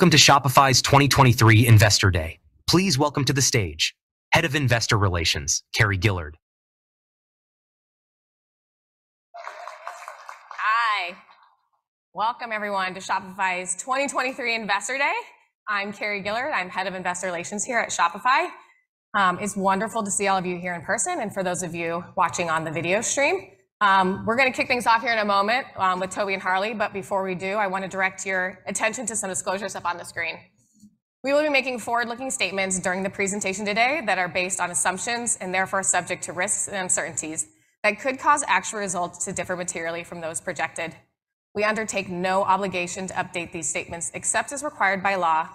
Welcome to Shopify's 2023 Investor Day. Please welcome to the stage, Head of Investor Relations, Carrie Gillard. Hi. Welcome, everyone, to Shopify's 2023 Investor Day. I'm Carrie Gillard. I'm Head of Investor Relations here at Shopify. It's wonderful to see all of you here in person, and for those of you watching on the video stream. We're gonna kick things off here in a moment, with Tobi and Harley. But before we do, I want to direct your attention to some disclosure stuff up on the screen. We will be making forward-looking statements during the presentation today that are based on assumptions and therefore are subject to risks and uncertainties that could cause actual results to differ materially from those projected. We undertake no obligation to update these statements except as required by law.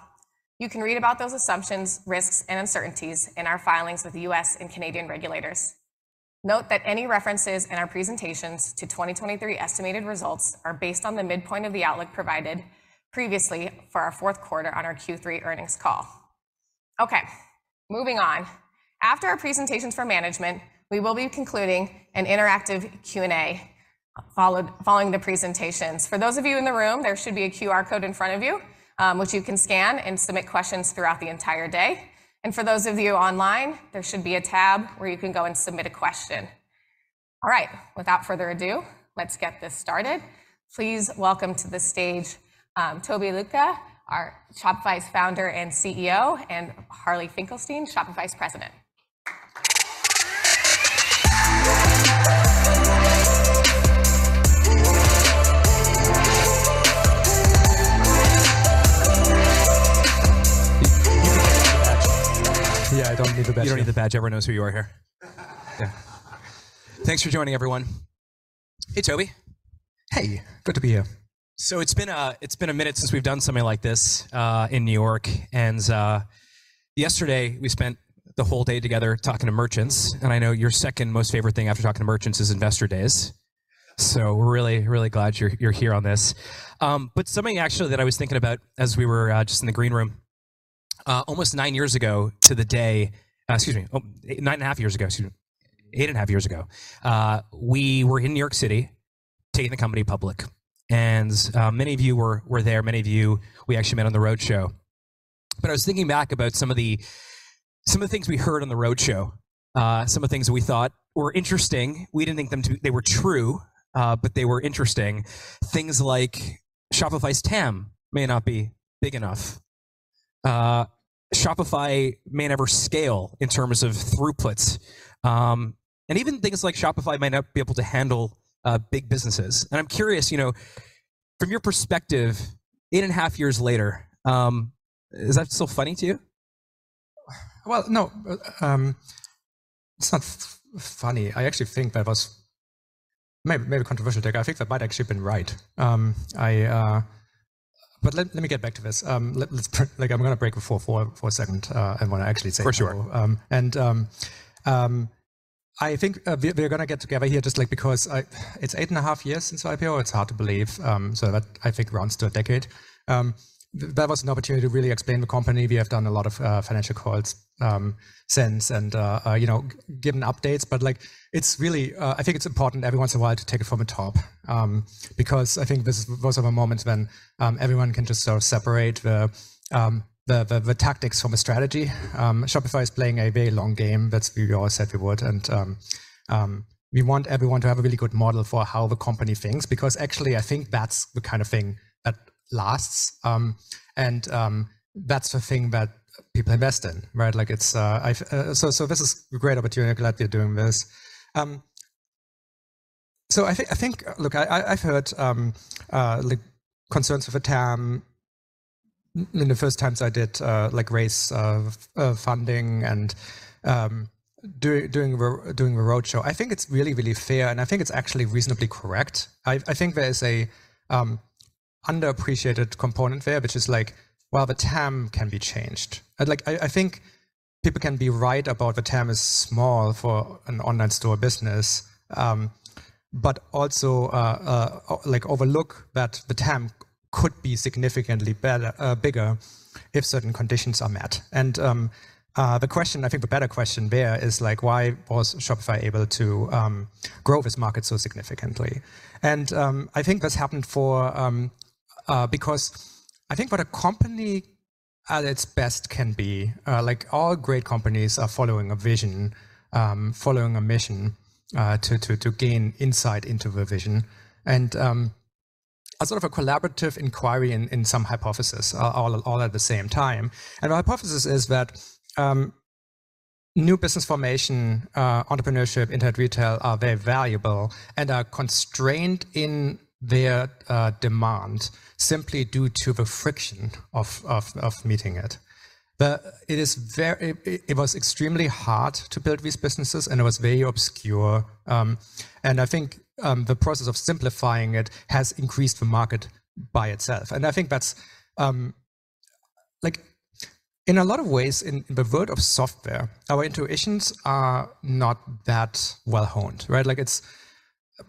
You can read about those assumptions, risks, and uncertainties in our filings with the U.S. and Canadian regulators. Note that any references in our presentations to 2023 estimated results are based on the midpoint of the outlook provided previously for our fourth quarter on our Q3 earnings call. Okay, moving on. After our presentations for management, we will be concluding an interactive Q&A following the presentations. For those of you in the room, there should be a QR code in front of you, which you can scan and submit questions throughout the entire day, and for those of you online, there should be a tab where you can go and submit a question. All right, without further ado, let's get this started. Please welcome to the stage, Tobi Lütke, our Shopify's founder and CEO, and Harley Finkelstein, Shopify's president. Yeah, I don't need the badge. You don't need the badge. Everyone knows who you are here. Yeah. Thanks for joining, everyone. Hey, Tobi. Hey, good to be here. So it's been a minute since we've done something like this in New York, and yesterday we spent the whole day together talking to merchants, and I know your second most favorite thing after talking to merchants is investor days. So we're really, really glad you're here on this. But something actually that I was thinking about as we were just in the green room, almost 9 years ago to the day, 9.5 years ago, 8.5 years ago, we were in New York City, taking the company public, and many of you were there, many of you we actually met on the roadshow. But I was thinking back about some of the, some of the things we heard on the roadshow, some of the things that we thought were interesting. We didn't think them to... They were true, but they were interesting. Things like Shopify's TAM may not be big enough. Shopify may never scale in terms of throughputs. And even things like Shopify might not be able to handle big businesses. And I'm curious, you know, from your perspective, 8.5 years later, is that still funny to you? Well, no. It's not funny. I actually think that was maybe a controversial take. I think that might have actually been right. But let me get back to this. Let's, like, I'm gonna break for a second, and want to actually say- For sure. And, I think, we're gonna get together here just, like, because it's 8.5 years since IPO. It's hard to believe. So that I think rounds to a decade. That was an opportunity to really explain the company. We have done a lot of financial calls since, and, you know, given updates. But, like, it's really, I think it's important every once in a while to take it from the top, because I think this is... Those are the moments when everyone can just sort of separate the tactics from the strategy. Shopify is playing a very long game. That's we always said we would, and, we want everyone to have a really good model for how the company thinks, because actually, I think that's the kind of thing that lasts. And, that's the thing that people invest in, right? Like, it's, I've, so, so this is a great opportunity. I'm glad we're doing this. So I think, I think, look, I, I, I've heard, like, concerns with the TAM in the first times I did, like, raise of, of funding and, doing, doing, doing the roadshow. I think it's really, really fair, and I think it's actually reasonably correct. I, I think there is a, underappreciated component there, which is like: Will the TAM can be changed? I'd like, I think people can be right about the TAM is small for an online store business, but also, like, overlook that the TAM could be significantly better, bigger if certain conditions are met. And, the question, I think the better question there is, like, why was Shopify able to grow this market so significantly? And, I think this happened for, because I think what a company at its best can be, like, all great companies are following a vision, following a mission, to gain insight into the vision, and, a sort of a collaborative inquiry in some hypothesis, all at the same time. Our hypothesis is that new business formation, entrepreneurship, internet retail are very valuable and are constrained in their demand simply due to the friction of meeting it. But it is very, it was extremely hard to build these businesses, and it was very obscure. And I think the process of simplifying it has increased the market by itself. And I think that's like in a lot of ways, in the world of software, our intuitions are not that well-honed, right? Like, it's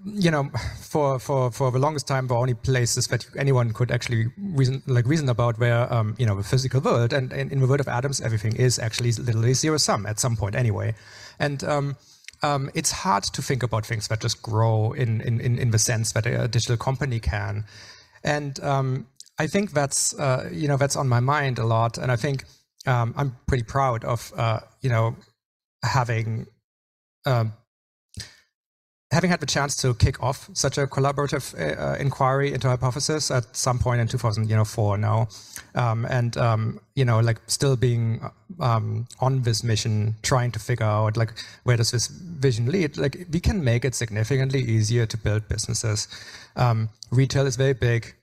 you know, for the longest time, the only places that anyone could actually reason, like, reason about were you know, the physical world. And in the world of atoms, everything is actually literally zero-sum, at some point anyway. It's hard to think about things that just grow in the sense that a digital company can. I think that's, you know, that's on my mind a lot, and I think I'm pretty proud of, you know, having had the chance to kick off such a collaborative inquiry into our hypothesis at some point in 2004 now. You know, like, still being on this mission, trying to figure out, like, where does this vision lead? Like, we can make it significantly easier to build businesses. Retail is very big.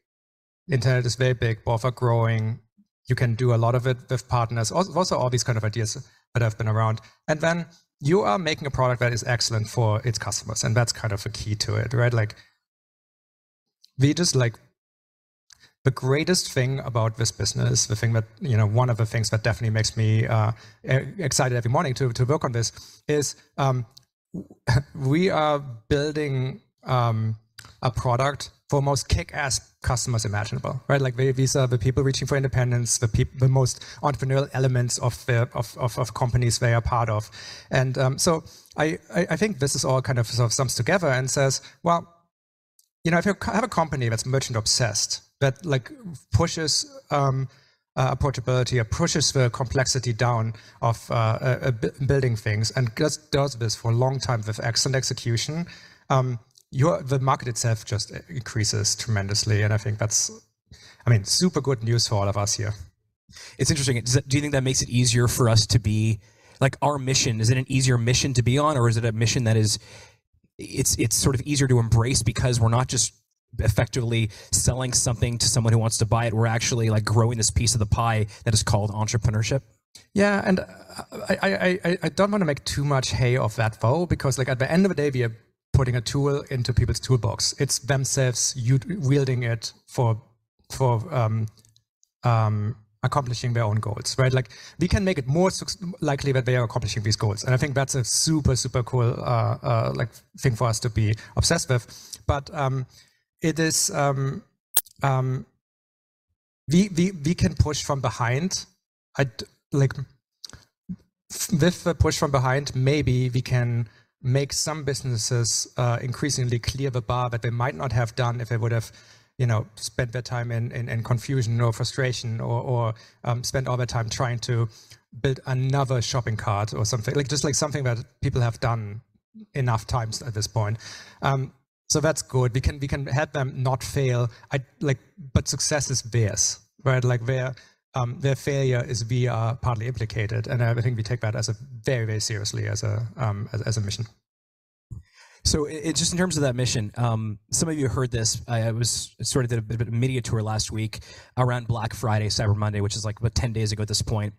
Internet is very big, both are growing. You can do a lot of it with partners. Also all these kind of ideas that have been around. Then you are making a product that is excellent for its customers, and that's kind of a key to it, right? Like, we just like the greatest thing about this business, the thing that... You know, one of the things that definitely makes me excited every morning to work on this is, we are building a product for the most kickass customers imaginable, right? Like, they, these are the people reaching for independence, the most entrepreneurial elements of the companies they are part of. So I think this is all kind of sums together and says: Well, you know, if you have a company that's merchant-obsessed, that, like, pushes portability or pushes the complexity down of building things and just does this for a long time with excellent execution, the market itself just increases tremendously. And I think that's, I mean, super good news for all of us here. It's interesting. Does that do you think that makes it easier for us to be... Like, our mission, is it an easier mission to be on, or is it a mission that is, it's, it's sort of easier to embrace because we're not just effectively selling something to someone who wants to buy it, we're actually, like, growing this piece of the pie that is called entrepreneurship? Yeah, and I don't want to make too much hay of that though, because, like, at the end of the day, we are putting a tool into people's toolbox. It's themselves wielding it for accomplishing their own goals, right? Like, we can make it more likely that they are accomplishing these goals, and I think that's a super, super cool, like, thing for us to be obsessed with. But, it is... We can push from behind. I'd like, with the push from behind, maybe we can make some businesses increasingly clear the bar that they might not have done if they would have, you know, spent their time in confusion or frustration, or spent all their time trying to build another shopping cart or something. Like, just like something that people have done enough times at this point. So that's good. We can, we can help them not fail. I'd, like... But success is base, right? Like, where, their failure is, we are partly implicated, and I think we take that as a very, very seriously as a, as, as a mission. So just in terms of that mission, some of you heard this. I was sort of did a bit of a media tour last week around Black Friday, Cyber Monday, which is, like, about 10 days ago at this point.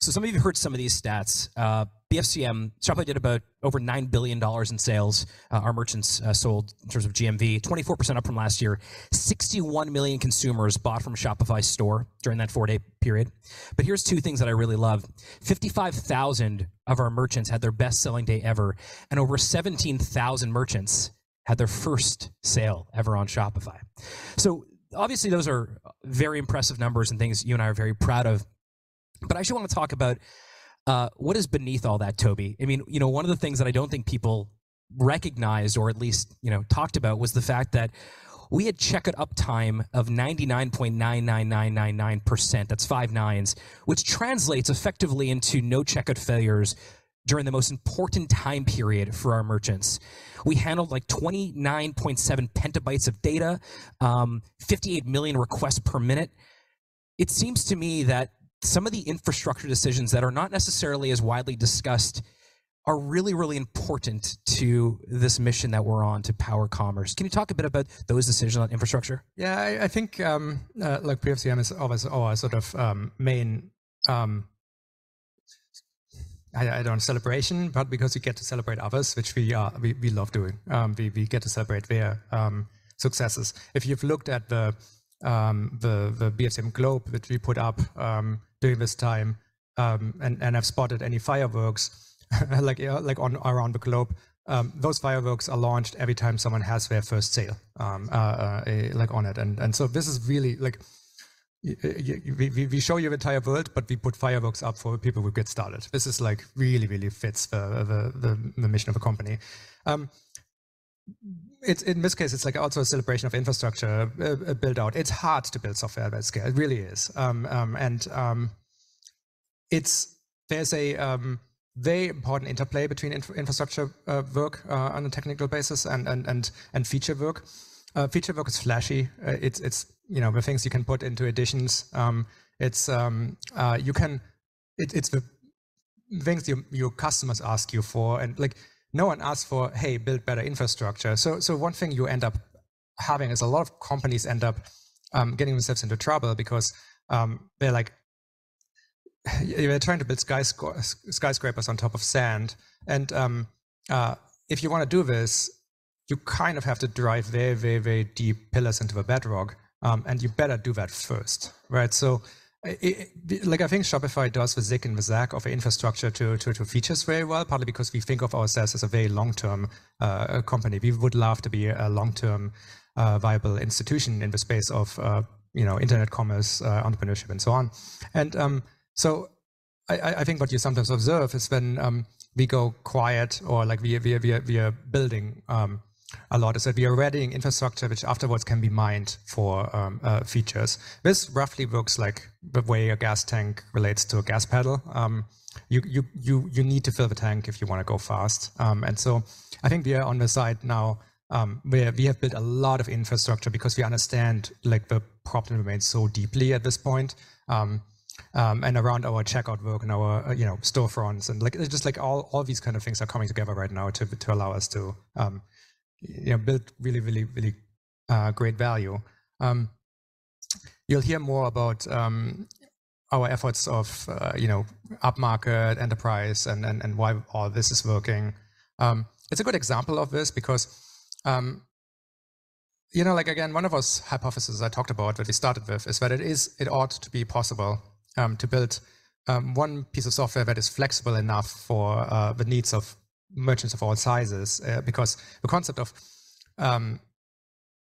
So some of you heard some of these stats. BFCM, Shopify did about over $9 billion in sales. Our merchants sold, in terms of GMV, 24% up from last year. 61 million consumers bought from a Shopify store during that four-day period. But here's two things that I really love: 55,000 of our merchants had their best-selling day ever, and over 17,000 merchants had their first sale ever on Shopify. So obviously, those are very impressive numbers and things you and I are very proud of. But I actually want to talk about what is beneath all that, Tobi. I mean, you know, one of the things that I don't think people recognized or at least, you know, talked about, was the fact that we had checkout uptime of 99.99999%, that's five nines, which translates effectively into no checkout failures during the most important time period for our merchants. We handled, like, 29.7 petabytes of data, fifty-eight million requests per minute. It seems to me that some of the infrastructure decisions that are not necessarily as widely discussed are really, really important to this mission that we're on to power commerce. Can you talk a bit about those decisions on infrastructure? Yeah, I think, like, BFCM is always our sort of main, I don't know, celebration, but because we get to celebrate others, which we are, we love doing. We get to celebrate their successes. If you've looked at the BFCM globe that we put up during this time, and have spotted any fireworks, like on around the globe, those fireworks are launched every time someone has their first sale, like, on it. And so this is really, like, we show you the entire world, but we put fireworks up for people who get started. This is, like, really, really fits the mission of the company. It's in this case, it's like also a celebration of infrastructure build-out. It's hard to build software at that scale. It really is. And it's, there's a very important interplay between infrastructure work on a technical basis and feature work. Feature work is flashy. It's, you know, the things you can put into Editions. It's the things your customers ask you for, and, like, no one asks for: "Hey, build better infrastructure." So one thing you end up having is a lot of companies end up getting themselves into trouble because they're like, they're trying to build skyscrapers on top of sand. And if you want to do this, you kind of have to drive very, very, very deep pillars into the bedrock, and you better do that first, right? So, like, I think Shopify does the zig and the zag of infrastructure to features very well, partly because we think of ourselves as a very long-term company. We would love to be a long-term viable institution in the space of, you know, internet commerce, entrepreneurship, and so on. I think what you sometimes observe is when we go quiet or, like, we are building a lot, is that we are readying infrastructure, which afterwards can be mined for features. This roughly works like the way a gas tank relates to a gas pedal. You need to fill the tank if you wanna go fast. And so I think we are on the side now, where we have built a lot of infrastructure because we understand, like, the problem remains so deeply at this point, and around our checkout work and our, you know, storefronts. Like, it's just, like, all, all these kind of things are coming together right now to allow us to, you know, build really, really, really great value. You'll hear more about our efforts of, you know, upmarket, enterprise, and why all this is working. It's a good example of this because, you know, like, again, one of those hypotheses I talked about that we started with is that it is, it ought to be possible to build one piece of software that is flexible enough for the needs of merchants of all sizes. Because the concept of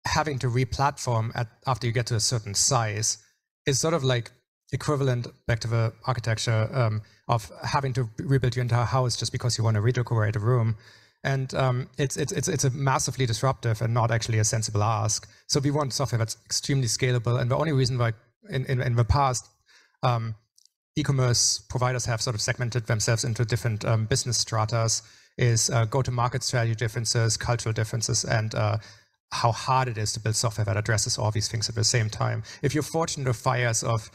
having to re-platform at, after you get to a certain size is sort of like equivalent back to the architecture of having to rebuild your entire house just because you want to redecorate a room. It's a massively disruptive and not actually a sensible ask. So we want something that's extremely scalable. The only reason why in the past e-commerce providers have sort of segmented themselves into different business strata is go-to-market strategy differences, cultural differences, and how hard it is to build software that addresses all these things at the same time. If you're fortunate of fires of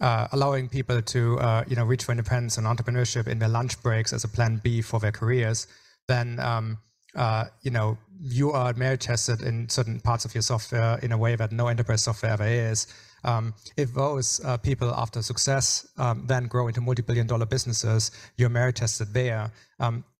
allowing people to you know reach for independence and entrepreneurship in their lunch breaks as a plan B for their careers, then you know you are merit tested in certain parts of your software in a way that no enterprise software ever is. If those people after success then grow into multi-billion dollar businesses, you're merit tested there.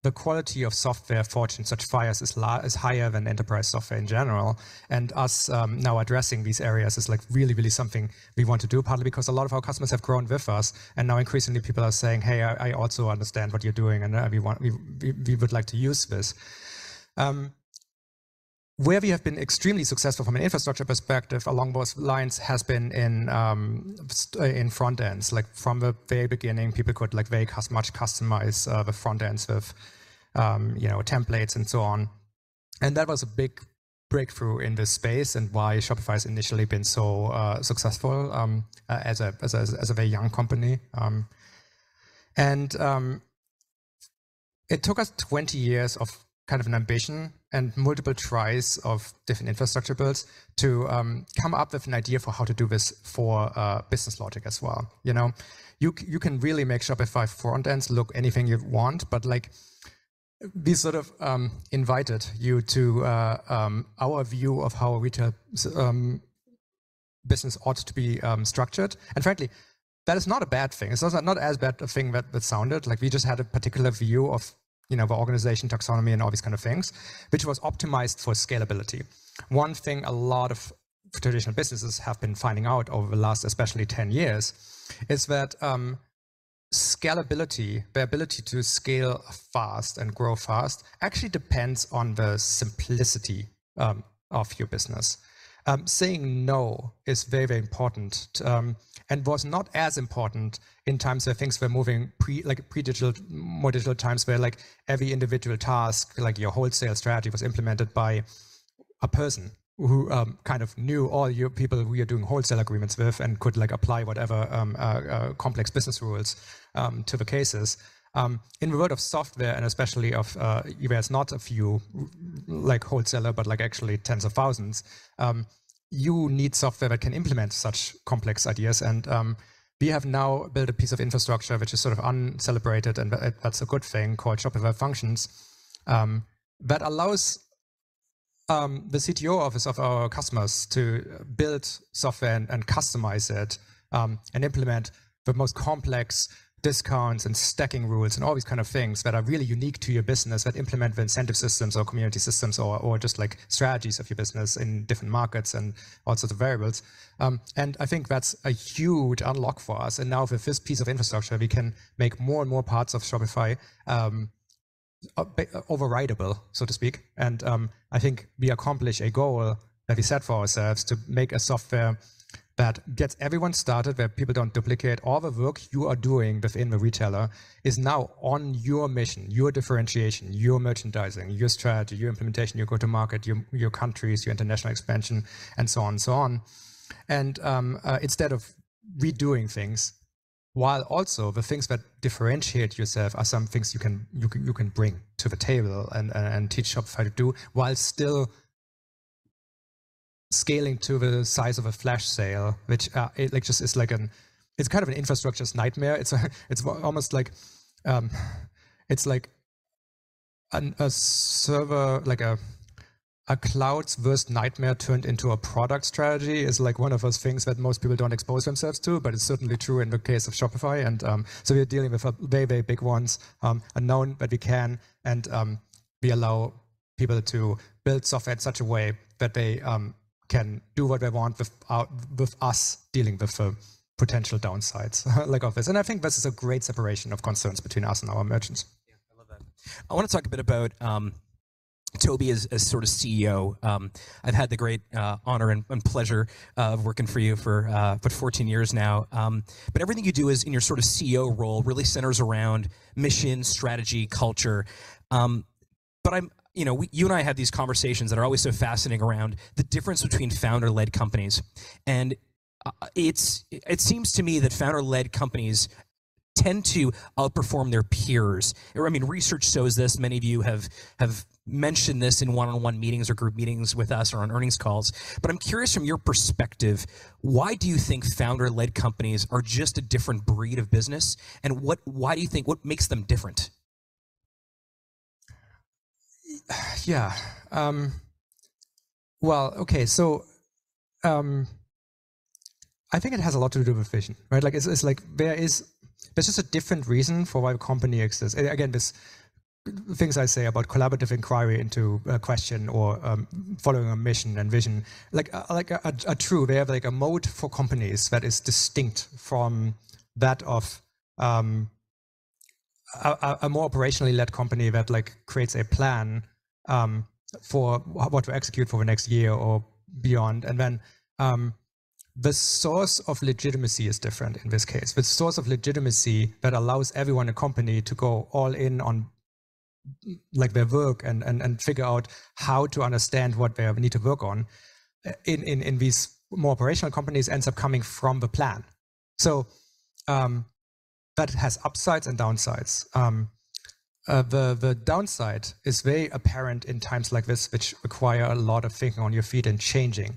The quality of software forged in such fires is higher than enterprise software in general. And us now addressing these areas is, like, really, really something we want to do, partly because a lot of our customers have grown with us, and now increasingly people are saying, "Hey, I also understand what you're doing, and we want—we would like to use this." Where we have been extremely successful from an infrastructure perspective along those lines has been in front ends. Like, from the very beginning, people could, like, very much customize the front ends of you know templates and so on. And that was a big breakthrough in this space, and why Shopify has initially been so successful as a very young company. It took us 20 years of kind of an ambition and multiple tries of different infrastructure builds to come up with an idea for how to do this for business logic as well, you know? You can really make Shopify front ends look anything you want, but, like, we sort of invited you to our view of how a retail business ought to be structured. And frankly, that is not a bad thing. It's also not as bad a thing that sounded like we just had a particular view of, you know, the organization, taxonomy, and all these kind of things, which was optimized for scalability. One thing a lot of traditional businesses have been finding out over the last especially 10 years is that, scalability, the ability to scale fast and grow fast, actually depends on the simplicity, of your business. Saying no is very, very important, and was not as important in times where things were moving pre-like, pre-digital, more digital times, where, like, every individual task, like your wholesale strategy, was implemented by a person who, kind of knew all your people who you're doing wholesale agreements with and could, like, apply whatever, complex business rules, to the cases. In the world of software, and especially of, where it's not a few, like wholesaler, but like actually tens of thousands, you need software that can implement such complex ideas. We have now built a piece of infrastructure, which is sort of uncelebrated, and that, that's a good thing, called Shopify Functions, that allows the CTO office of our customers to build software and customize it, and implement the most complex discounts and stacking rules and all these kind of things that are really unique to your business, that implement the incentive systems or community systems, or just like strategies of your business in different markets and all sorts of variables. I think that's a huge unlock for us. Now with this piece of infrastructure, we can make more and more parts of Shopify overridable, so to speak. I think we accomplish a goal that we set for ourselves to make a software that gets everyone started, where people don't duplicate. All the work you are doing within the retailer is now on your mission, your differentiation, your merchandising, your strategy, your implementation, your go-to market, your countries, your international expansion, and so on and so on. And instead of redoing things, while also the things that differentiate yourself are some things you can bring to the table and teach Shopify to do, while still scaling to the size of a flash sale, which like just... It's like an infrastructure's nightmare. It's almost like a cloud's worst nightmare turned into a product strategy is like one of those things that most people don't expose themselves to, but it's certainly true in the case of Shopify. So we are dealing with a very, very big ones, unknown, but we allow people to build software in such a way that they can do what they want with, with us dealing with the potential downsides, like of this. I think this is a great separation of concerns between us and our merchants. Yeah, I love that. I want to talk a bit about Tobi as sort of CEO. I've had the great honor and pleasure of working for you for 14 years now. But everything you do is, in your sort of CEO role, really centers around mission, strategy, culture. But I'm-- You know, you and I have these conversations that are always so fascinating around the difference between founder-led companies. And it's, it seems to me that founder-led companies tend to outperform their peers. I mean, research shows this. Many of you have mentioned this in one-on-one meetings or group meetings with us or on earnings calls. But I'm curious, from your perspective, why do you think founder-led companies are just a different breed of business, and what-- why do you think, what makes them different? Yeah. Well, okay. So, I think it has a lot to do with vision, right? Like, it's, it's like there is, there's just a different reason for why a company exists. Again, these things I say about collaborative inquiry into a question or, following a mission and vision, like, like a true, they have, like, a mode for companies that is distinct from that of, a more operationally led company that, like, creates a plan, for what to execute for the next year or beyond. And then, the source of legitimacy is different in this case, but the source of legitimacy that allows everyone in a company to go all in on, like, their work and figure out how to understand what they need to work on in these more operational companies, ends up coming from the plan. So, that has upsides and downsides. The downside is very apparent in times like this, which require a lot of thinking on your feet and changing.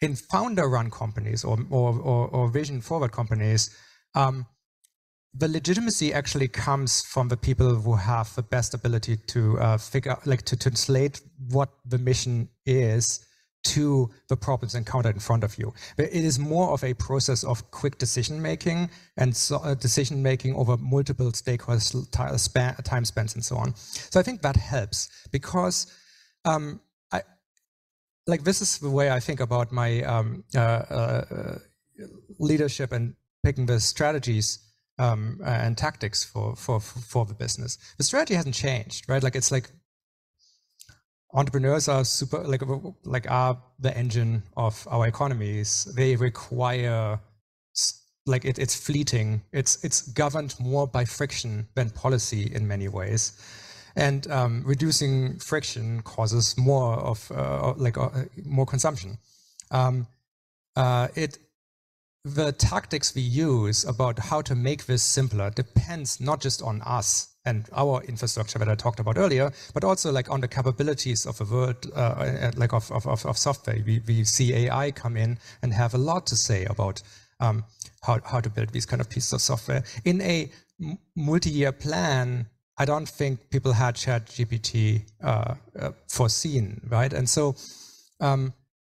In founder-run companies or vision-forward companies, the legitimacy actually comes from the people who have the best ability to figure out, like, to translate what the mission is to the problems encountered in front of you. But it is more of a process of quick decision-making and so, decision-making over multiple stakeholders, time spans, and so on. So I think that helps because, Like, this is the way I think about my, leadership and picking the strategies, and tactics for the business. The strategy hasn't changed, right? Like, it's like entrepreneurs are super like are the engine of our economies. They require, like, it's fleeting, it's governed more by friction than policy in many ways. And, reducing friction causes more of, like, more consumption. The tactics we use about how to make this simpler depends not just on us and our infrastructure that I talked about earlier, but also, like, on the capabilities of a world, like, of software. We see AI come in and have a lot to say about how to build these kind of pieces of software. In a multi-year plan, I don't think people had ChatGPT foreseen, right? And so,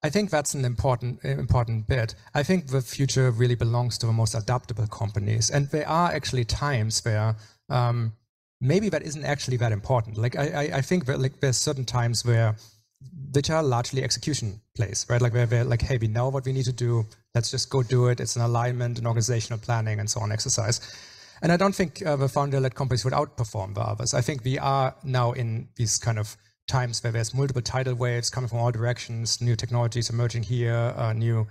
I think that's an important, important bit. I think the future really belongs to the most adaptable companies, and there are actually times where maybe that isn't actually that important. Like, I think that, like, there are certain times where which are largely execution plays, right? Like, where we're like: Hey, we know what we need to do, let's just go do it. It's an alignment and organizational planning, and so on, exercise. And I don't think the founder-led companies would outperform the others. I think we are now in these kind of times where there's multiple tidal waves coming from all directions, new technologies emerging here, new,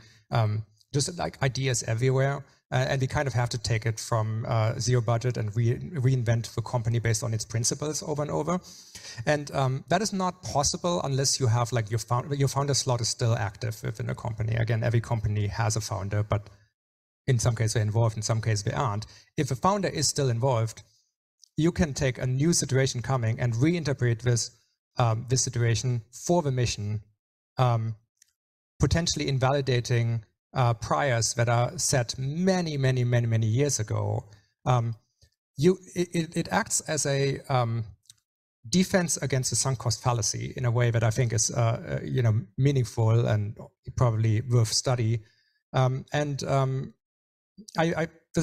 just like ideas everywhere. And we kind of have to take it from zero budget and reinvent the company based on its principles over and over. And that is not possible unless you have, like, your founder slot is still active within a company. Again, every company has a founder, but in some cases, they're involved, in some cases, they aren't. If a founder is still involved, you can take a new situation coming and reinterpret this, this situation for the mission, potentially invalidating priors that are set many, many, many, many years ago. It acts as a defense against the sunk cost fallacy in a way that I think is, you know, meaningful and probably worth study. This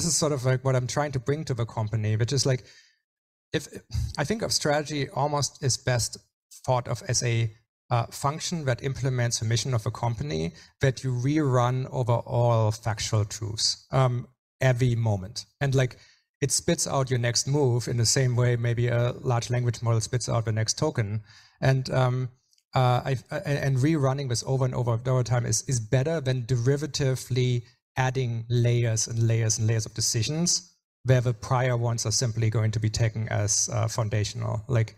is sort of like what I'm trying to bring to the company, which is like, I think of strategy almost as best thought of as a function that implements the mission of a company, that you rerun over all factual truths, every moment. And like, it spits out your next move in the same way maybe a large language model spits out the next token. And rerunning this over and over, over time is better than derivatively adding layers and layers and layers of decisions, where the prior ones are simply going to be taken as foundational. Like,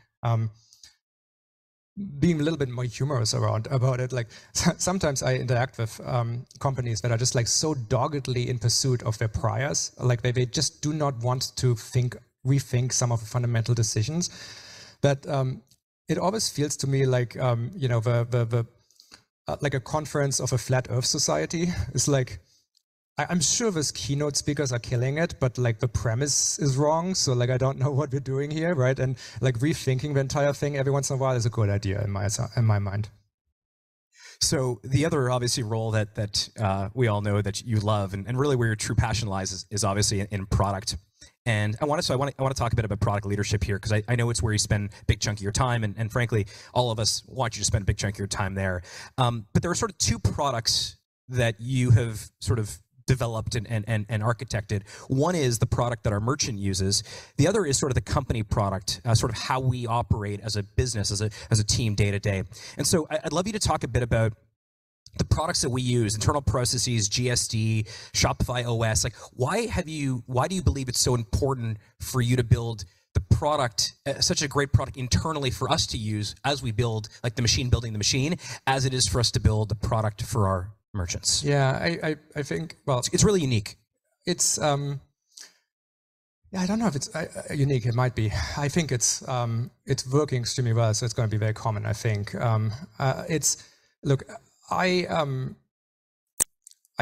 being a little bit more humorous around, about it, like, sometimes I interact with companies that are just, like, so doggedly in pursuit of their priors. Like, they just do not want to think, rethink some of the fundamental decisions. But, it always feels to me like, you know, the like a conference of a flat earth society. It's like, I'm sure those keynote speakers are killing it, but, like, the premise is wrong, so, like, I don't know what we're doing here, right? And, like, rethinking the entire thing every once in a while is a good idea in my mind. So the other obvious role that we all know that you love and really where your true passion lies is obviously in product. And I wanna talk a bit about product leadership here, 'cause I know it's where you spend a big chunk of your time, and frankly, all of us want you to spend a big chunk of your time there. But there are sort of two products that you have sort of developed and architected. One is the product that our merchant uses, the other is sort of the company product, sort of how we operate as a business, as a team day-to-day. And I'd love you to talk a bit about the products that we use, internal processes, GSD, Shopify OS. Like, why do you believe it's so important for you to build the product, such a great product internally for us to use as we build, like the machine building the machine, as it is for us to build a product for our merchants? Yeah, I think, well, it's really unique. It's... I don't know if it's unique. It might be. I think it's working extremely well, so it's gonna be very common, I think. Look, I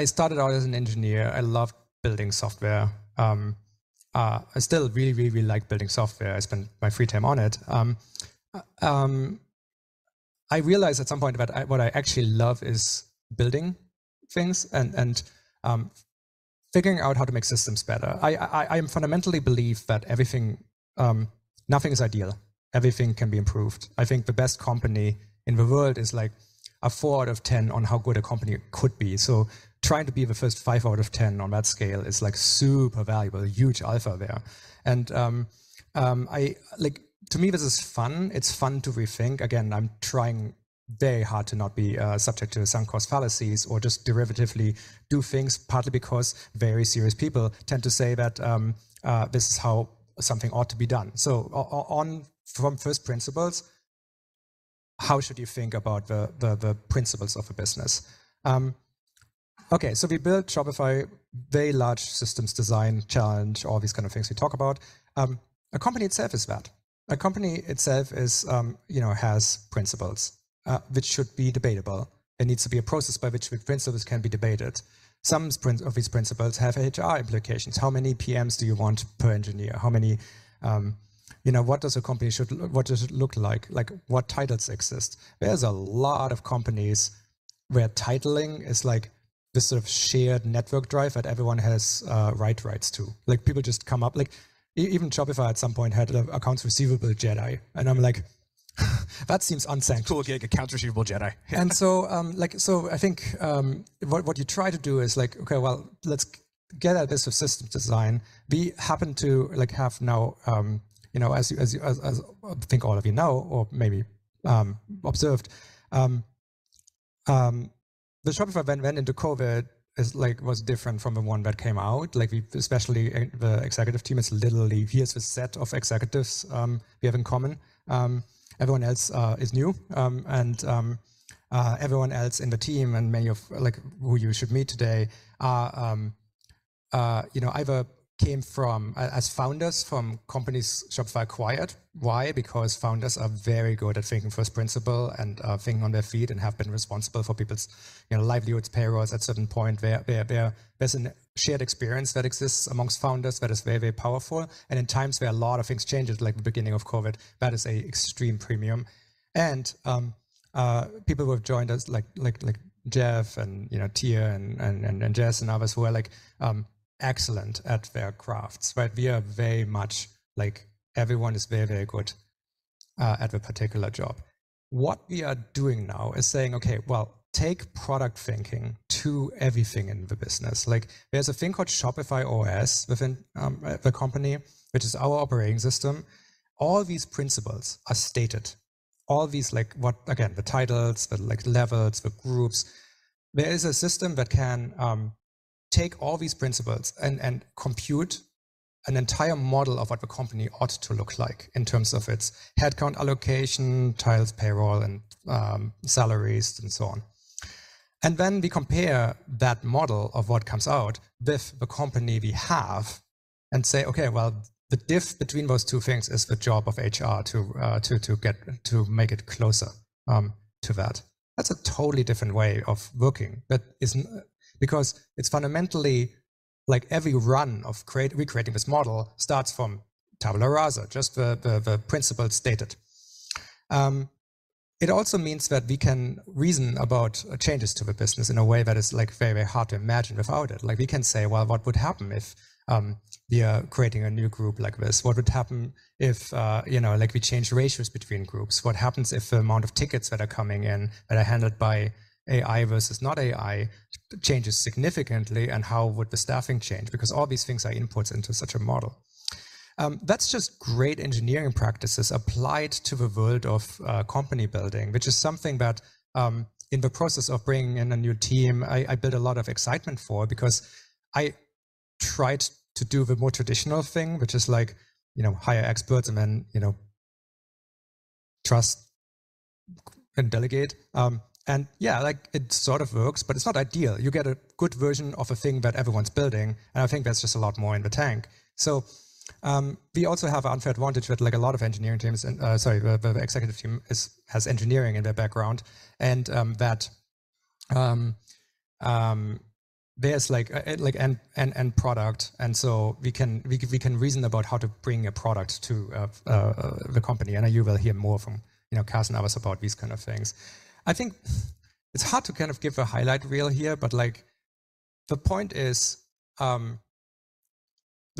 started out as an engineer. I loved building software. I still really, really, really like building software. I spend my free time on it. I realized at some point that what I actually love is building things and figuring out how to make systems better. I fundamentally believe that everything, nothing is ideal. Everything can be improved. I think the best company in the world is, like, a four out of 10 on how good a company could be. So trying to be the first five out of ten on that scale is, like, super valuable, a huge alpha there. And, I, like, to me, this is fun. It's fun to rethink. Again, I'm trying very hard to not be subject to some cause fallacies or just derivatively do things, partly because very serious people tend to say that this is how something ought to be done. So on from first principles, how should you think about the principles of a business? Okay, so we built Shopify, very large systems design challenge, all these kind of things we talk about. A company itself is that. A company itself is, you know, has principles, which should be debatable. There needs to be a process by which the principles can be debated. Some prin... Of these principles have HR implications. How many PMs do you want per engineer? How many, you know, what does a company what does it look like? Like, what titles exist? There's a lot of companies where titling is like this sort of shared network drive that everyone has, write rights to. Like, people just come up. Like, even Shopify at some point had, accounts receivable Jedi, and I'm like, "That seems unsanctioned. Cool, yeah, accounts receivable Jedi. I think what you try to do is like: Okay, well, let's get at this system design. We happen to, like, have now, you know, as you, as I think all of you know, or maybe observed, the Shopify that went into COVID is, like, was different from the one that came out. Like, we, especially the executive team, is literally, we have a set of executives, we have in common. Everyone else is new, and everyone else in the team and many of, like, who you should meet today are, you know, either came from, as founders from companies Shopify acquired. Why? Because founders are very good at thinking first principle and, thinking on their feet and have been responsible for people's, you know, livelihoods, payrolls at certain point. There, there's a shared experience that exists amongst founders that is very, very powerful, and in times where a lot of things changes, like the beginning of COVID, that is a extreme premium. And, people who have joined us, like Jeff and, you know, Tia and Jess and others who are, like, excellent at their crafts, right? We are very much like, everyone is very, very good, at their particular job. What we are doing now is saying: Okay, well, take product thinking to everything in the business. Like, there's a thing called Shopify OS within, the company, which is our operating system. All these principles are stated, all these, like what? Again, the titles, the like levels, the groups. There is a system that can take all these principles and compute an entire model of what the company ought to look like in terms of its headcount, allocation, titles, payroll, and salaries, and so on. And then we compare that model of what comes out with the company we have and say: Okay, well, the diff between those two things is the job of HR to get to make it closer to that. That's a totally different way of working, but it's... Because it's fundamentally like every run of create, recreating this model starts from tabula rasa, just the principle stated. It also means that we can reason about changes to the business in a way that is, like, very, very hard to imagine without it. Like, we can say, well, what would happen if we are creating a new group like this? What would happen if, you know, like we change ratios between groups? What happens if the amount of tickets that are coming in, that are handled by AI versus not AI changes significantly, and how would the staffing change? Because all these things are inputs into such a model. That's just great engineering practices applied to the world of company building, which is something that in the process of bringing in a new team, I built a lot of excitement for, because I tried to do the more traditional thing, which is like, you know, hire experts and then, you know, trust and delegate. And yeah, like, it sort of works, but it's not ideal. You get a good version of a thing that everyone's building, and I think there's just a lot more in the tank. We also have an unfair advantage that, like a lot of engineering teams, the executive team has engineering in their background, and that there's like, like, and, and, and product. We can reason about how to bring a product to the company. I know you will hear more from, you know, Kaz and others about these kind of things. I think it's hard to kind of give a highlight reel here, but, like, the point is, the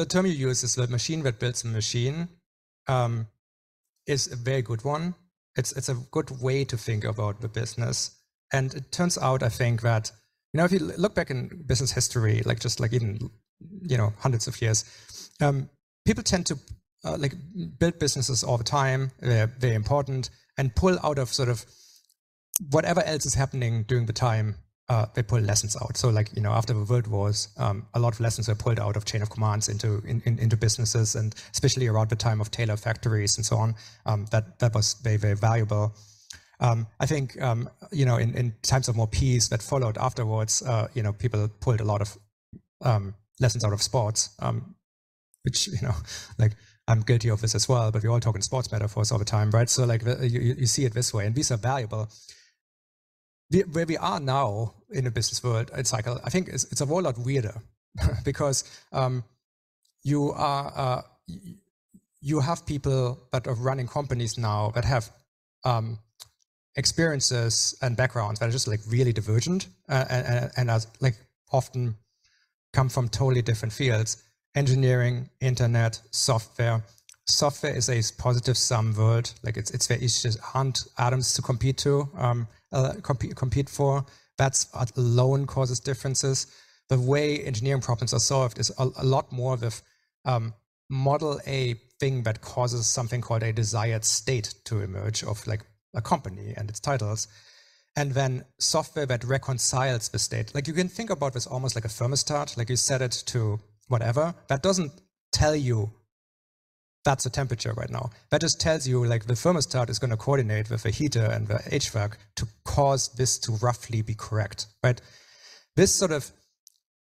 term you use is the machine that builds the machine, is a very good one. It's a good way to think about the business. And it turns out, I think, that, you know, if you look back in business history, like just like even, you know, hundreds of years, people tend to, like, build businesses all the time. They're very important and pull out of sort of whatever else is happening during the time, they pull lessons out. So like, you know, after the world wars, a lot of lessons are pulled out of chain of commands into businesses, and especially around the time of Taylor factories and so on, that was very, very valuable. I think, you know, in times of more peace that followed afterwards, you know, people pulled a lot of lessons out of sports, which, you know, like, I'm guilty of this as well, but we all talk in sports metaphors all the time, right? So, like, you see it this way, and these are valuable. Where we are now in a business world, it's like a—I think it's a whole lot weirder, because you have people that are running companies now that have experiences and backgrounds that are just like really divergent, and as like often come from totally different fields: engineering, internet, software. Software is a positive sum word. Like, it's very easy to just hunt atoms to compete for. That's alone causes differences. The way engineering problems are solved is a lot more of the model, a thing that causes something called a desired state to emerge of like a company and its titles, and then software that reconciles the state. Like, you can think about this almost like a thermostat. Like, you set it to whatever. That doesn't tell you that's the temperature right now. That just tells you, like, the thermostat is gonna coordinate with the heater and the HVAC to cause this to roughly be correct, right? This sort of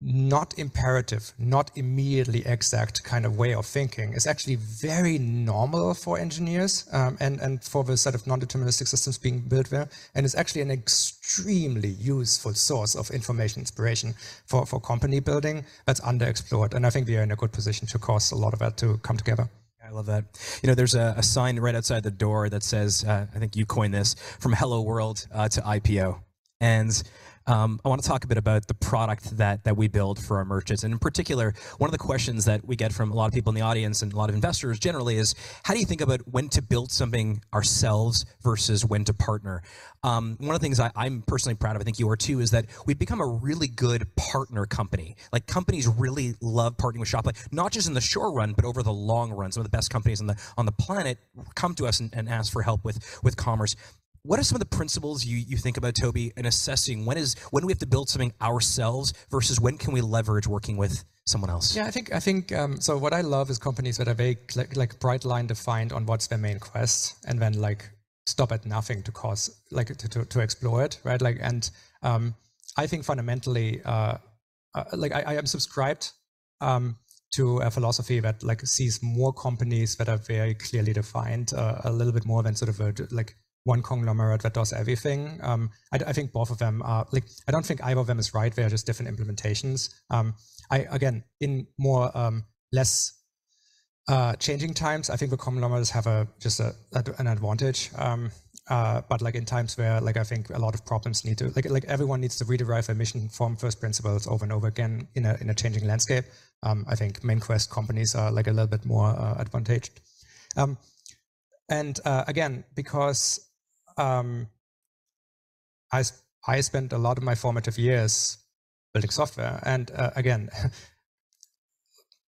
not imperative, not immediately exact kind of way of thinking is actually very normal for engineers, and for the set of non-deterministic systems being built there, and it's actually an extremely useful source of information, inspiration for company building that's underexplored, and I think we are in a good position to cause a lot of that to come together. I love that. You know, there's a sign right outside the door that says, I think you coined this, "From Hello World to IPO." I want to talk a bit about the product that we build for our merchants. And in particular, one of the questions that we get from a lot of people in the audience and a lot of investors generally is: How do you think about when to build something ourselves versus when to partner? One of the things I'm personally proud of, I think you are too, is that we've become a really good partner company. Like, companies really love partnering with Shopify, not just in the short run, but over the long run. Some of the best companies on the planet come to us and ask for help with commerce. What are some of the principles you think about, Tobi, in assessing when we have to build something ourselves versus when we can leverage working with someone else? Yeah, I think, I think, so what I love is companies that are very, like, bright line defined on what's their main quest and then, like, stop at nothing to cause, like, to explore it, right? Like, and, I think fundamentally, like I am subscribed to a philosophy that, like, sees more companies that are very clearly defined a little bit more than sort of a, like, one conglomerate that does everything. I think both of them are, like, I don't think either of them is right. They are just different implementations. Again, in more, less, changing times, I think the conglomerates have just an advantage, but like in times where, like, I think a lot of problems need to... Like, everyone needs to rederive a mission from first principles over and over again in a changing landscape. I think main quest companies are, like, a little bit more advantaged. And again, because I spent a lot of my formative years building software, and again,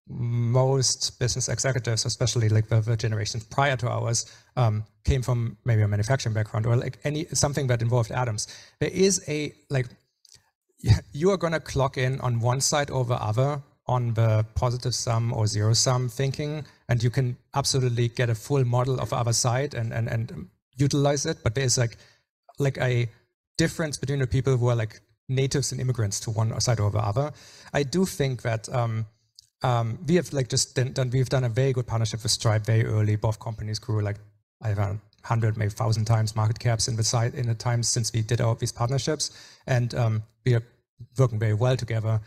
most business executives, especially like the generations prior to ours, came from maybe a manufacturing background or something that involved atoms. There is a, like, yeah, you are gonna clock in on one side or the other on the positive sum or zero-sum thinking, and you can absolutely get a full model of other side and utilize it, but there's like a difference between the people who are like natives and immigrants to one side or the other. I do think that we have, like, just done, we've done a very good partnership with Stripe very early. Both companies grew, like, I don't know, 100, maybe 1,000 times market caps in the time since we did all these partnerships, and we are working very well together.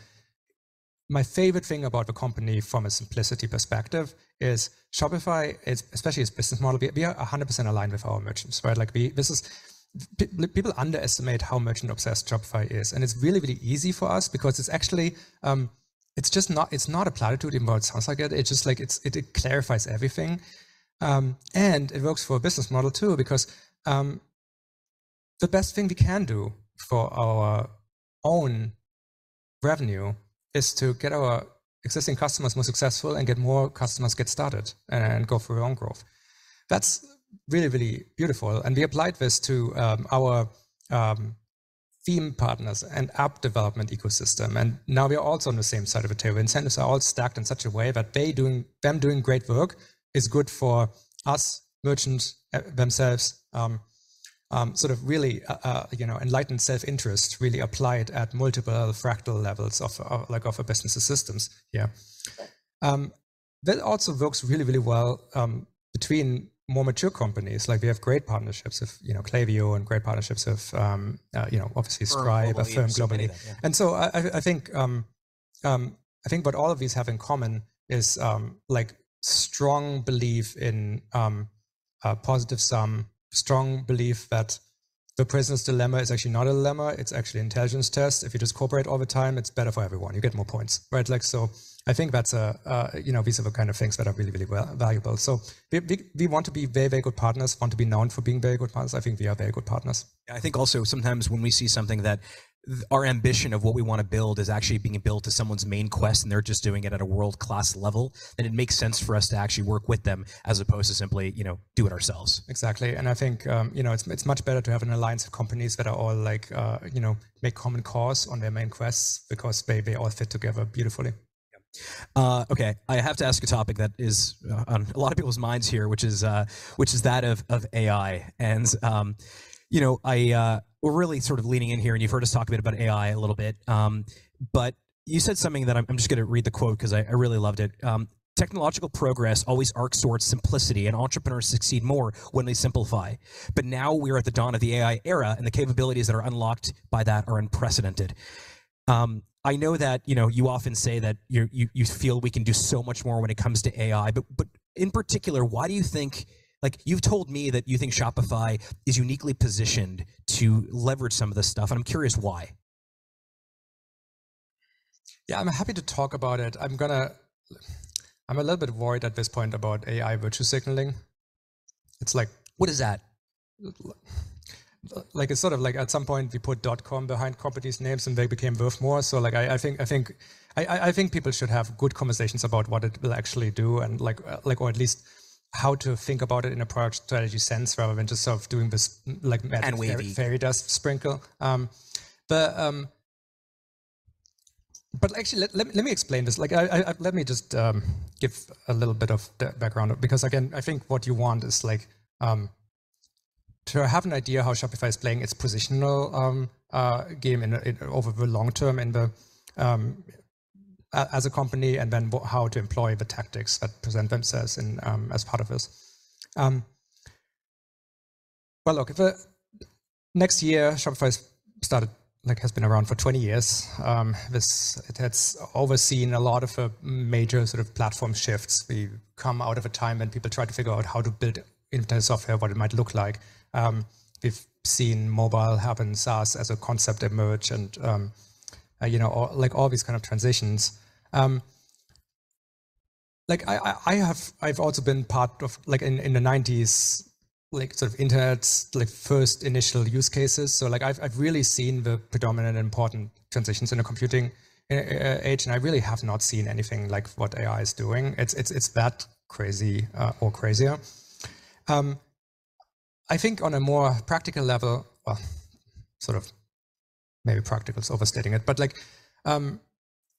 My favorite thing about the company from a simplicity perspective is Shopify is, especially its business model, we are, we are 100% aligned with our merchants, right? Like we, people underestimate how merchant-obsessed Shopify is, and it's really, really easy for us because it's actually, it's just not a platitude, even though it sounds like it. It's just like, it's, it clarifies everything. And it works for a business model too, because the best thing we can do for our own revenue is to get our existing customers more successful and get more customers get started and go for their own growth. That's really, really beautiful, and we applied this to our theme partners and app development ecosystem, and now we are also on the same side of the table. Incentives are all stacked in such a way that them doing great work is good for us, merchants, themselves, sort of really, you know, enlightened self-interest really applied at multiple fractal levels of like a business's systems. Yeah. That also works really, really well between more mature companies. Like, we have great partnerships with, you know, Klaviyo, and great partnerships with, you know, obviously Stripe- Firm globally. a Firm globally. Yeah. And so I think what all of these have in common is, like strong belief in, a positive sum, strong belief that the prisoner's dilemma is actually not a dilemma, it's actually an intelligence test. If you just cooperate all the time, it's better for everyone. You get more points, right? Like, so I think that's a, you know, these are the kind of things that are really, really well, valuable. So we want to be very, very good partners, want to be known for being very good partners. I think we are very good partners. Yeah. I think also sometimes when we see something that our ambition of what we want to build is actually being built to someone's main quest, and they're just doing it at a world-class level, then it makes sense for us to actually work with them as opposed to simply, you know, do it ourselves. Exactly. I think, you know, it's much better to have an alliance of companies that are all like, you know, make common cause on their main quests because they all fit together beautifully. Yep. Okay, I have to ask a topic that is on a lot of people's minds here, which is that of AI. And, you know, we're really sort of leaning in here, and you've heard us talk a bit about AI a little bit. But you said something that I'm just gonna read the quote 'cause I really loved it. "Technological progress always arcs towards simplicity, and entrepreneurs succeed more when they simplify. But now we're at the dawn of the AI era, and the capabilities that are unlocked by that are unprecedented." I know that, you know, you often say that you feel we can do so much more when it comes to AI, but in particular, why do you think... Like, you've told me that you think Shopify is uniquely positioned to leverage some of this stuff, and I'm curious why. Yeah, I'm happy to talk about it. I'm a little bit worried at this point about AI virtue signaling. It's like- What is that? Like, it's sort of like at some point, we put dotcom behind companies' names, and they became worth more. So like, I think people should have good conversations about what it will actually do and like, like, or at least how to think about it in a product strategy sense, rather than just of doing this, like- And wavy... fairy dust sprinkle. But actually, let me explain this. Like, let me just give a little bit of the background. Because, again, I think what you want is, like, to have an idea how Shopify is playing its positional game in over the long term as a company, and then what, how to employ the tactics that present themselves in as part of this. Well, look, the next year, Shopify started, like, has been around for 20 years. This- it has overseen a lot of major sort of platform shifts. We've come out of a time when people tried to figure out how to build internet software, what it might look like. We've seen mobile happen, SaaS as a concept emerge, and, you know, all, like, all these kind of transitions. Like I have, I've also been part of, like, in, in the '90s, like, sort of internet's, like, first initial use cases. So like I've really seen the predominant important transitions in the computing age, and I really have not seen anything like what AI is doing. It's that crazy, or crazier. I think on a more practical level, well, sort of, maybe practical is overstating it, but like,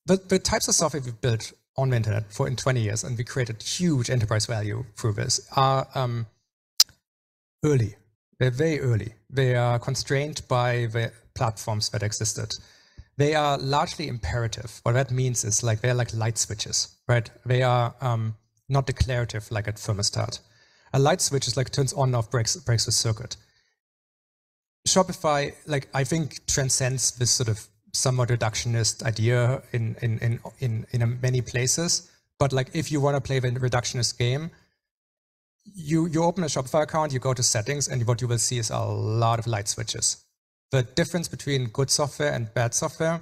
the types of software we've built on the internet for, in 20 years, and we created huge enterprise value through this, are early. They're very early. They are constrained by the platforms that existed. They are largely imperative. What that means is, like, they're like light switches, right? They are not declarative, like a thermostat. A light switch is like, turns on/off, breaks the circuit. Shopify, like, I think, transcends this sort of somewhat reductionist idea in many places. But like, if you want to play the reductionist game, you open a Shopify account, you go to settings, and what you will see is a lot of light switches. The difference between good software and bad software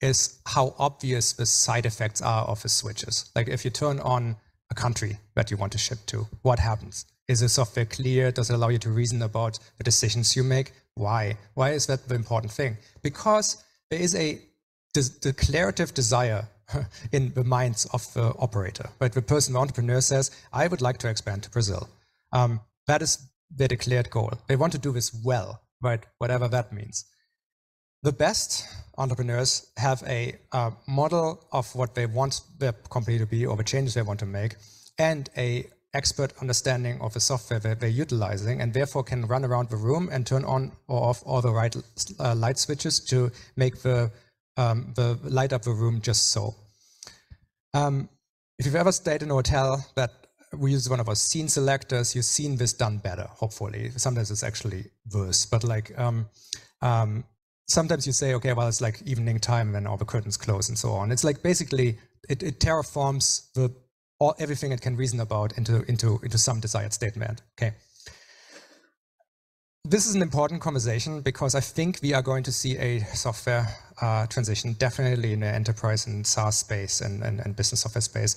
is how obvious the side effects are of the switches. Like, if you turn on a country that you want to ship to, what happens? Is the software clear? Does it allow you to reason about the decisions you make? Why? Why is that the important thing? Because there is a declarative desire, in the minds of the operator, right? The person, the entrepreneur says: "I would like to expand to Brazil." That is the declared goal. They want to do this well, right? Whatever that means. The best entrepreneurs have a model of what they want their company to be or the changes they want to make, and a expert understanding of the software that they're utilizing, and therefore, can run around the room and turn on or off all the right light switches to make the light up the room just so. If you've ever stayed in a hotel that we use one of our scene selectors, you've seen this done better, hopefully. Sometimes it's actually worse. But like, sometimes you say, "Okay, well, it's like evening time, and all the curtains close," and so on. It's like, basically, it terraforms everything it can reason about into some desired statement, okay? This is an important conversation because I think we are going to see a software transition, definitely in the enterprise and SaaS space and business software space,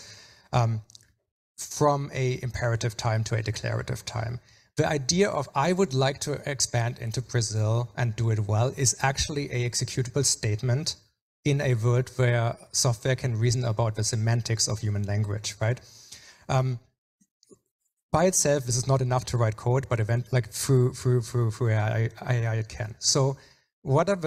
from a imperative time to a declarative time. The idea of, "I would like to expand into Brazil and do it well," is actually a executable statement in a world where software can reason about the semantics of human language, right? By itself, this is not enough to write code, but even like through AI it can. So what does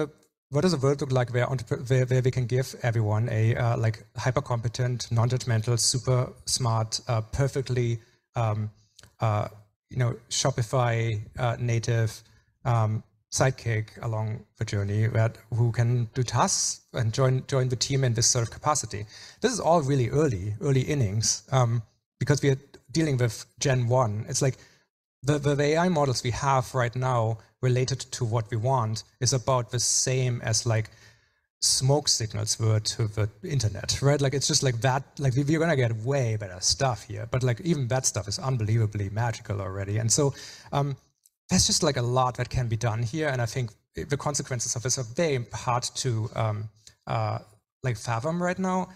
the world look like where we can give everyone a like hyper-competent, non-judgmental, super smart, perfectly... You know, Shopify native Sidekick along the journey, that who can do tasks and join the team in this sort of capacity. This is all really early innings, because we are dealing with Gen 1. It's like the AI models we have right now related to what we want is about the same as like smoke signals were to the internet, right? Like, it's just like that. Like, we're gonna get way better stuff here, but like, even that stuff is unbelievably magical already. And so, there's just like a lot that can be done here, and I think the consequences of this are very hard to like, fathom right now.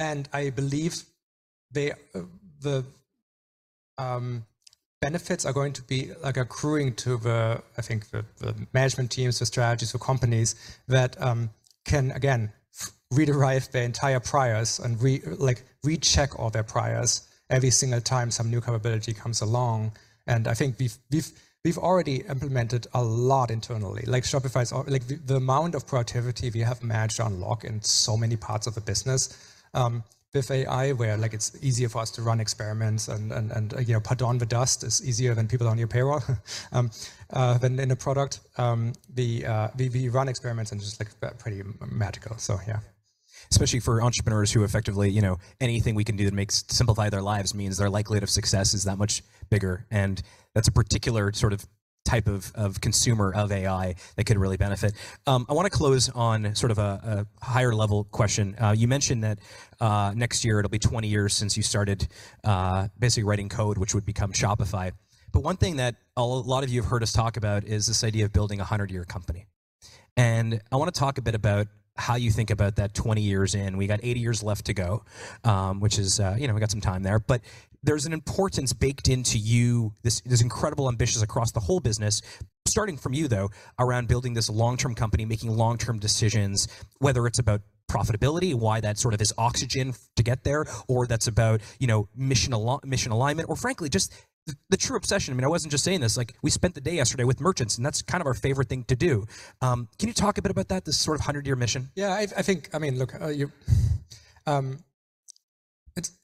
I believe the benefits are going to be like accruing to the, I think, the management teams, the strategies for companies that can, again, rederive their entire priors and recheck all their priors every single time some new capability comes along. I think we've already implemented a lot internally. Like Shopify's, or like the amount of productivity we have managed to unlock in so many parts of the business with AI, where like it's easier for us to run experiments and, you know, bits on a disk is easier than people on your payroll, than in a product. We run experiments and just like pretty magical. So yeah. Especially for entrepreneurs who effectively, you know, anything we can do that makes simplify their lives means their likelihood of success is that much bigger, and that's a particular sort of type of consumer of AI that could really benefit. I want to close on sort of a higher level question. You mentioned that next year it'll be 20 years since you started basically writing code, which would become Shopify. But one thing that a lot of you have heard us talk about is this idea of building a 100-year company. And I want to talk a bit about how you think about that 20 years in. We got 80 years left to go, which is, you know, we got some time there. But there's an importance baked into you, this, this incredible ambitions across the whole business, starting from you, though, around building this long-term company, making long-term decisions, whether it's about profitability, why that's sort of this oxygen to get there, or that's about, you know, mission alignment, or frankly, just the, the true obsession. I mean, I wasn't just saying this, like, we spent the day yesterday with merchants, and that's kind of our favorite thing to do. Can you talk a bit about that, this sort of hundred-year mission? Yeah, I, I think, I mean, look...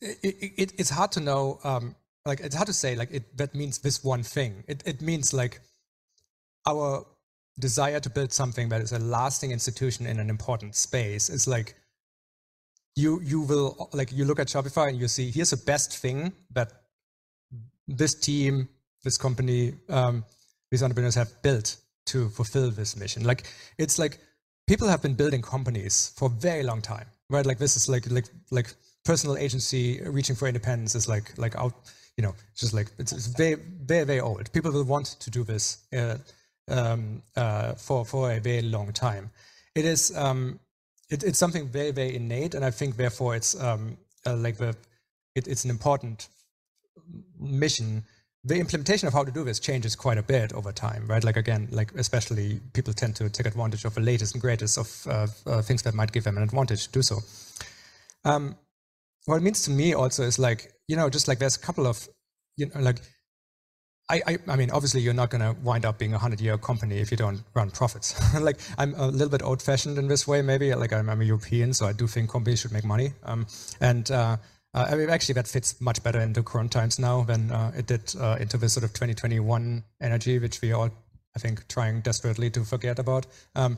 It's hard to know, like, it's hard to say, like, that means this one thing. It means like, our desire to build something that is a lasting institution in an important space is like, you will-- like, you look at Shopify, and you see, here's the best thing that this team, this company, these entrepreneurs have built to fulfill this mission. Like, it's like people have been building companies for a very long time, right? Like, this is like, like, like personal agency reaching for independence is like, like out, you know, just like, it's very, very, very old. People will want to do this for a very long time. It is, it's something very, very innate, and I think therefore it's like, it's an important mission. The implementation of how to do this changes quite a bit over time, right? Like, again, like especially, people tend to take advantage of the latest and greatest of things that might give them an advantage to do so. What it means to me also is like, you know, just like there's a couple of, you know, like... I mean, obviously, you're not gonna wind up being a 100-year company if you don't run profits. Like, I'm a little bit old-fashioned in this way, maybe. Like, I'm a European, so I do think companies should make money. Actually, that fits much better in the current times now than it did into the sort of 2021 energy, which we are all, I think, trying desperately to forget about. But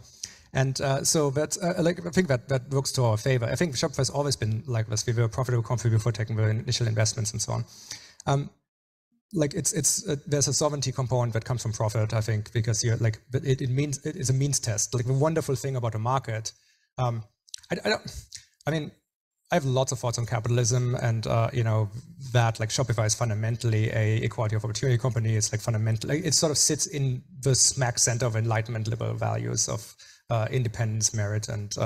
like, I think that works to our favor. I think Shopify has always been like this. We were a profitable company before taking the initial investments and so on. Like, it's, there's a sovereignty component that comes from profit, I think, because you're like, it means it is a means test. Like, the wonderful thing about a market, I don't, I mean, I have lots of thoughts on capitalism and you know, that like Shopify is fundamentally an equality of opportunity company. It's like fundamentally, it sort of sits in the smack center of enlightenment, liberal values of independence, merit, and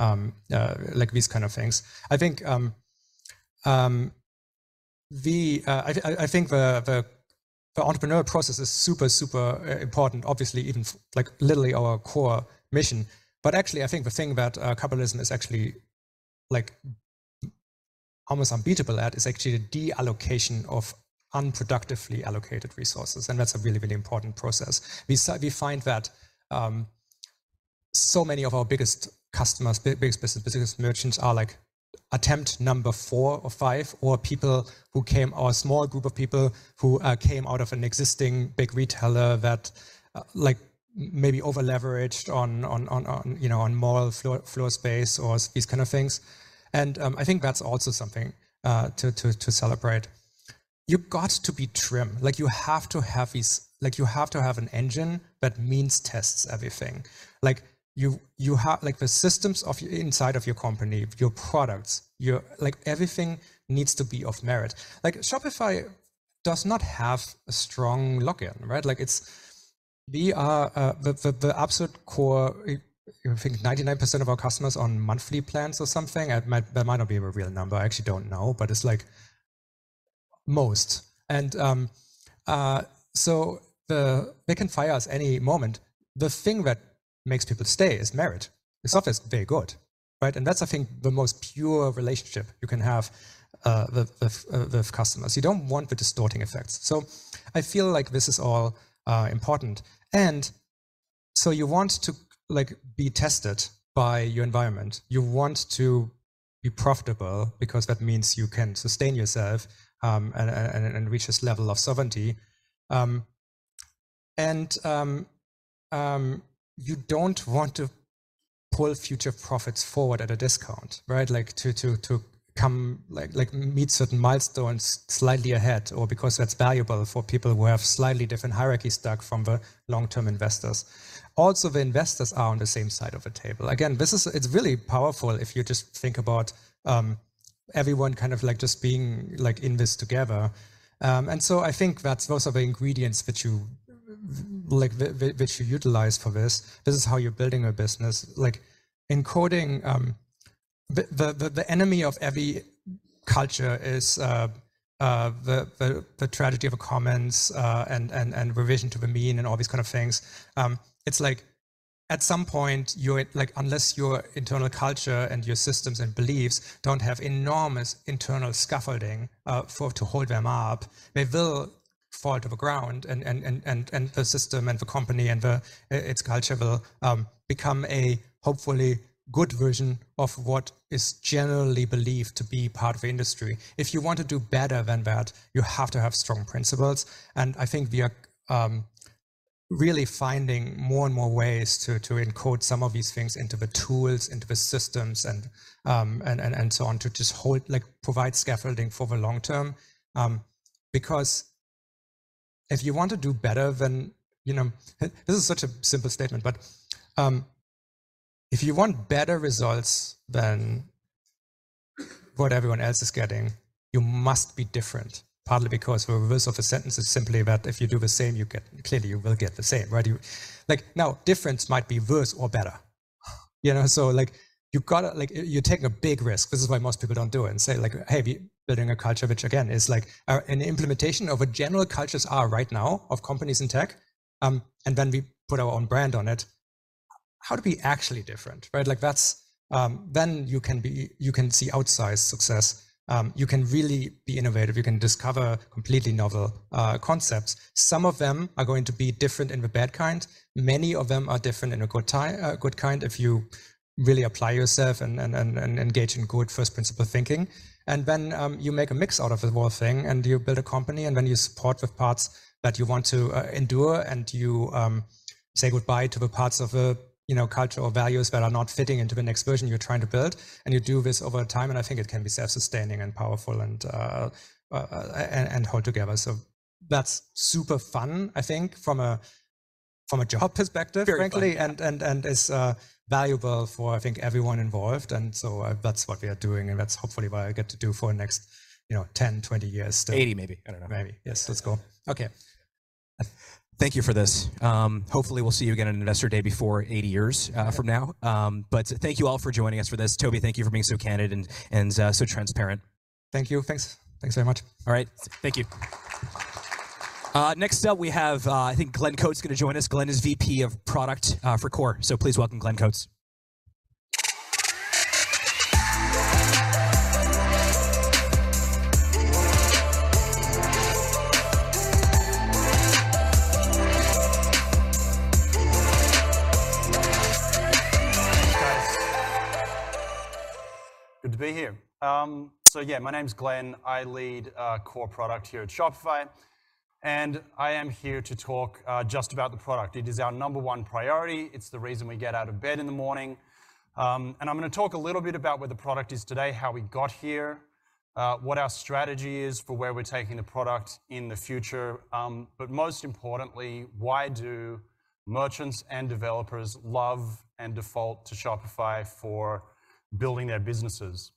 like these kind of things. I think the entrepreneurial process is super, super important, obviously, even for, like, literally our core mission. But actually, I think the thing about capitalism is actually like almost unbeatable at the deallocation of unproductively allocated resources, and that's a really, really important process. We find that so many of our biggest customers, big business merchants, are like attempt number four or five, or people who came, or a small group of people who came out of an existing big retailer that like maybe overleveraged on, you know, on mall floor space or these kind of things. I think that's also something to celebrate. You've got to be trim. Like, you have to have these—like you have to have an engine that means tests everything. Like, you have, like the systems of your, inside of your company, your products, your... Like everything needs to be of merit. Like Shopify does not have a strong login, right? Like it's, we are, the absolute core, I think 99% of our customers are on monthly plans or something. It might, that might not be a real number. I actually don't know, but it's like most. And, so the, they can fire us any moment. The thing that makes people stay is merit. The software is very good, right? And that's, I think, the most pure relationship you can have, with customers. You don't want the distorting effects. So I feel like this is all important. So you want to, like, be tested by your environment. You want to be profitable because that means you can sustain yourself and reach this level of sovereignty. You don't want to pull future profits forward at a discount, right? Like, to come, like, meet certain milestones slightly ahead, or because that's valuable for people who have slightly different hierarchy stack from the long-term investors. Also, the investors are on the same side of the table. Again, it's really powerful if you just think about everyone kind of like, just being, like, in this together. And so I think that's most of the ingredients that you, like, that you utilize for this. This is how you're building a business. Like, encoding, the enemy of every culture is the tragedy of the commons and reversion to the mean and all these kind of things. It's like, at some point, your, like, unless your internal culture and your systems and beliefs don't have enormous internal scaffolding for to hold them up, they will fall to the ground and the system and the company and its culture will become a hopefully good version of what is generally believed to be part of the industry. If you want to do better than that, you have to have strong principles, and I think we are really finding more and more ways to encode some of these things into the tools, into the systems, and so on, to just hold, like, provide scaffolding for the long term. Because if you want to do better than... You know, this is such a simple statement, but if you want better results than what everyone else is getting, you must be different. Partly because the reverse of the sentence is simply that if you do the same, you get, clearly you will get the same, right? You, like, now, different might be worse or better, you know? So, like, you've got to, like, you're taking a big risk. This is why most people don't do it and say, like, "Hey, we're building a culture," which again, is like, an implementation of what general cultures are right now of companies in tech, and then we put our own brand on it. How to be actually different, right? Like, that's, then you can see outsized success. You can really be innovative. You can discover completely novel concepts. Some of them are going to be different in the bad kind. Many of them are different in a good kind if you really apply yourself and engage in good first-principle thinking. And then you make a mix out of the whole thing, and you build a company, and then you support the parts that you want to endure, and you say goodbye to the parts of a, you know, culture or values that are not fitting into the next version you're trying to build. And you do this over time, and I think it can be self-sustaining and powerful and hold together. So that's super fun, I think, from a job perspective. Very fun. Frankly, it's valuable for, I think, everyone involved, and so that's what we are doing, and that's hopefully what I get to do for the next, you know, 10, 20 years. 80, maybe. I don't know. Maybe. Yes, let's go. Okay. Thank you for this. Hopefully we'll see you again on Investor Day before 80 years from now. Yeah. Thank you all for joining us for this. Tobi, thank you for being so candid and so transparent. Thank you. Thanks. Thanks very much. All right. Thank you. Next up, we have, I think Glen Coates is going to join us. Glen is VP of Product for Core. So please welcome Glen Coates. Good morning, guys. Good to be here. So yeah, my name's Glen. I lead core product here at Shopify, and I am here to talk just about the product. It is our number one priority. It's the reason we get out of bed in the morning. I'm gonna talk a little bit about where the product is today, how we got here, what our strategy is for where we're taking the product in the future. But most importantly, why do merchants and developers love and default to Shopify for building their businesses?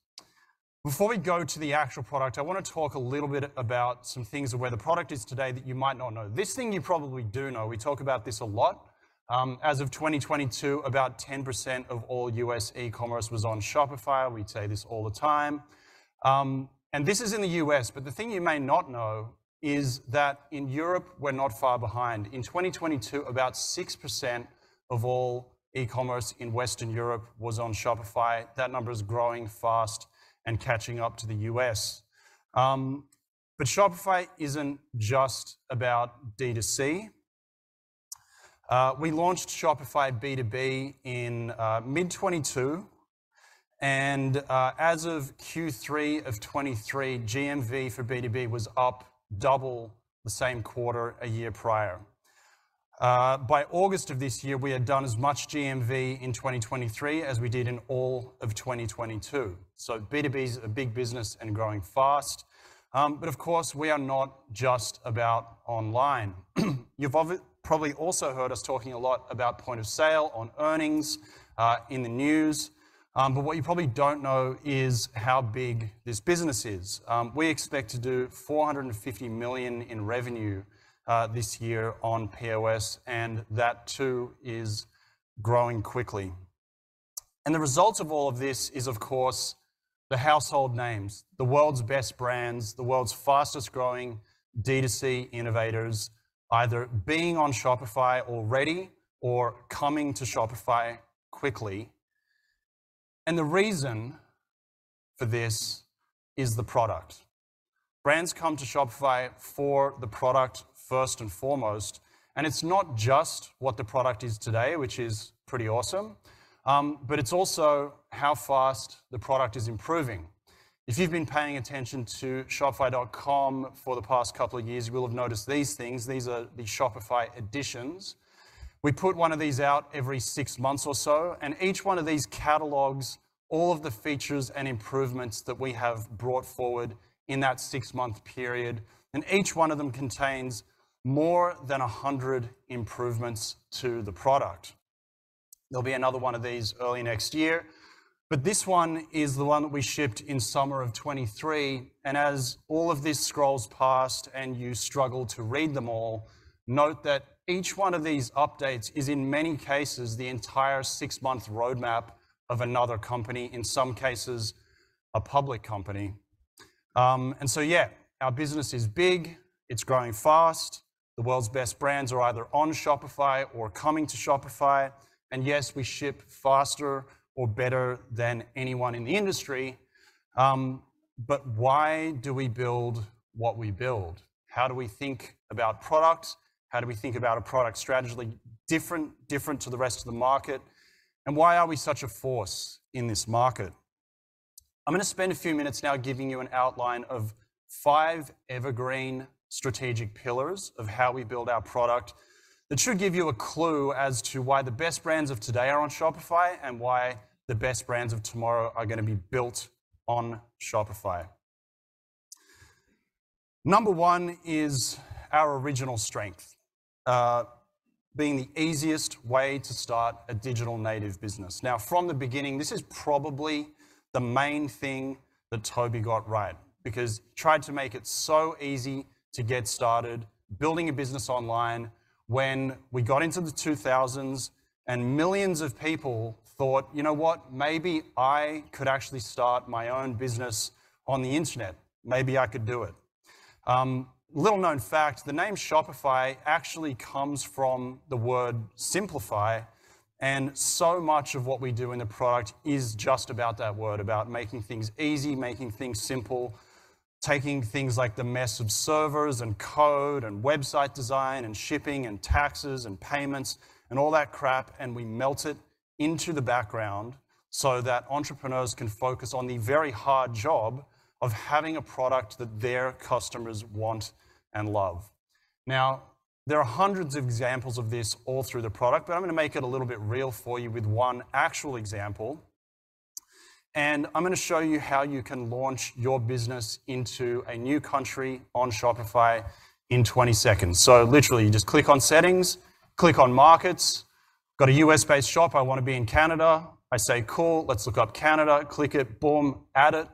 Before we go to the actual product, I want to talk a little bit about some things of where the product is today that you might not know. This thing you probably do know. We talk about this a lot. As of 2022, about 10% of all U.S. e-commerce was on Shopify. We say this all the time. This is in the U.S., but the thing you may not know is that in Europe, we're not far behind. In 2022, about 6% of all e-commerce in Western Europe was on Shopify. That number is growing fast and catching up to the U.S. Shopify isn't just about D2C. We launched Shopify B2B in mid-2022, and as of Q3 of 2023, GMV for B2B was up double the same quarter a year prior. By August of this year, we had done as much GMV in 2023 as we did in all of 2022. B2B is a big business and growing fast. Of course, we are not just about online. You've probably also heard us talking a lot about Point of Sale on earnings, in the news, but what you probably don't know is how big this business is. We expect to do $450 million in revenue, this year on POS, and that too, is growing quickly. The results of all of this is, of course, the household names, the world's best brands, the world's fastest-growing D2C innovators, either being on Shopify already or coming to Shopify quickly. The reason for this is the product. Brands come to Shopify for the product first and foremost, and it's not just what the product is today, which is pretty awesome, but it's also how fast the product is improving. If you've been paying attention to Shopify.com for the past couple of years, you will have noticed these things. These are the Shopify Editions. We put one of these out every six months or so, and each one of these catalogs, all of the features and improvements that we have brought forward in that six-month period, and each one of them contains more than 100 improvements to the product. There'll be another one of these early next year, but this one is the one that we shipped in summer of 2023, and as all of this scrolls past and you struggle to read them all, note that each one of these updates is, in many cases, the entire six-month roadmap of another company, in some cases, a public company. And so yeah, our business is big, it's growing fast. The world's best brands are either on Shopify or coming to Shopify, and yes, we ship faster or better than anyone in the industry. But why do we build what we build? How do we think about product? How do we think about a product strategy, different, different to the rest of the market? And why are we such a force in this market? I'm going to spend a few minutes now giving you an outline of five evergreen strategic pillars of how we build our product. That should give you a clue as to why the best brands of today are on Shopify, and why the best brands of tomorrow are going to be built on Shopify. Number one is our original strength, being the easiest way to start a digital native business. Now, from the beginning, this is probably the main thing that Tobi got right, because he tried to make it so easy to get started building a business online when we got into the 2000s and millions of people thought, "You know what? Maybe I could actually start my own business on the internet. Maybe I could do it." Little known fact, the name Shopify actually comes from the word simplify, and so much of what we do in the product is just about that word, about making things easy, making things simple. Taking things like the mess of servers and code and website design and shipping and taxes and payments and all that crap, and we melt it into the background so that entrepreneurs can focus on the very hard job of having a product that their customers want and love. Now, there are hundreds of examples of this all through the product, but I'm going to make it a little bit real for you with one actual example. I'm going to show you how you can launch your business into a new country on Shopify in 20 seconds. Literally, you just click on Settings, click on Markets, got a U.S.-based shop, I want to be in Canada. I say, cool, let's look up Canada, click it, boom, add it.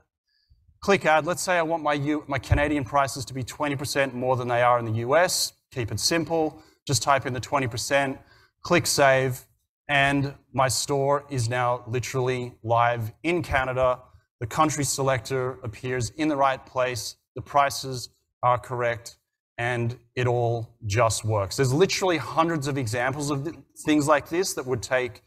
Click Add. Let's say I want my Canadian prices to be 20% more than they are in the U.S. Keep it simple, just type in the 20%, click Save, and my store is now literally live in Canada. The country selector appears in the right place, the prices are correct, and it all just works. There's literally hundreds of examples of things like this that would take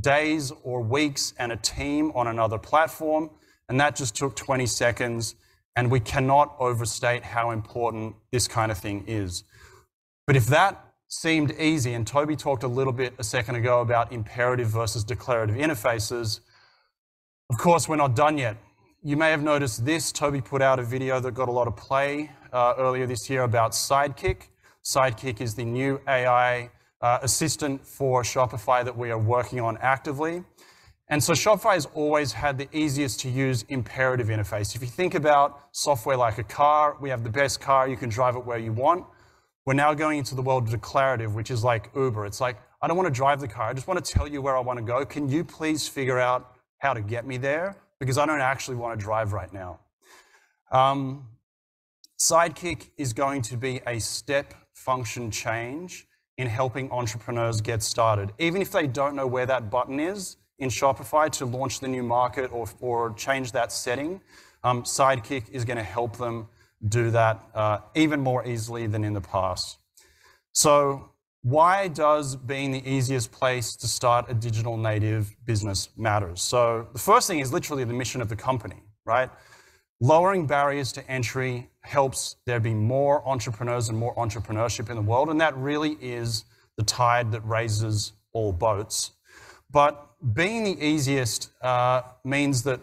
days or weeks and a team on another platform, and that just took 20 seconds, and we cannot overstate how important this kind of thing is. But if that seemed easy, and Tobi talked a little bit a second ago about imperative versus declarative interfaces, of course, we're not done yet. You may have noticed this, Tobi put out a video that got a lot of play earlier this year about Sidekick. Sidekick is the new AI assistant for Shopify that we are working on actively. And so Shopify has always had the easiest-to-use, imperative interface. If you think about software like a car, we have the best car, you can drive it where you want. We're now going into the world of declarative, which is like Uber. It's like: I don't want to drive the car, I just want to tell you where I want to go. Can you please figure out how to get me there? Because I don't actually want to drive right now. Sidekick is going to be a step function change in helping entrepreneurs get started. Even if they don't know where that button is in Shopify to launch the new market or change that setting, Sidekick is going to help them do that, even more easily than in the past. So why does being the easiest place to start a digital native business matters? So the first thing is literally the mission of the company, right? Lowering barriers to entry helps there be more entrepreneurs and more entrepreneurship in the world, and that really is the tide that raises all boats. But being the easiest means that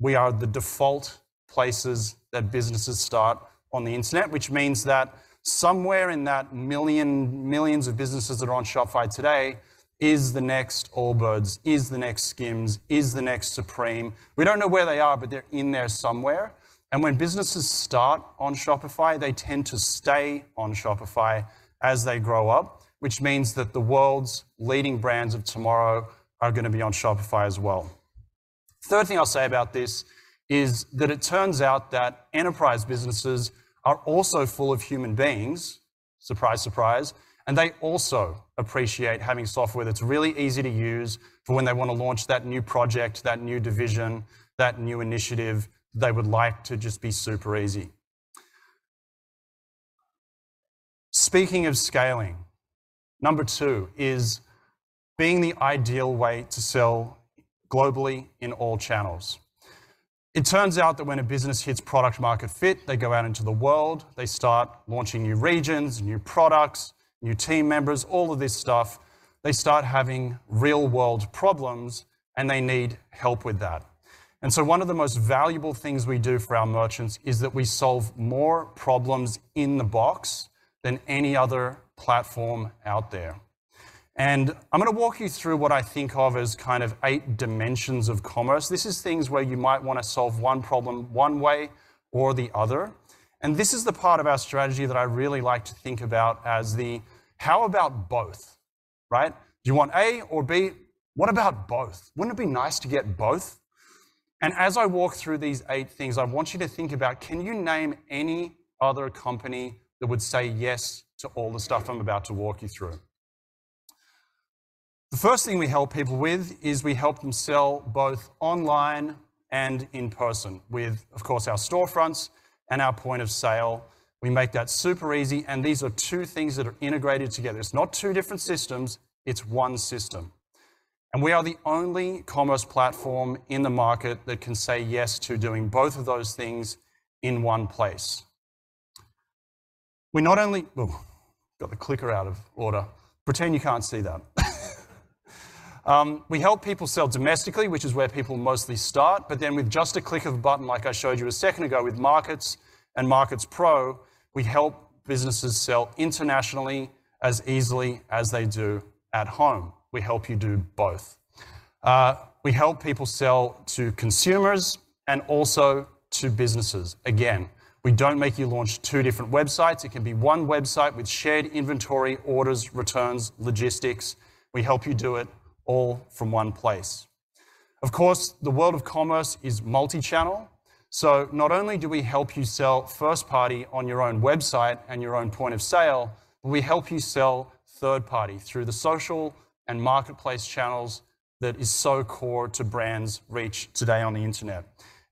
we are the default places that businesses start on the internet, which means that somewhere in that million, millions of businesses that are on Shopify today is the next Allbirds, is the next Skims, is the next Supreme. We don't know where they are, but they're in there somewhere. And when businesses start on Shopify, they tend to stay on Shopify as they grow up, which means that the world's leading brands of tomorrow are going to be on Shopify as well. Third thing I'll say about this is that it turns out that enterprise businesses are also full of human beings, surprise, surprise, and they also appreciate having software that's really easy to use for when they want to launch that new project, that new division, that new initiative, they would like to just be super easy. Speaking of scaling, number 2 is being the ideal way to sell globally in all channels. It turns out that when a business hits product-market fit, they go out into the world, they start launching new regions, new products, new team members, all of this stuff. They start having real-world problems, and they need help with that. And so one of the most valuable things we do for our merchants is that we solve more problems in the box than any other platform out there. And I'm gonna walk you through what I think of as kind of 8 dimensions of commerce. This is things where you might want to solve one problem one way or the other, and this is the part of our strategy that I really like to think about as the, "How about both?" Right? Do you want A or B? What about both? Wouldn't it be nice to get both? And as I walk through these eight things, I want you to think about: can you name any other company that would say yes to all the stuff I'm about to walk you through? The first thing we help people with is we help them sell both online and in person with, of course, our storefronts and our point of sale. We make that super easy, and these are two things that are integrated together. It's not two different systems, it's one system. And we are the only commerce platform in the market that can say yes to doing both of those things in one place. We not only... Oh, got the clicker out of order. Pretend you can't see that. We help people sell domestically, which is where people mostly start, but then with just a click of a button, like I showed you a second ago, with Markets and Markets Pro, we help businesses sell internationally as easily as they do at home. We help you do both. We help people sell to consumers and also to businesses. Again, we don't make you launch two different websites. It can be one website with shared inventory, orders, returns, logistics. We help you do it all from one place. Of course, the world of commerce is multi-channel, so not only do we help you sell first-party on your own website and your own point of sale, but we help you sell third-party through the social and marketplace channels that is so core to brands' reach today on the internet.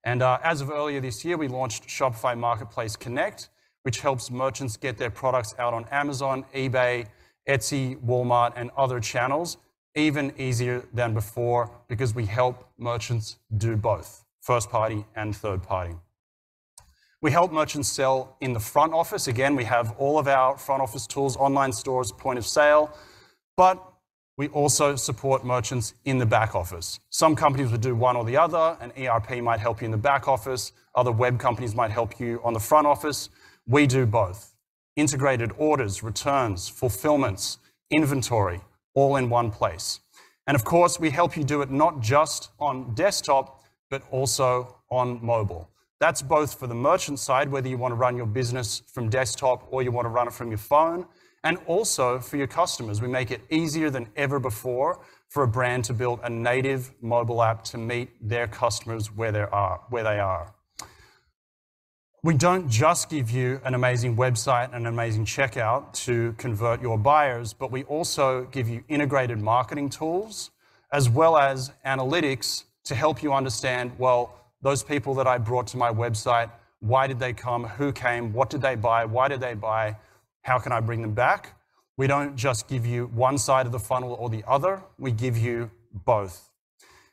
As of earlier this year, we launched Shopify Marketplace Connect, which helps merchants get their products out on Amazon, eBay, Etsy, Walmart, and other channels even easier than before because we help merchants do both first-party and third-party. We help merchants sell in the front office. Again, we have all of our front office tools, online stores, point of sale, but we also support merchants in the back office. Some companies will do one or the other, an ERP might help you in the back office, other web companies might help you on the front office. We do both. Integrated orders, returns, fulfillments, inventory, all in one place. And of course, we help you do it not just on desktop, but also on mobile. That's both for the merchant side, whether you want to run your business from desktop or you want to run it from your phone, and also for your customers. We make it easier than ever before for a brand to build a native mobile app to meet their customers where there are, where they are. We don't just give you an amazing website and an amazing checkout to convert your buyers, but we also give you integrated marketing tools as well as analytics to help you understand, well, those people that I brought to my website, why did they come? Who came? What did they buy? Why did they buy? How can I bring them back? We don't just give you one side of the funnel or the other, we give you both.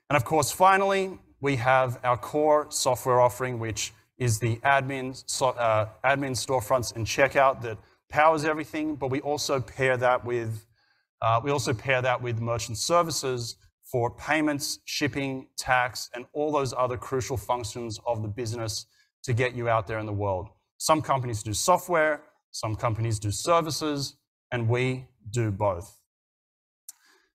And of course, finally, we have our core software offering, which is the admin storefronts and checkout that powers everything. But we also pair that with, we also pair that with merchant services for payments, shipping, tax, and all those other crucial functions of the business to get you out there in the world. Some companies do software, some companies do services, and we do both.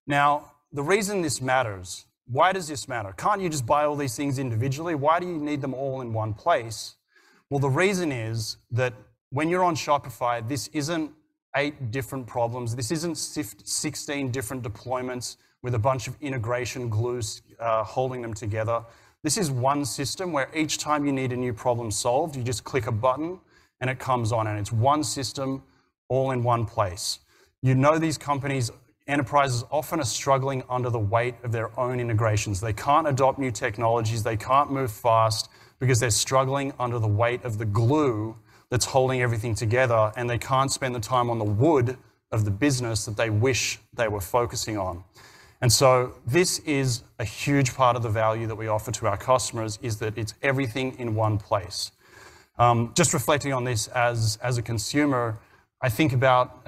Now, the reason this matters, why does this matter? Can't you just buy all these things individually? Why do you need them all in one place? Well, the reason is that when you're on Shopify, this isn't 8 different problems. This isn't sixteen different deployments with a bunch of integration glues, holding them together. This is one system where each time you need a new problem solved, you just click a button, and it comes on, and it's one system all in one place. You know these companies, enterprises often are struggling under the weight of their own integrations. They can't adopt new technologies, they can't move fast because they're struggling under the weight of the glue that's holding everything together, and they can't spend the time on the wood of the business that they wish they were focusing on. And so this is a huge part of the value that we offer to our customers, is that it's everything in one place. Just reflecting on this as, as a consumer, I think about,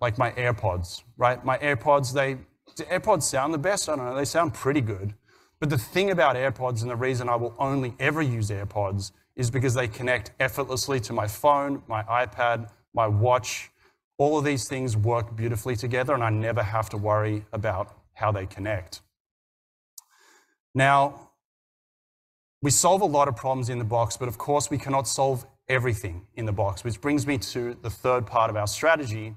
like my AirPods, right? My AirPods, they... Do AirPods sound the best? I don't know. They sound pretty good. But the thing about AirPods and the reason I will only ever use AirPods is because they connect effortlessly to my phone, my iPad, my watch. All of these things work beautifully together, and I never have to worry about how they connect. Now, we solve a lot of problems in the box, but of course, we cannot solve everything in the box, which brings me to the third part of our strategy,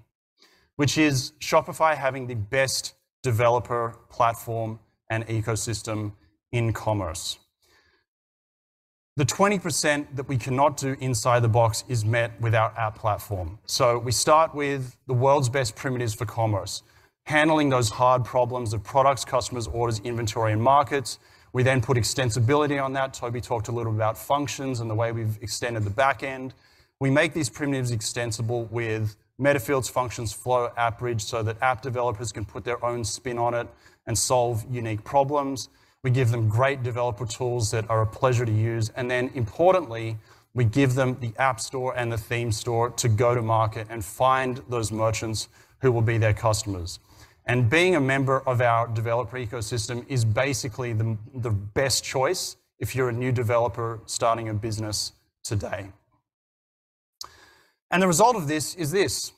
which is Shopify having the best developer platform and ecosystem in commerce... The 20% that we cannot do inside the box is met with our app platform. So we start with the world's best primitives for commerce, handling those hard problems of products, customers, orders, inventory, and markets. We then put extensibility on that. Tobi talked a little about functions and the way we've extended the back end. We make these primitives extensible with Metafields, Functions, Flow, App Bridge, so that app developers can put their own spin on it and solve unique problems. We give them great developer tools that are a pleasure to use, and then importantly, we give them the App Store and the Theme Store to go to market and find those merchants who will be their customers. Being a member of our developer ecosystem is basically the best choice if you're a new developer starting a business today. The result of this is the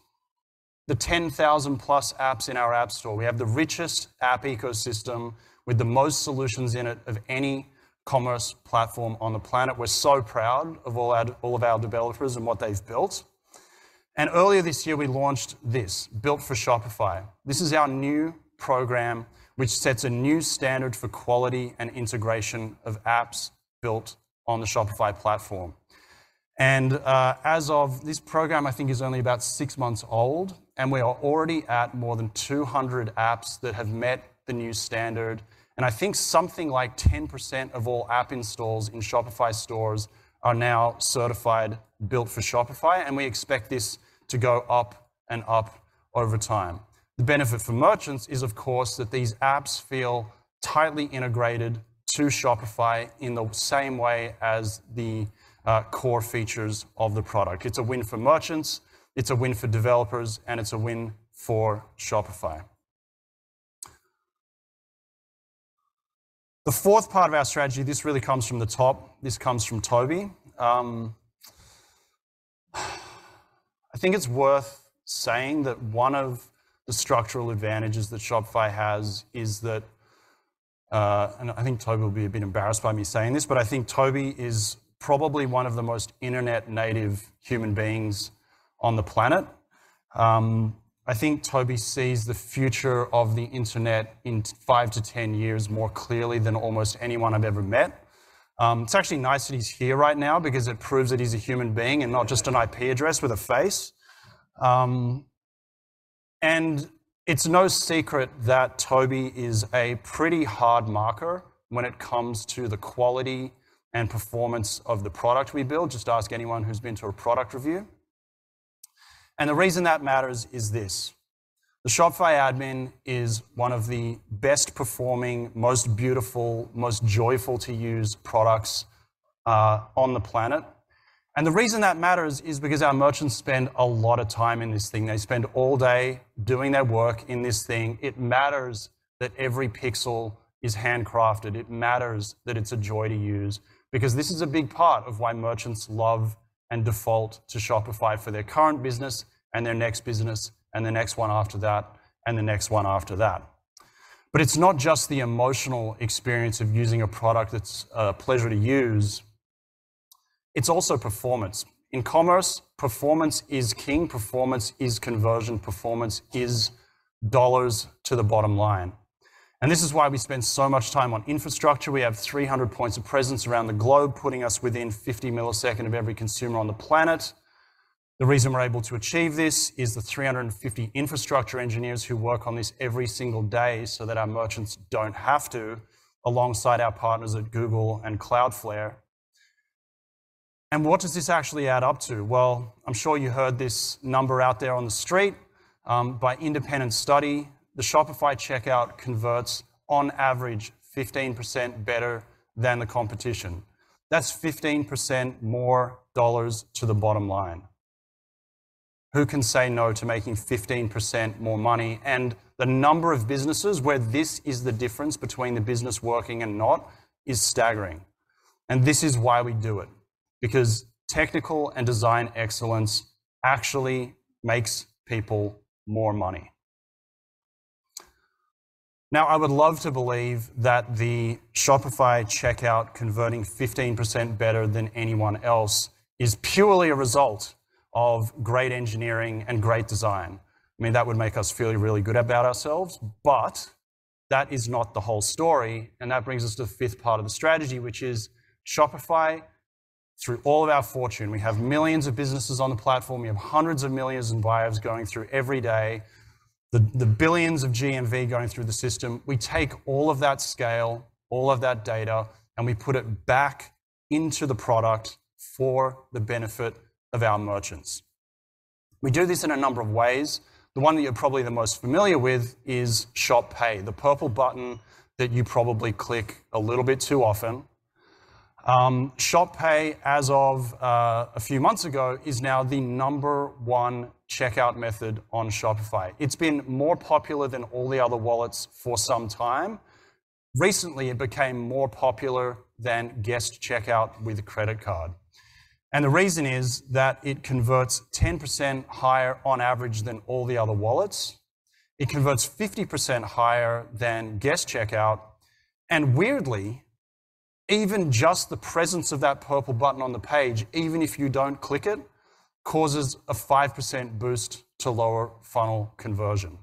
10,000+ apps in our App Store. We have the richest app ecosystem with the most solutions in it of any commerce platform on the planet. We're so proud of all of our developers and what they've built. Earlier this year, we launched Built for Shopify. This is our new program, which sets a new standard for quality and integration of apps built on the Shopify platform. And, as of this program, I think is only about six months old, and we are already at more than 200 apps that have met the new standard. And I think something like 10% of all app installs in Shopify stores are now certified Built for Shopify, and we expect this to go up and up over time. The benefit for merchants is, of course, that these apps feel tightly integrated to Shopify in the same way as the, core features of the product. It's a win for merchants, it's a win for developers, and it's a win for Shopify. The fourth part of our strategy, this really comes from the top, this comes from Tobi. I think it's worth saying that one of the structural advantages that Shopify has is that, and I think Tobi will be a bit embarrassed by me saying this, but I think Tobi is probably one of the most internet-native human beings on the planet. I think Tobi sees the future of the internet in 5-10 years more clearly than almost anyone I've ever met. It's actually nice that he's here right now because it proves that he's a human being and not just an IP address with a face. And it's no secret that Tobi is a pretty hard marker when it comes to the quality and performance of the product we build. Just ask anyone who's been to a product review. The reason that matters is this: the Shopify admin is one of the best performing, most beautiful, most joyful to use products on the planet. The reason that matters is because our merchants spend a lot of time in this thing. They spend all day doing their work in this thing. It matters that every pixel is handcrafted. It matters that it's a joy to use, because this is a big part of why merchants love and default to Shopify for their current business, and their next business, and the next one after that, and the next one after that. But it's not just the emotional experience of using a product that's a pleasure to use. It's also performance. In commerce, performance is king, performance is conversion, performance is dollars to the bottom line. And this is why we spend so much time on infrastructure. We have 300 points of presence around the globe, putting us within 50 milliseconds of every consumer on the planet. The reason we're able to achieve this is the 350 infrastructure engineers who work on this every single day, so that our merchants don't have to, alongside our partners at Google and Cloudflare. And what does this actually add up to? Well, I'm sure you heard this number out there on the street, by independent study, the Shopify checkout converts on average 15% better than the competition. That's 15% more dollars to the bottom line. Who can say no to making 15% more money? And the number of businesses where this is the difference between the business working and not, is staggering. And this is why we do it, because technical and design excellence actually makes people more money. Now, I would love to believe that the Shopify checkout converting 15% better than anyone else is purely a result of great engineering and great design. I mean, that would make us feel really good about ourselves, but that is not the whole story, and that brings us to the fifth part of the strategy, which is Shopify. Through all of our fortune, we have millions of businesses on the platform. We have hundreds of millions of visits going through every day, the billions of GMV going through the system. We take all of that scale, all of that data, and we put it back into the product for the benefit of our merchants. We do this in a number of ways. The one that you're probably the most familiar with is Shop Pay, the purple button that you probably click a little bit too often. Shop Pay, as of a few months ago, is now the number one checkout method on Shopify. It's been more popular than all the other wallets for some time. Recently, it became more popular than guest checkout with a credit card. The reason is that it converts 10% higher on average than all the other wallets. It converts 50% higher than guest checkout, and weirdly, even just the presence of that purple button on the page, even if you don't click it, causes a 5% boost to lower funnel conversion.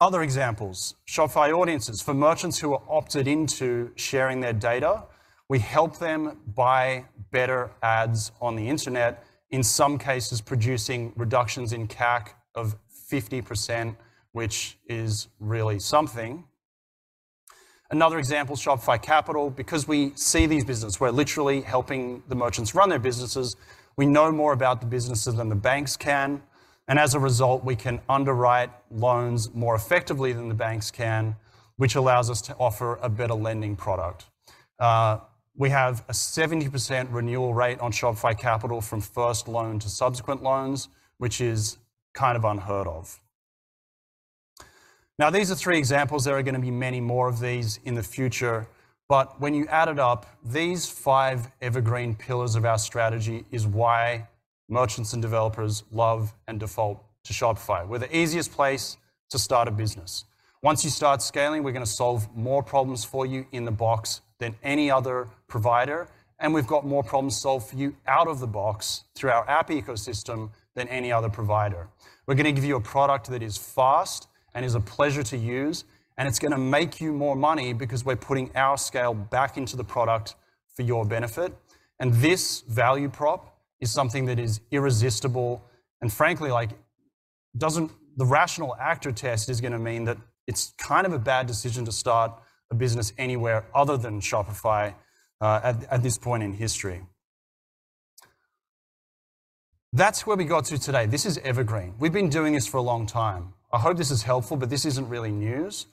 Other examples, Shopify Audiences. For merchants who are opted into sharing their data, we help them buy better ads on the internet, in some cases, producing reductions in CAC of 50%, which is really something. Another example, Shopify Capital, because we see these business, we're literally helping the merchants run their businesses, we know more about the businesses than the banks can, and as a result, we can underwrite loans more effectively than the banks can, which allows us to offer a better lending product. We have a 70% renewal rate on Shopify Capital from first loan to subsequent loans, which is kind of unheard of. Now, these are three examples. There are gonna be many more of these in the future, but when you add it up, these five evergreen pillars of our strategy is why merchants and developers love and default to Shopify. We're the easiest place to start a business. Once you start scaling, we're gonna solve more problems for you in the box than any other provider, and we've got more problems solved for you out of the box through our app ecosystem than any other provider. We're gonna give you a product that is fast and is a pleasure to use, and it's gonna make you more money because we're putting our scale back into the product for your benefit. And this value prop is something that is irresistible and frankly, like, doesn't—the rational actor test is gonna mean that it's kind of a bad decision to start a business anywhere other than Shopify at this point in history. That's where we got to today. This is evergreen. We've been doing this for a long time. I hope this is helpful, but this isn't really news.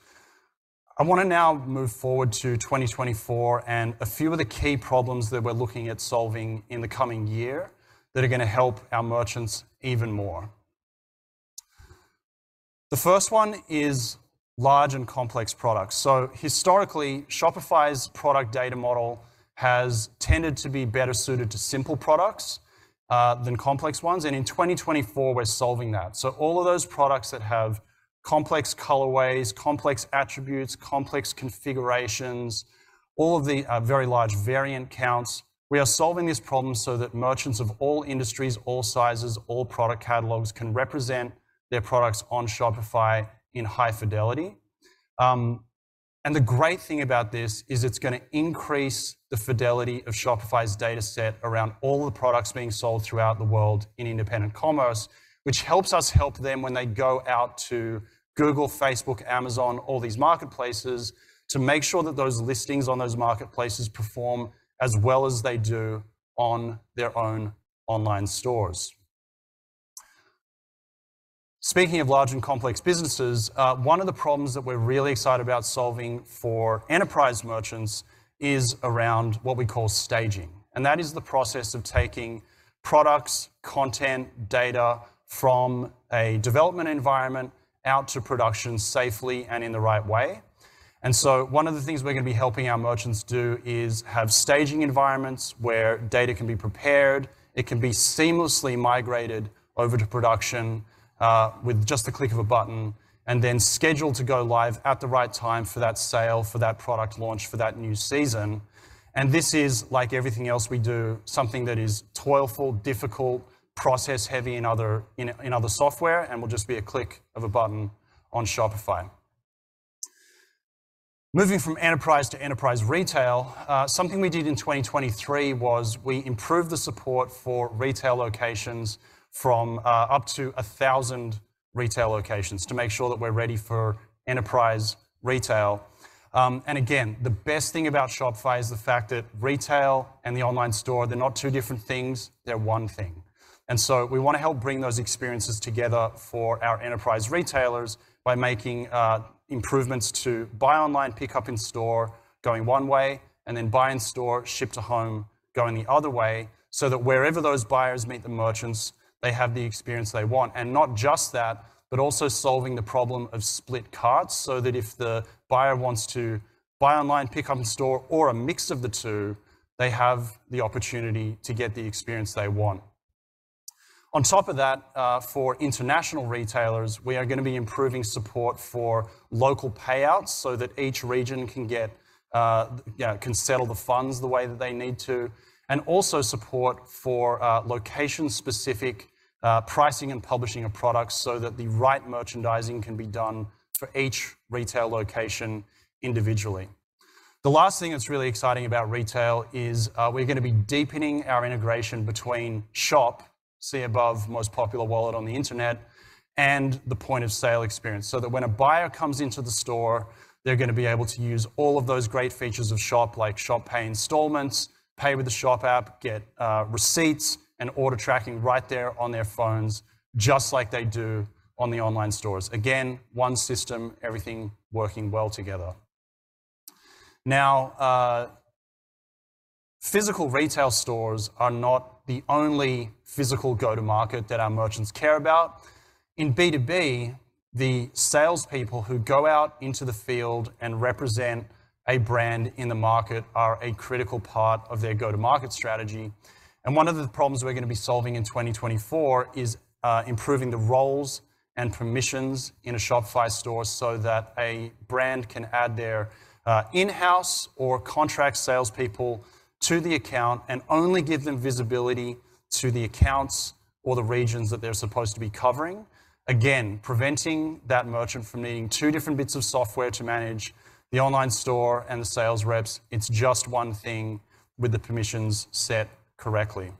I wanna now move forward to 2024 and a few of the key problems that we're looking at solving in the coming year that are gonna help our merchants even more. The first one is large and complex products. So historically, Shopify's product data model has tended to be better suited to simple products than complex ones, and in 2024, we're solving that. So all of those products that have complex colorways, complex attributes, complex configurations, all of the very large variant counts, we are solving these problems so that merchants of all industries, all sizes, all product catalogs, can represent their products on Shopify in high fidelity. and the great thing about this is it's gonna increase the fidelity of Shopify's data set around all the products being sold throughout the world in independent commerce, which helps us help them when they go out to Google, Facebook, Amazon, all these marketplaces, to make sure that those listings on those marketplaces perform as well as they do on their own online stores. Speaking of large and complex businesses, one of the problems that we're really excited about solving for enterprise merchants is around what we call staging, and that is the process of taking products, content, data from a development environment out to production safely and in the right way. So one of the things we're gonna be helping our merchants do is have staging environments where data can be prepared, it can be seamlessly migrated over to production, with just the click of a button, and then scheduled to go live at the right time for that sale, for that product launch, for that new season. This is, like everything else we do, something that is toil-full, difficult, process-heavy in other software, and will just be a click of a button on Shopify. Moving from enterprise to enterprise retail, something we did in 2023 was we improved the support for retail locations from, up to 1,000 retail locations to make sure that we're ready for enterprise retail. And again, the best thing about Shopify is the fact that retail and the online store, they're not two different things, they're one thing. And so we wanna help bring those experiences together for our enterprise retailers by making, improvements to buy online, pickup in store, going one way, and then buy in store, ship to home, going the other way, so that wherever those buyers meet the merchants, they have the experience they want. And not just that, but also solving the problem of split carts so that if the buyer wants to buy online, pick up in store or a mix of the two, they have the opportunity to get the experience they want. On top of that, for international retailers, we are gonna be improving support for local payouts so that each region can get, you know, can settle the funds the way that they need to, and also support for, location-specific, pricing and publishing of products so that the right merchandising can be done for each retail location individually. The last thing that's really exciting about retail is, we're gonna be deepening our integration between Shop, see above, most popular wallet on the internet, and the point-of-sale experience, so that when a buyer comes into the store, they're gonna be able to use all of those great features of Shop, like Shop Pay Installments, pay with the Shop app, get, receipts and order tracking right there on their phones, just like they do on the online stores. Again, one system, everything working well together. Now, physical retail stores are not the only physical go-to-market that our merchants care about. In B2B, the salespeople who go out into the field and represent a brand in the market are a critical part of their go-to-market strategy. And one of the problems we're gonna be solving in 2024 is, improving the roles and permissions in a Shopify store so that a brand can add their, in-house or contract salespeople to the account and only give them visibility to the accounts, or the regions that they're supposed to be covering. Again, preventing that merchant from needing two different bits of software to manage the online store and the sales reps, it's just one thing with the permissions set correctly.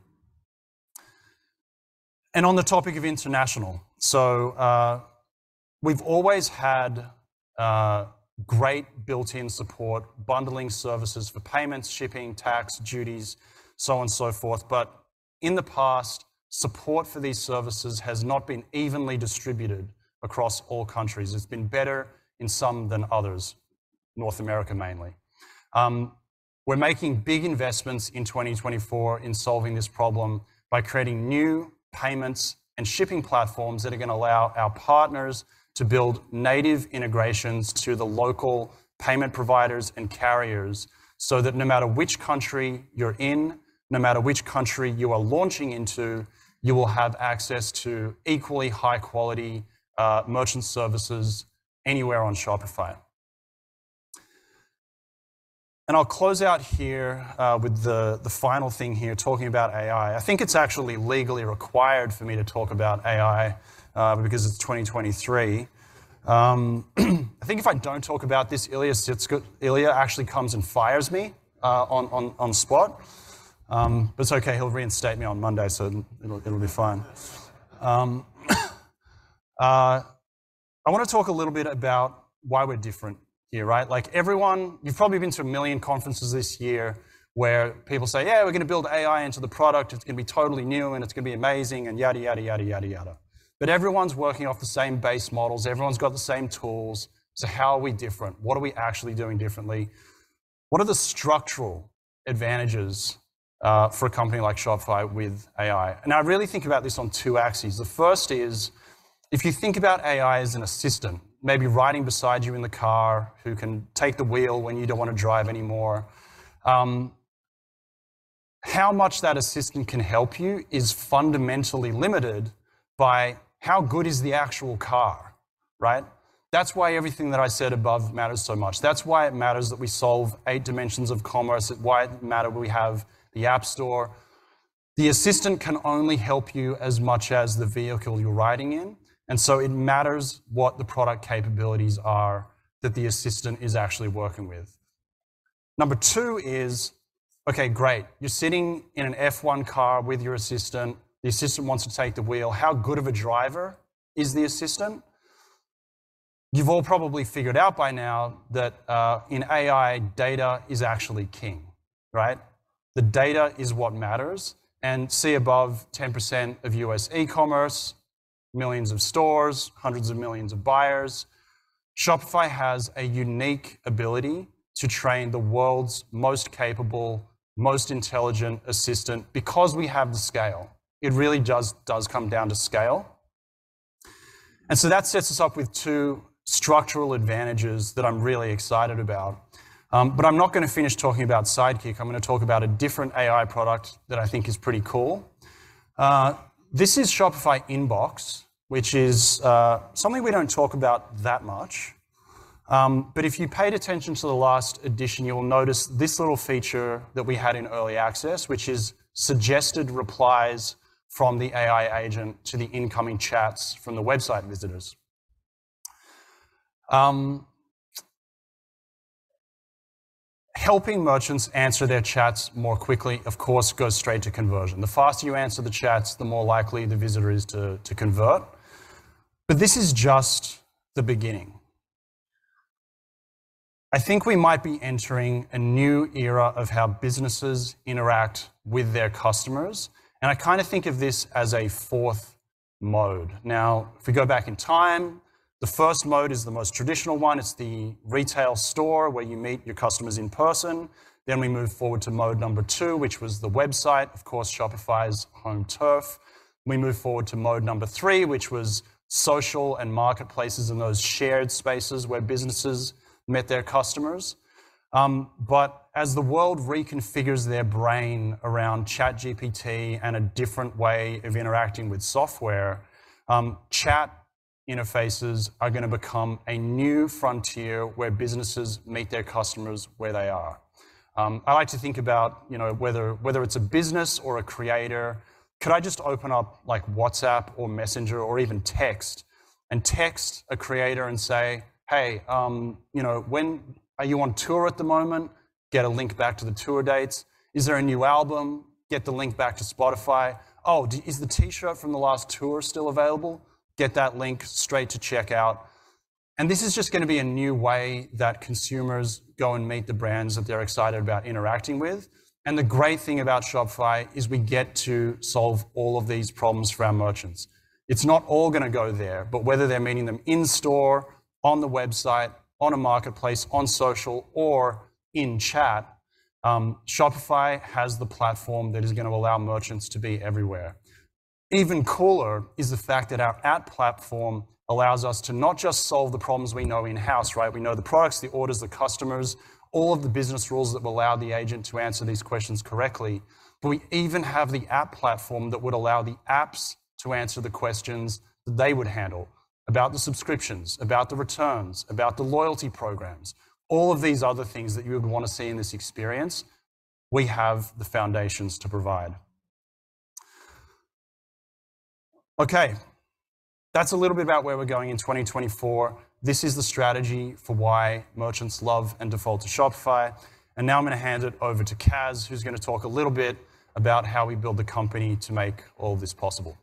On the topic of international, so, we've always had great built-in support, bundling services for payments, shipping, tax, duties, so on and so forth. But in the past, support for these services has not been evenly distributed across all countries. It's been better in some than others, North America mainly. We're making big investments in 2024 in solving this problem by creating new payments and shipping platforms that are gonna allow our partners to build native integrations to the local payment providers and carriers, so that no matter which country you're in, no matter which country you are launching into, you will have access to equally high-quality merchant services anywhere on Shopify. I'll close out here with the final thing here, talking about AI. I think it's actually legally required for me to talk about AI because it's 2023. I think if I don't talk about this, Ilya Sutskever actually comes and fires me on the spot. But it's okay, he'll reinstate me on Monday, so it'll be fine. I wanna talk a little bit about why we're different here, right? Like everyone, you've probably been to a million conferences this year where people say, "Yeah, we're gonna build AI into the product. It's gonna be totally new, and it's gonna be amazing," and yada, yada, yada, yada, yada. But everyone's working off the same base models. Everyone's got the same tools. So how are we different? What are we actually doing differently? What are the structural advantages for a company like Shopify with AI? And I really think about this on two axes. The first is, if you think about AI as an assistant, maybe riding beside you in the car, who can take the wheel when you don't want to drive anymore, how much that assistant can help you is fundamentally limited by how good is the actual car, right? That's why everything that I said above matters so much. That's why it matters that we solve eight dimensions of commerce, why it matters we have the App Store. The assistant can only help you as much as the vehicle you're riding in, and so it matters what the product capabilities are that the assistant is actually working with. Number two is, okay, great, you're sitting in an F1 car with your assistant. The assistant wants to take the wheel. How good of a driver is the assistant? You've all probably figured out by now that in AI, data is actually king, right? The data is what matters, and see above 10% of U.S. e-commerce, millions of stores, hundreds of millions of buyers. Shopify has a unique ability to train the world's most capable, most intelligent assistant, because we have the scale. It really just does come down to scale. And so that sets us up with two structural advantages that I'm really excited about. But I'm not gonna finish talking about Sidekick. I'm gonna talk about a different AI product that I think is pretty cool. This is Shopify Inbox, which is something we don't talk about that much. But if you paid attention to the last edition, you'll notice this little feature that we had in early access, which is suggested replies from the AI agent to the incoming chats from the website visitors. Helping merchants answer their chats more quickly, of course, goes straight to conversion. The faster you answer the chats, the more likely the visitor is to convert. But this is just the beginning. I think we might be entering a new era of how businesses interact with their customers, and I kind of think of this as a fourth mode. Now, if we go back in time, the first mode is the most traditional one. It's the retail store, where you meet your customers in person. Then we move forward to mode number two, which was the website, of course, Shopify's home turf. We move forward to mode number three, which was social and marketplaces and those shared spaces where businesses met their customers. But as the world reconfigures their brain around ChatGPT and a different way of interacting with software, chat interfaces are gonna become a new frontier where businesses meet their customers where they are. I like to think about, you know, whether, whether it's a business or a creator, could I just open up like WhatsApp or Messenger or even text, and text a creator and say, "Hey, you know, when are you on tour at the moment?" Get a link back to the tour dates. "Is there a new album?" Get the link back to Spotify. "Oh, does the T-shirt from the last tour still available?" Get that link straight to checkout. This is just gonna be a new way that consumers go and meet the brands that they're excited about interacting with. The great thing about Shopify is we get to solve all of these problems for our merchants. It's not all gonna go there, but whether they're meeting them in store, on the website, on a marketplace, on social, or in chat, Shopify has the platform that is gonna allow merchants to be everywhere. Even cooler is the fact that our app platform allows us to not just solve the problems we know in-house, right? We know the products, the orders, the customers, all of the business rules that will allow the agent to answer these questions correctly. But we even have the app platform that would allow the apps to answer the questions that they would handle about the subscriptions, about the returns, about the loyalty programs, all of these other things that you would want to see in this experience... we have the foundations to provide. Okay, that's a little bit about where we're going in 2024. This is the strategy for why merchants love and default to Shopify, and now I'm going to hand it over to Kaz, who's going to talk a little bit about how we build the company to make all this possible.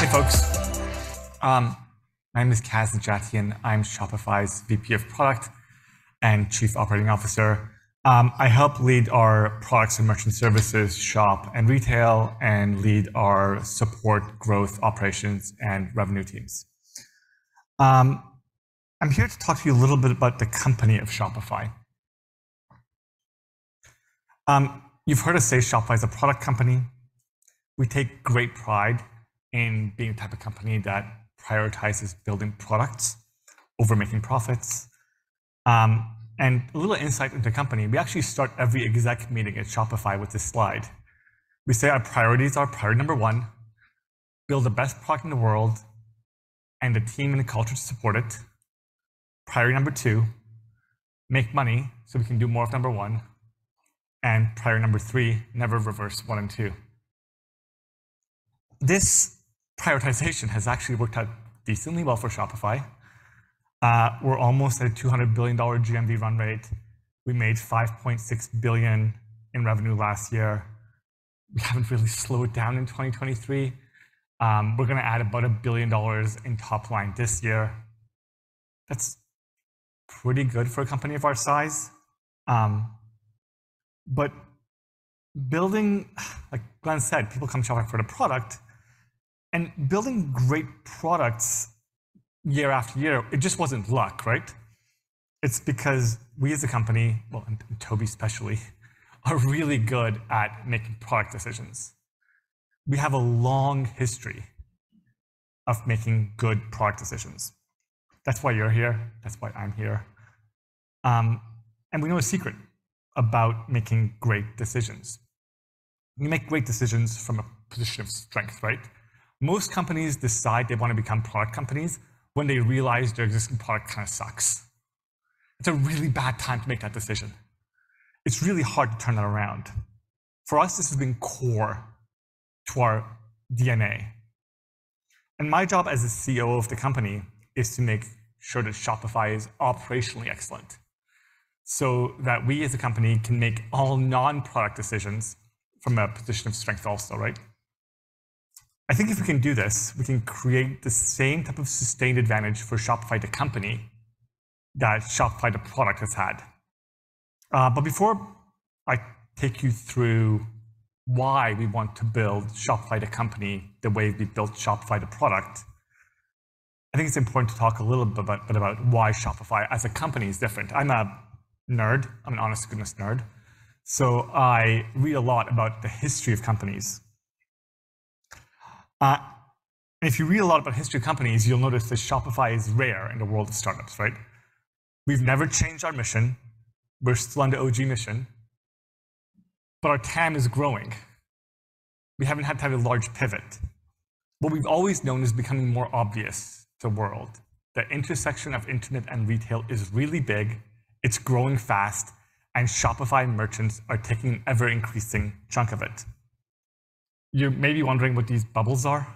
Hey, folks. My name is Kaz Nejatian. I'm Shopify's VP of Product and Chief Operating Officer. I help lead our products and merchant services, shop and retail, and lead our support, growth, operations, and revenue teams. I'm here to talk to you a little bit about the company of Shopify. You've heard us say Shopify is a product company. We take great pride in being the type of company that prioritizes building products over making profits. And a little insight into the company, we actually start every exec meeting at Shopify with this slide. We say our priorities are priority number one, build the best product in the world and the team and the culture to support it. Priority number two, make money so we can do more of number one. And priority number three, never reverse one and two. This prioritization has actually worked out decently well for Shopify. We're almost at a $200 billion GMV run rate. We made $5.6 billion in revenue last year. We haven't really slowed down in 2023. We're going to add about $1 billion in top line this year. That's pretty good for a company of our size. But building, like Glen said, people come to Shopify for the product, and building great products year after year, it just wasn't luck, right? It's because we as a company, well, and Tobi especially, are really good at making product decisions. We have a long history of making good product decisions. That's why you're here, that's why I'm here. And we know a secret about making great decisions. We make great decisions from a position of strength, right? Most companies decide they want to become product companies when they realize their existing product kind of sucks. It's a really bad time to make that decision. It's really hard to turn that around. For us, this has been core to our DNA, and my job as the CEO of the company is to make sure that Shopify is operationally excellent, so that we, as a company, can make all non-product decisions from a position of strength also, right? I think if we can do this, we can create the same type of sustained advantage for Shopify the company, that Shopify the product has had. But before I take you through why we want to build Shopify the company the way we built Shopify the product, I think it's important to talk a little bit about why Shopify as a company is different. I'm a nerd. I'm an honest-to-goodness nerd, so I read a lot about the history of companies. If you read a lot about history of companies, you'll notice that Shopify is rare in the world of startups, right? We've never changed our mission. We're still on the OG mission, but our TAM is growing. We haven't had to have a large pivot. What we've always known is becoming more obvious to the world, that intersection of internet and retail is really big, it's growing fast, and Shopify merchants are taking an ever-increasing chunk of it. You're maybe wondering what these bubbles are.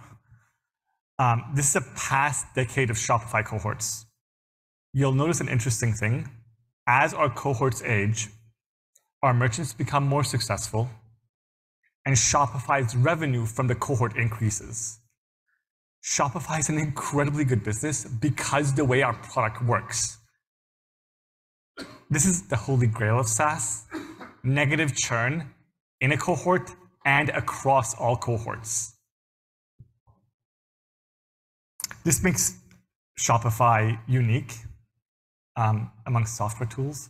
This is a past decade of Shopify cohorts. You'll notice an interesting thing: as our cohorts age, our merchants become more successful and Shopify's revenue from the cohort increases. Shopify is an incredibly good business because the way our product works. This is the holy grail of SaaS, negative churn in a cohort and across all cohorts. This makes Shopify unique among software tools.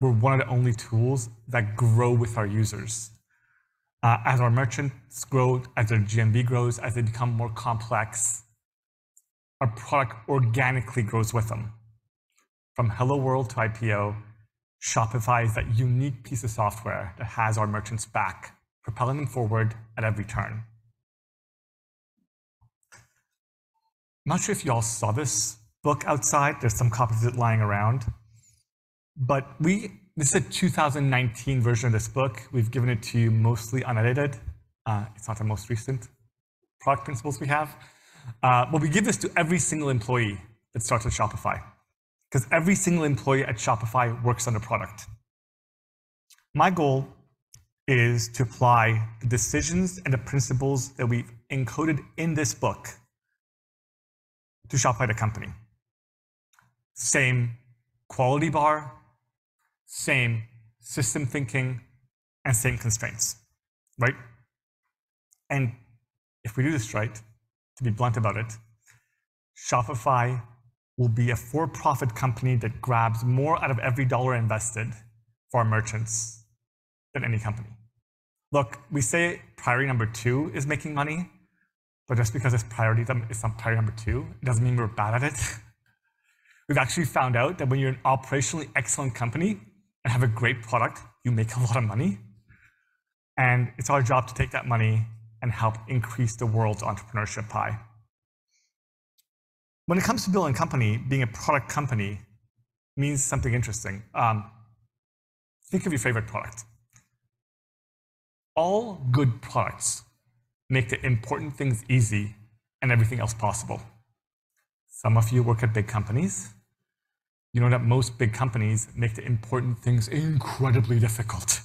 We're one of the only tools that grow with our users. As our merchants grow, as their GMV grows, as they become more complex, our product organically grows with them. From Hello World to IPO, Shopify is that unique piece of software that has our merchants' back, propelling them forward at every turn. I'm not sure if you all saw this book outside. There's some copies of it lying around, but this is a 2019 version of this book. We've given it to you mostly unedited. It's not our most recent product principles we have. But we give this to every single employee that starts at Shopify, 'cause every single employee at Shopify works on a product. My goal is to apply the decisions and the principles that we've encoded in this book to Shopify the company. Same quality bar, same system thinking, and same constraints, right? And if we do this right, to be blunt about it, Shopify will be a for-profit company that grabs more out of every dollar invested for our merchants than any company. Look, we say priority number two is making money, but just because its priority is priority number two, doesn't mean we're bad at it. We've actually found out that when you're an operationally excellent company and have a great product, you make a lot of money, and it's our job to take that money and help increase the world's entrepreneurship pie. When it comes to building a company, being a product company means something interesting. Think of your favorite product. All good products make the important things easy and everything else possible. Some of you work at big companies. You know that most big companies make the important things incredibly difficult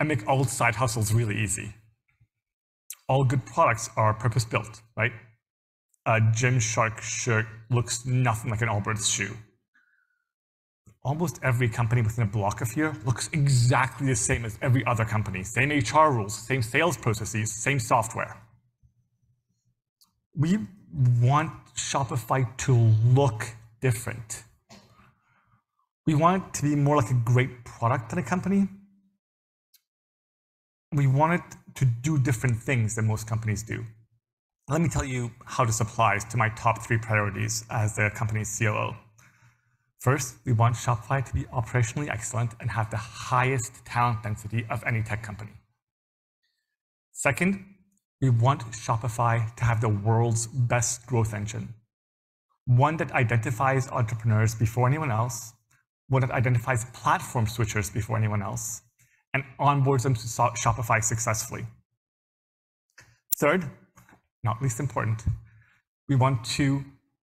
and make all side hustles really easy. All good products are purpose-built, right? A Gymshark shirt looks nothing like an Allbirds shoe. Almost every company within a block of you looks exactly the same as every other company. Same HR rules, same sales processes, same software. We want Shopify to look different. We want it to be more like a great product than a company. We want it to do different things than most companies do. Let me tell you how this applies to my top three priorities as the company's COO. First, we want Shopify to be operationally excellent and have the highest talent density of any tech company. Second, we want Shopify to have the world's best growth engine, one that identifies entrepreneurs before anyone else, one that identifies platform switchers before anyone else, and onboards them to Shopify successfully. Third, not least important, we want to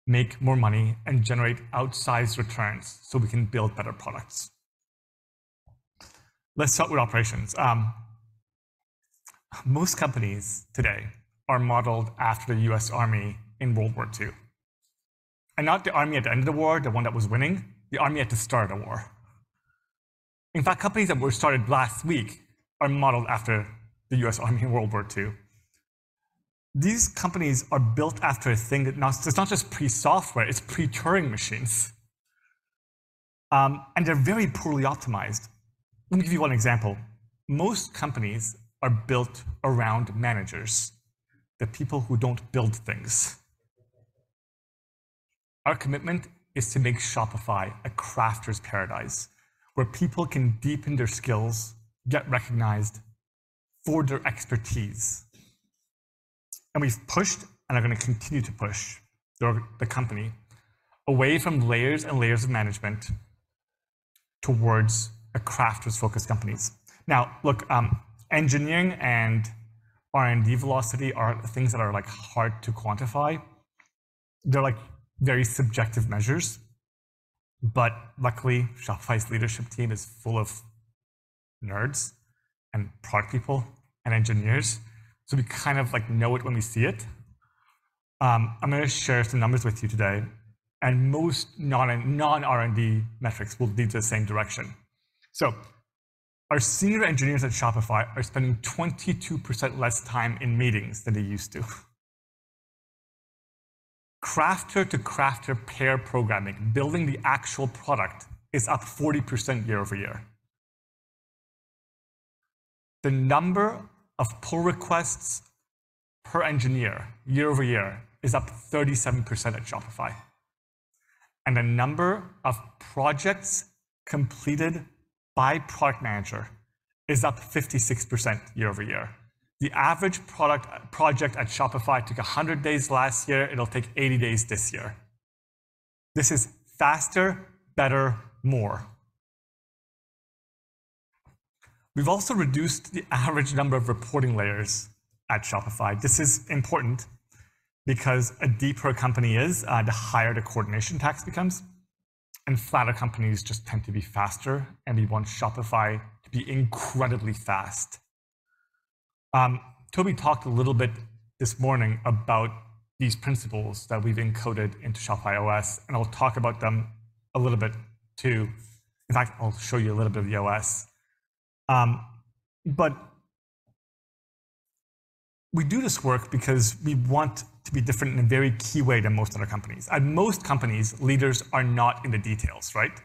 make more money and generate outsized returns so we can build better products. Let's start with operations. Most companies today are modeled after the U.S. Army in World War II, and not the army at the end of the war, the one that was winning, the army at the start of the war. In fact, companies that were started last week are modeled after the U.S. Army in World War II. These companies are built after a thing, it's not just pre-software, it's pre-Turing machines, and they're very poorly optimized. Let me give you one example. Most companies are built around managers, the people who don't build things. Our commitment is to make Shopify a crafter's paradise, where people can deepen their skills, get recognized for their expertise. We've pushed, and are going to continue to push the company away from layers and layers of management towards a crafter-focused companies. Now, look, engineering and R&D velocity are things that are, like, hard to quantify. They're, like, very subjective measures, but luckily, Shopify's leadership team is full of nerds and product people and engineers, so we kind of, like, know it when we see it. I'm going to share some numbers with you today, and most non and non-R&D metrics will lead to the same direction. So our senior engineers at Shopify are spending 22% less time in meetings than they used to. Crafter-to-crafter pair programming, building the actual product, is up 40% year-over-year. The number of pull requests per engineer, year-over-year, is up 37% at Shopify, and the number of projects completed by product manager is up 56% year-over-year. The average product project at Shopify took 100 days last year, it'll take 80 days this year. This is faster, better, more. We've also reduced the average number of reporting layers at Shopify. This is important because the deeper a company is, the higher the coordination tax becomes, and flatter companies just tend to be faster, and we want Shopify to be incredibly fast. Tobi talked a little bit this morning about these principles that we've encoded into Shopify OS, and I'll talk about them a little bit, too. In fact, I'll show you a little bit of the OS. But we do this work because we want to be different in a very key way than most other companies. At most companies, leaders are not in the details, right?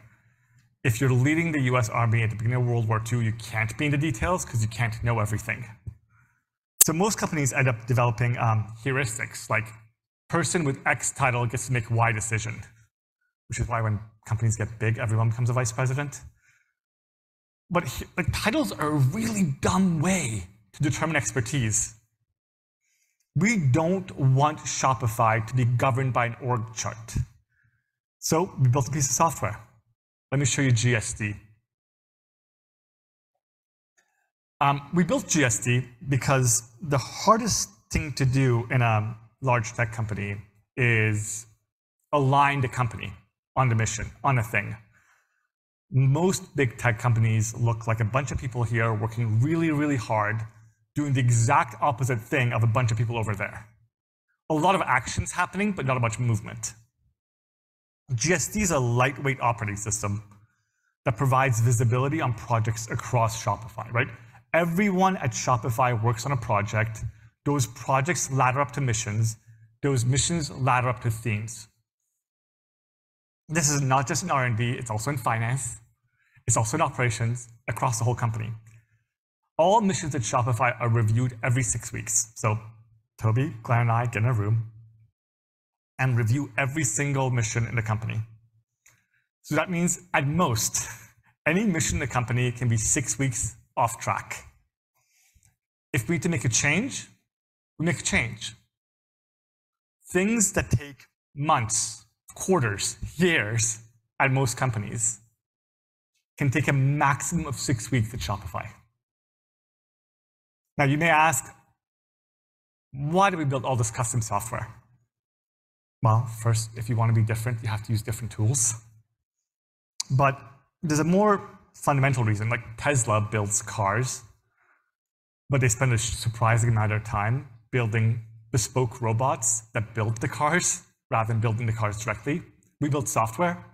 If you're leading the U.S. Army at the beginning of World War II, you can't be in the details 'cause you can't know everything. So most companies end up developing heuristics, like person with X title gets to make Y decision, which is why when companies get big, everyone becomes a vice president. But titles are a really dumb way to determine expertise. We don't want Shopify to be governed by an org chart. So we built a piece of software. Let me show you GSD. We built GSD because the hardest thing to do in a large tech company is align the company on the mission, on a thing. Most big tech companies look like a bunch of people here working really, really hard, doing the exact opposite thing of a bunch of people over there. A lot of action's happening, but not much movement. GSD is a lightweight operating system that provides visibility on projects across Shopify, right? Everyone at Shopify works on a project. Those projects ladder up to missions. Those missions ladder up to themes. This is not just in R&D, it's also in finance, it's also in operations, across the whole company. All missions at Shopify are reviewed every six weeks. So Tobi, Claire, and I get in a room and review every single mission in the company. So that means, at most, any mission in the company can be six weeks off track. If we need to make a change, we make a change. Things that take months, quarters, years, at most companies, can take a maximum of six weeks at Shopify. Now, you may ask, why do we build all this custom software? Well, first, if you want to be different, you have to use different tools. But there's a more fundamental reason. Like Tesla builds cars, but they spend a surprising amount of time building bespoke robots that build the cars rather than building the cars directly. We build software.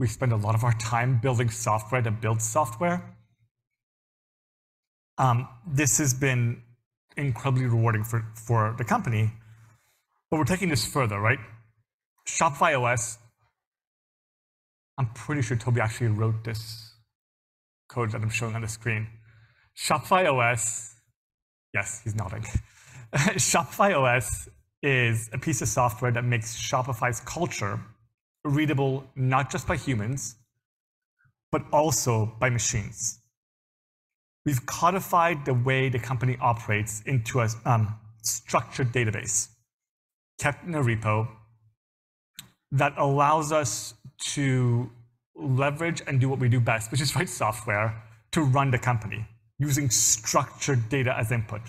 We spend a lot of our time building software to build software. This has been incredibly rewarding for the company, but we're taking this further, right? Shopify OS, I'm pretty sure Tobi actually wrote this code that I'm showing on the screen. Shopify OS... Yes, he's nodding. Shopify OS is a piece of software that makes Shopify's culture readable, not just by humans, but also by machines. We've codified the way the company operates into a structured database, kept in a repo, that allows us to leverage and do what we do best, which is write software to run the company using structured data as input.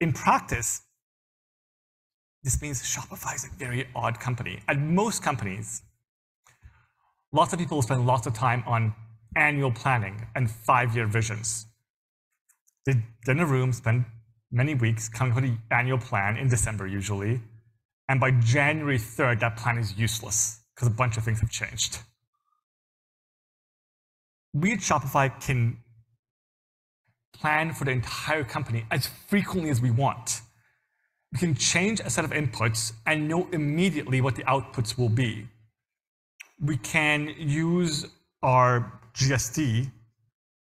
In practice, this means Shopify is a very odd company. At most companies, lots of people spend lots of time on annual planning and five-year visions. The dinosaurs spend many weeks coming up with an annual plan in December, usually, and by January third, that plan is useless because a bunch of things have changed. We at Shopify can plan for the entire company as frequently as we want. We can change a set of inputs and know immediately what the outputs will be. We can use our GSD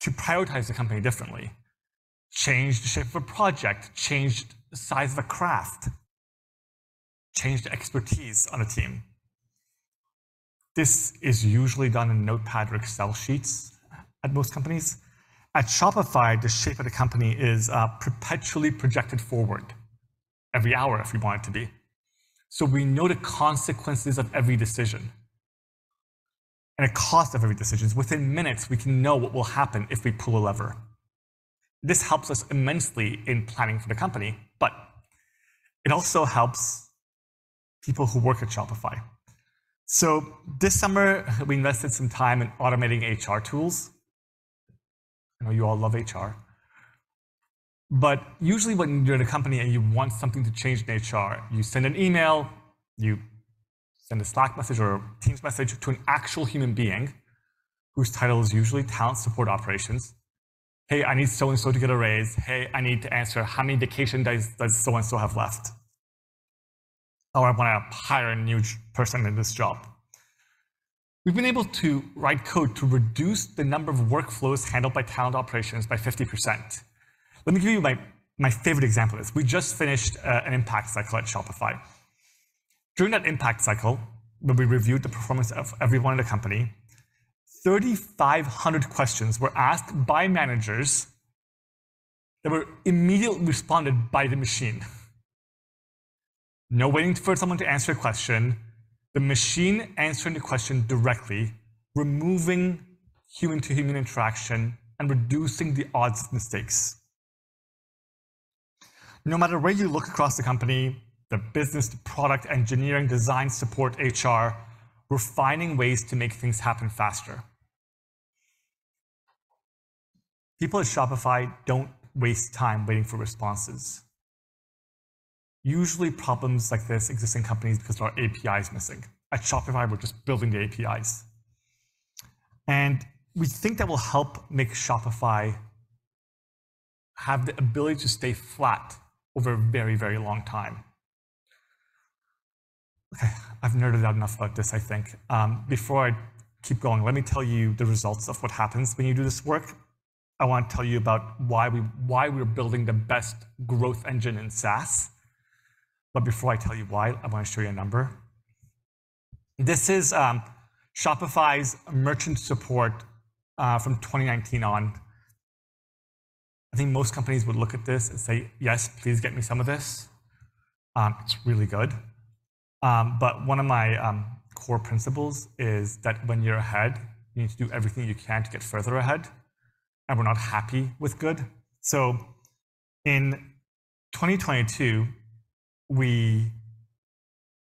to prioritize the company differently, change the shape of a project, change the size of a craft, change the expertise on a team. This is usually done in Notepad or Excel sheets at most companies. At Shopify, the shape of the company is perpetually projected forward every hour, if we want it to be. So we know the consequences of every decision and the cost of every decision. Within minutes, we can know what will happen if we pull a lever. This helps us immensely in planning for the company, but it also helps people who work at Shopify. So this summer, we invested some time in automating HR tools. I know you all love HR. But usually, when you're in a company and you want something to change in HR, you send an email, you send a Slack message or a Teams message to an actual human being, whose title is usually talent support operations. "Hey, I need so-and-so to get a raise." "Hey, I need to answer how many vacation days does so-and-so have left?" Or, "I want to hire a new person in this job." We've been able to write code to reduce the number of workflows handled by talent operations by 50%. Let me give you my favorite example is we just finished an Impact Cycle at Shopify. During that Impact Cycle, when we reviewed the performance of everyone in the company, 3,500 questions were asked by managers that were immediately responded by the machine. No waiting for someone to answer a question. The machine answering the question directly, removing human-to-human interaction and reducing the odds of mistakes. No matter where you look across the company, the business, the product, engineering, design, support, HR, we're finding ways to make things happen faster. People at Shopify don't waste time waiting for responses. Usually, problems like this exist in companies because our API is missing. At Shopify, we're just building the APIs, and we think that will help make Shopify have the ability to stay flat over a very, very long time. Okay, I've nerded out enough about this, I think. Before I keep going, let me tell you the results of what happens when you do this work. I want to tell you about why we, why we're building the best growth engine in SaaS. But before I tell you why, I want to show you a number. This is Shopify's merchant support from 2019 on. I think most companies would look at this and say, "Yes, please get me some of this." It's really good. But one of my core principles is that when you're ahead, you need to do everything you can to get further ahead, and we're not happy with good. So in 2022, we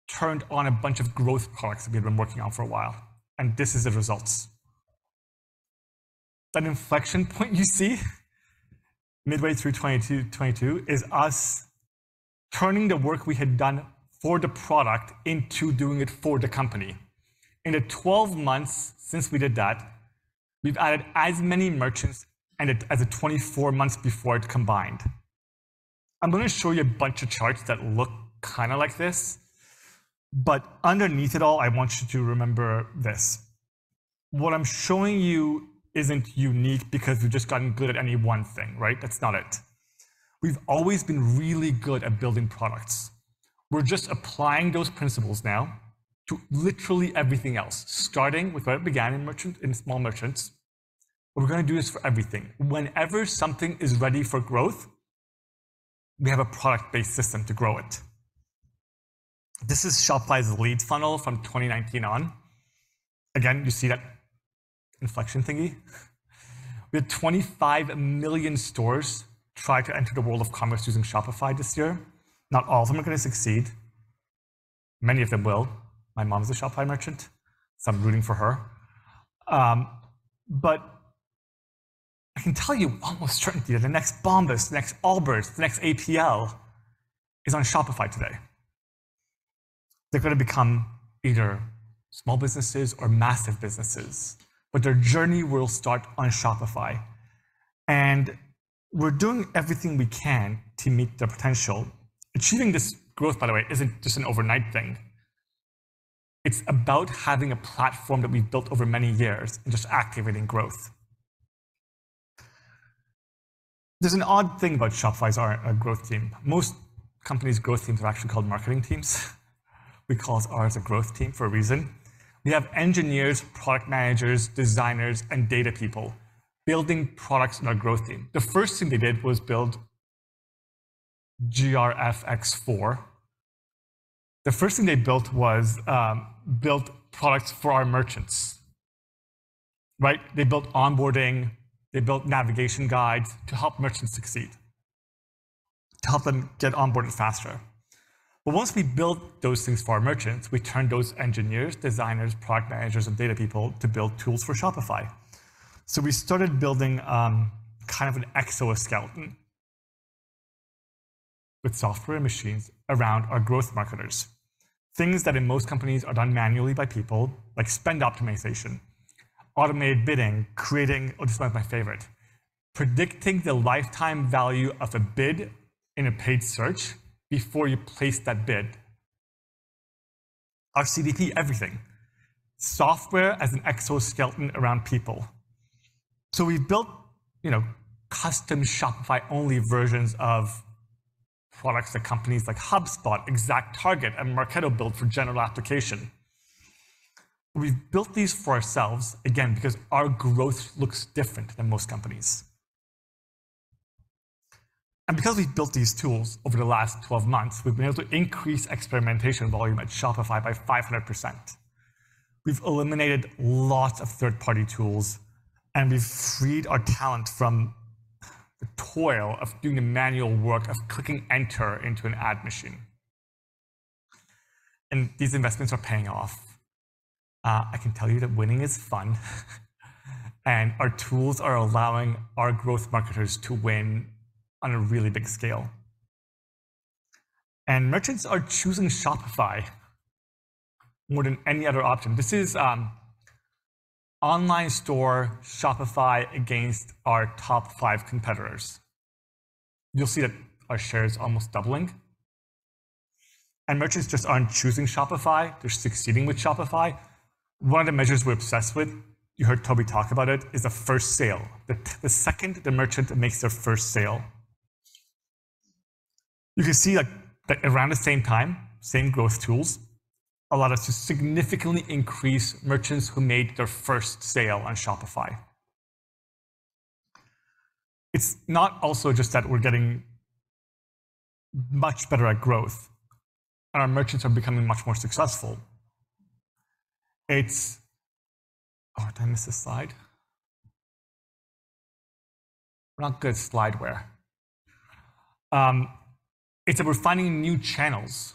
turned on a bunch of growth products that we've been working on for a while, and this is the results. That inflection point you see, midway through 2022, 2022, is us turning the work we had done for the product into doing it for the company. In the 12 months since we did that, we've added as many merchants as the 24 months before it combined. I'm going to show you a bunch of charts that look kind of like this, but underneath it all, I want you to remember this: what I'm showing you isn't unique because we've just gotten good at any one thing, right? That's not it. We've always been really good at building products. We're just applying those principles now to literally everything else, starting with where it began in merchant, in small merchants. But we're going to do this for everything. Whenever something is ready for growth, we have a product-based system to grow it. This is Shopify's lead funnel from 2019 on. Again, you see that inflection thingy. We had 25 million stores try to enter the world of commerce using Shopify this year. Not all of them are going to succeed. Many of them will. My mom's a Shopify merchant, so I'm rooting for her. But I can tell you one more strength here, the next Bombas, the next Allbirds, the next APL is on Shopify today. They're going to become either small businesses or massive businesses, but their journey will start on Shopify, and we're doing everything we can to meet their potential. Achieving this growth, by the way, isn't just an overnight thing. It's about having a platform that we've built over many years and just activating growth. There's an odd thing about Shopify's growth team. Most companies' growth teams are actually called marketing teams. We call ours a growth team for a reason. We have engineers, product managers, designers, and data people building products in our growth team. The first thing they did was build Growth X4. The first thing they built was built products for our merchants, right? They built onboarding, they built navigation guides to help merchants succeed, to help them get onboarded faster. But once we built those things for our merchants, we turned those engineers, designers, product managers, and data people to build tools for Shopify. So we started building, kind of an exoskeleton with software machines around our growth marketers. Things that in most companies are done manually by people, like spend optimization, automated bidding, creating, or this is one of my favorite, predicting the lifetime value of a bid in a paid search before you place that bid. Our CDP, everything, software as an exoskeleton around people. So we've built, you know, custom Shopify-only versions of products that companies like HubSpot, ExactTarget, and Marketo build for general application. We've built these for ourselves, again, because our growth looks different than most companies. Because we've built these tools over the last 12 months, we've been able to increase experimentation volume at Shopify by 500%. We've eliminated lots of third-party tools, and we've freed our talent from the toil of doing the manual work of clicking enter into an ad machine. These investments are paying off. I can tell you that winning is fun, and our tools are allowing our growth marketers to win on a really big scale. Merchants are choosing Shopify more than any other option. This is online store Shopify against our top 5 competitors. You'll see that our share is almost doubling. Merchants just aren't choosing Shopify, they're succeeding with Shopify. One of the measures we're obsessed with, you heard Tobi talk about it, is the first sale. The second the merchant makes their first sale. You can see, like, that around the same time, same growth tools, allowed us to significantly increase merchants who made their first sale on Shopify. It's not also just that we're getting much better at growth and our merchants are becoming much more successful. It's... Oh, did I miss this slide? We're not good slide-ware. It's that we're finding new channels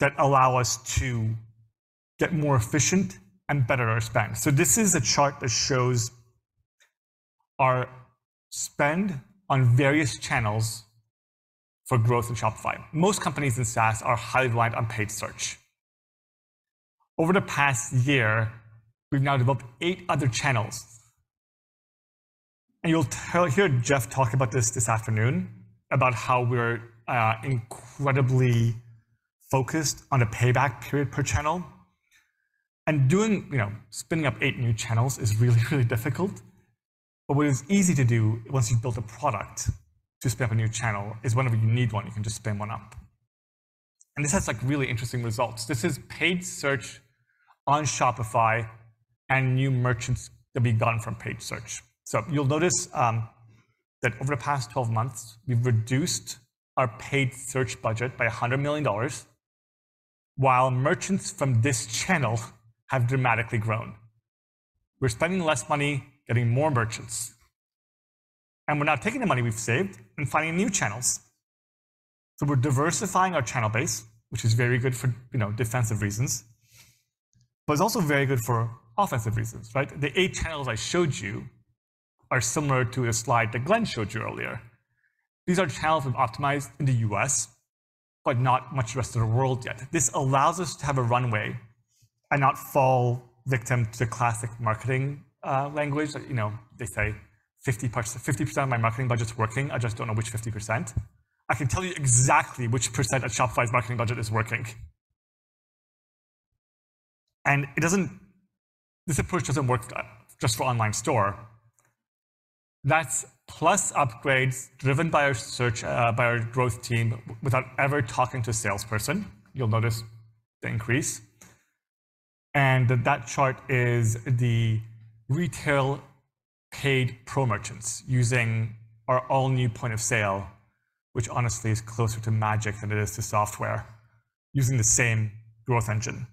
that allow us to get more efficient and better our spend. So this is a chart that shows our spend on various channels for growth in Shopify. Most companies in SaaS are highly reliant on paid search. Over the past year, we've now developed eight other channels. And you'll tell, hear Jeff talk about this this afternoon, about how we're incredibly focused on a payback period per channel. And doing, you know, spinning up eight new channels is really, really difficult. But what is easy to do once you've built a product to spin up a new channel, is whenever you need one, you can just spin one up. And this has, like, really interesting results. This is paid search on Shopify and new merchants that we've gotten from paid search. So you'll notice, that over the past 12 months, we've reduced our paid search budget by $100 million, while merchants from this channel have dramatically grown. We're spending less money getting more merchants, and we're now taking the money we've saved and finding new channels. So we're diversifying our channel base, which is very good for, you know, defensive reasons, but it's also very good for offensive reasons, right? The eight channels I showed you are similar to a slide that Glen showed you earlier. These are channels we've optimized in the U.S. But not much rest of the world yet. This allows us to have a runway and not fall victim to classic marketing language. Like, you know, they say 50%, 50% of my marketing budget's working, I just don't know which 50%. I can tell you exactly which % of Shopify's marketing budget is working. And it doesn't, this approach doesn't work just for online store. That's Plus upgrades driven by our search by our growth team, without ever talking to a salesperson, you'll notice the increase. And that chart is the retail paid pro merchants using our all-new Point of Sale, which honestly is closer to magic than it is to software, using the same growth engine.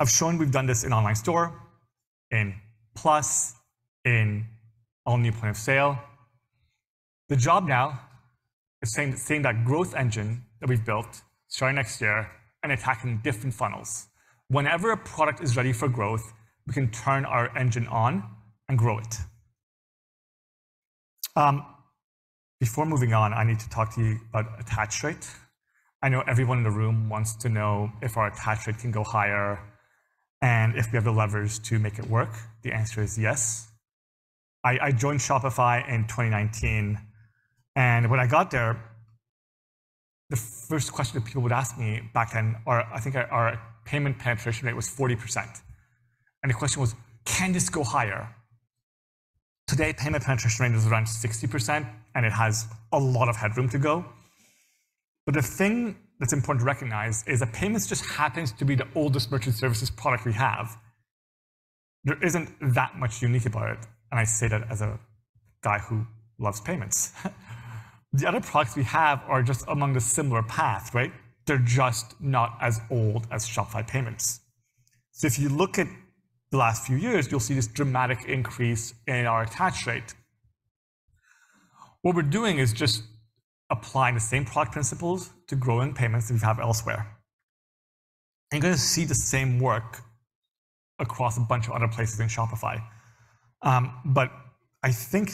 I've shown we've done this in online store, in Plus, in all-new Point of Sale. The job now is taking that growth engine that we've built, starting next year, and attacking different funnels. Whenever a product is ready for growth, we can turn our engine on and grow it. Before moving on, I need to talk to you about attach rate. I know everyone in the room wants to know if our attach rate can go higher and if we have the levers to make it work. The answer is yes. I joined Shopify in 2019, and when I got there, the first question that people would ask me back then, I think our payment penetration rate was 40%, and the question was: "Can this go higher?" Today, payment penetration rate is around 60%, and it has a lot of headroom to go. But the thing that's important to recognize is that payments just happens to be the oldest merchant services product we have. There isn't that much unique about it, and I say that as a guy who loves payments. The other products we have are just among a similar path, right? They're just not as old as Shopify Payments. So if you look at the last few years, you'll see this dramatic increase in our attach rate. What we're doing is just applying the same product principles to growing payments that we have elsewhere. You're gonna see the same work across a bunch of other places in Shopify. But I think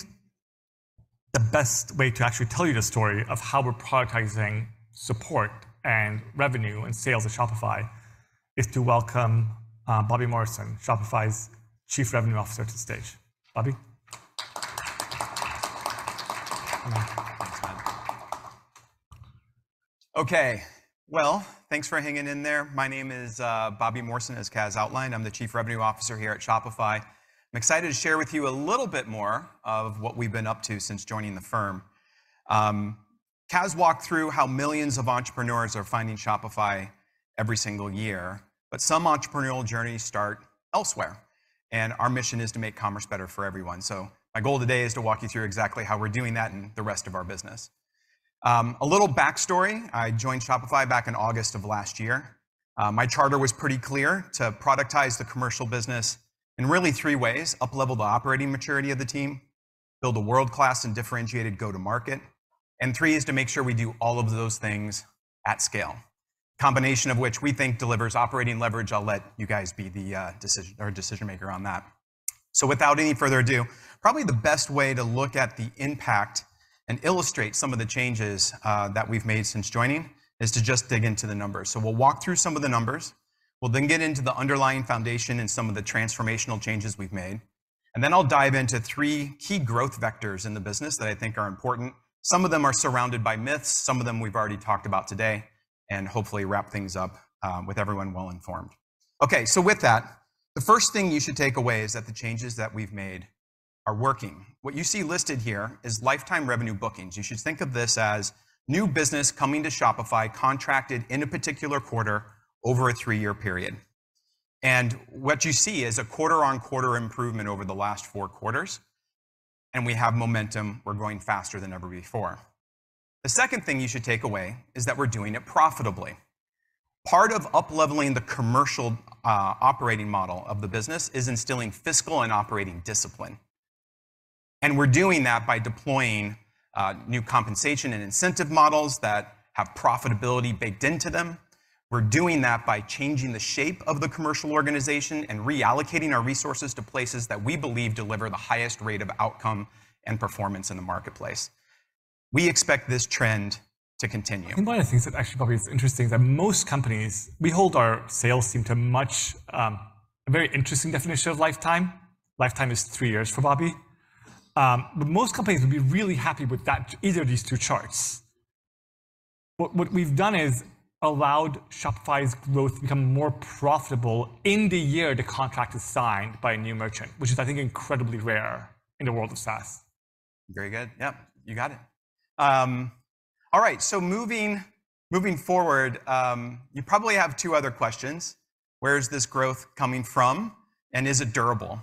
the best way to actually tell you the story of how we're productizing support and revenue and sales at Shopify is to welcome Bobby Morrison, Shopify's Chief Revenue Officer, to the stage. Bobby? Thanks, man. Okay, well, thanks for hanging in there. My name is Bobby Morrison. As Kaz outlined, I'm the Chief Revenue Officer here at Shopify. I'm excited to share with you a little bit more of what we've been up to since joining the firm. Kaz walked through how millions of entrepreneurs are finding Shopify every single year, but some entrepreneurial journeys start elsewhere, and our mission is to make commerce better for everyone. So my goal today is to walk you through exactly how we're doing that in the rest of our business. A little backstory, I joined Shopify back in August of last year. My charter was pretty clear: to productize the commercial business in really three ways, uplevel the operating maturity of the team, build a world-class and differentiated go-to-market, and three is to make sure we do all of those things at scale. Combination of which we think delivers operating leverage. I'll let you guys be the decision or decision-maker on that. Without any further ado, probably the best way to look at the impact and illustrate some of the changes that we've made since joining is to just dig into the numbers. We'll walk through some of the numbers. We'll then get into the underlying foundation and some of the transformational changes we've made. Then I'll dive into three key growth vectors in the business that I think are important. Some of them are surrounded by myths, some of them we've already talked about today, and hopefully wrap things up with everyone well informed. Okay, so with that, the first thing you should take away is that the changes that we've made are working. What you see listed here is lifetime revenue bookings. You should think of this as new business coming to Shopify, contracted in a particular quarter over a three-year period. And what you see is a quarter-on-quarter improvement over the last four quarters, and we have momentum. We're growing faster than ever before. The second thing you should take away is that we're doing it profitably. Part of upleveling the commercial operating model of the business is instilling fiscal and operating discipline, and we're doing that by deploying new compensation and incentive models that have profitability baked into them. We're doing that by changing the shape of the commercial organization and reallocating our resources to places that we believe deliver the highest rate of outcome and performance in the marketplace. We expect this trend to continue. One of the things that actually, Bobby, is interesting is that most companies, we hold our sales team to much, a very interesting definition of lifetime. Lifetime is three years for Bobby. But most companies would be really happy with that, either of these two charts. What we've done is allowed Shopify's growth to become more profitable in the year the contract is signed by a new merchant, which is, I think, incredibly rare in the world of SaaS. Very good. Yep, you got it. All right, so moving forward, you probably have two other questions: Where is this growth coming from, and is it durable?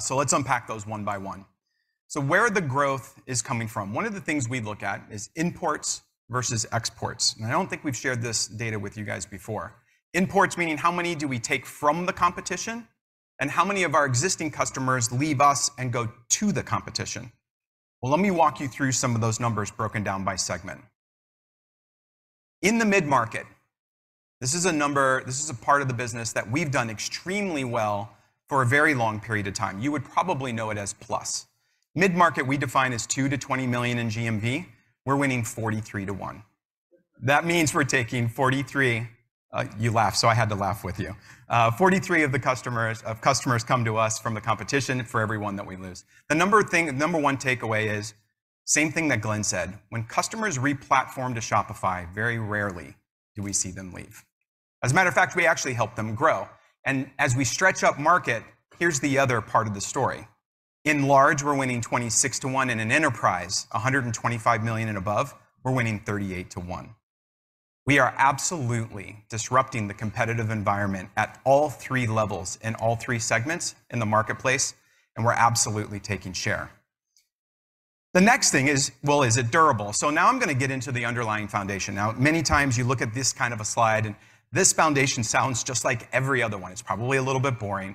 So let's unpack those one by one. So where the growth is coming from, one of the things we look at is imports versus exports. And I don't think we've shared this data with you guys before. Imports, meaning how many do we take from the competition, and how many of our existing customers leave us and go to the competition? Well, let me walk you through some of those numbers, broken down by segment.... In the mid-market this is a number, this is a part of the business that we've done extremely well for a very long period of time. You would probably know it as Plus. Mid-market, we define as $2 million-$20 million in GMV, we're winning 43-1. That means we're taking 43, you laughed, so I had to laugh with you. 43 of the customers, of customers come to us from the competition for every one that we lose. The number one takeaway is same thing that Glen said, when customers re-platform to Shopify, very rarely do we see them leave. As a matter of fact, we actually help them grow, and as we stretch up market, here's the other part of the story. In large, we're winning 26-1, and in enterprise, $125 million and above, we're winning 38-1. We are absolutely disrupting the competitive environment at all three levels in all three segments in the marketplace, and we're absolutely taking share. The next thing is, well, is it durable? So now I'm gonna get into the underlying foundation. Now, many times you look at this kind of a slide, and this foundation sounds just like every other one. It's probably a little bit boring,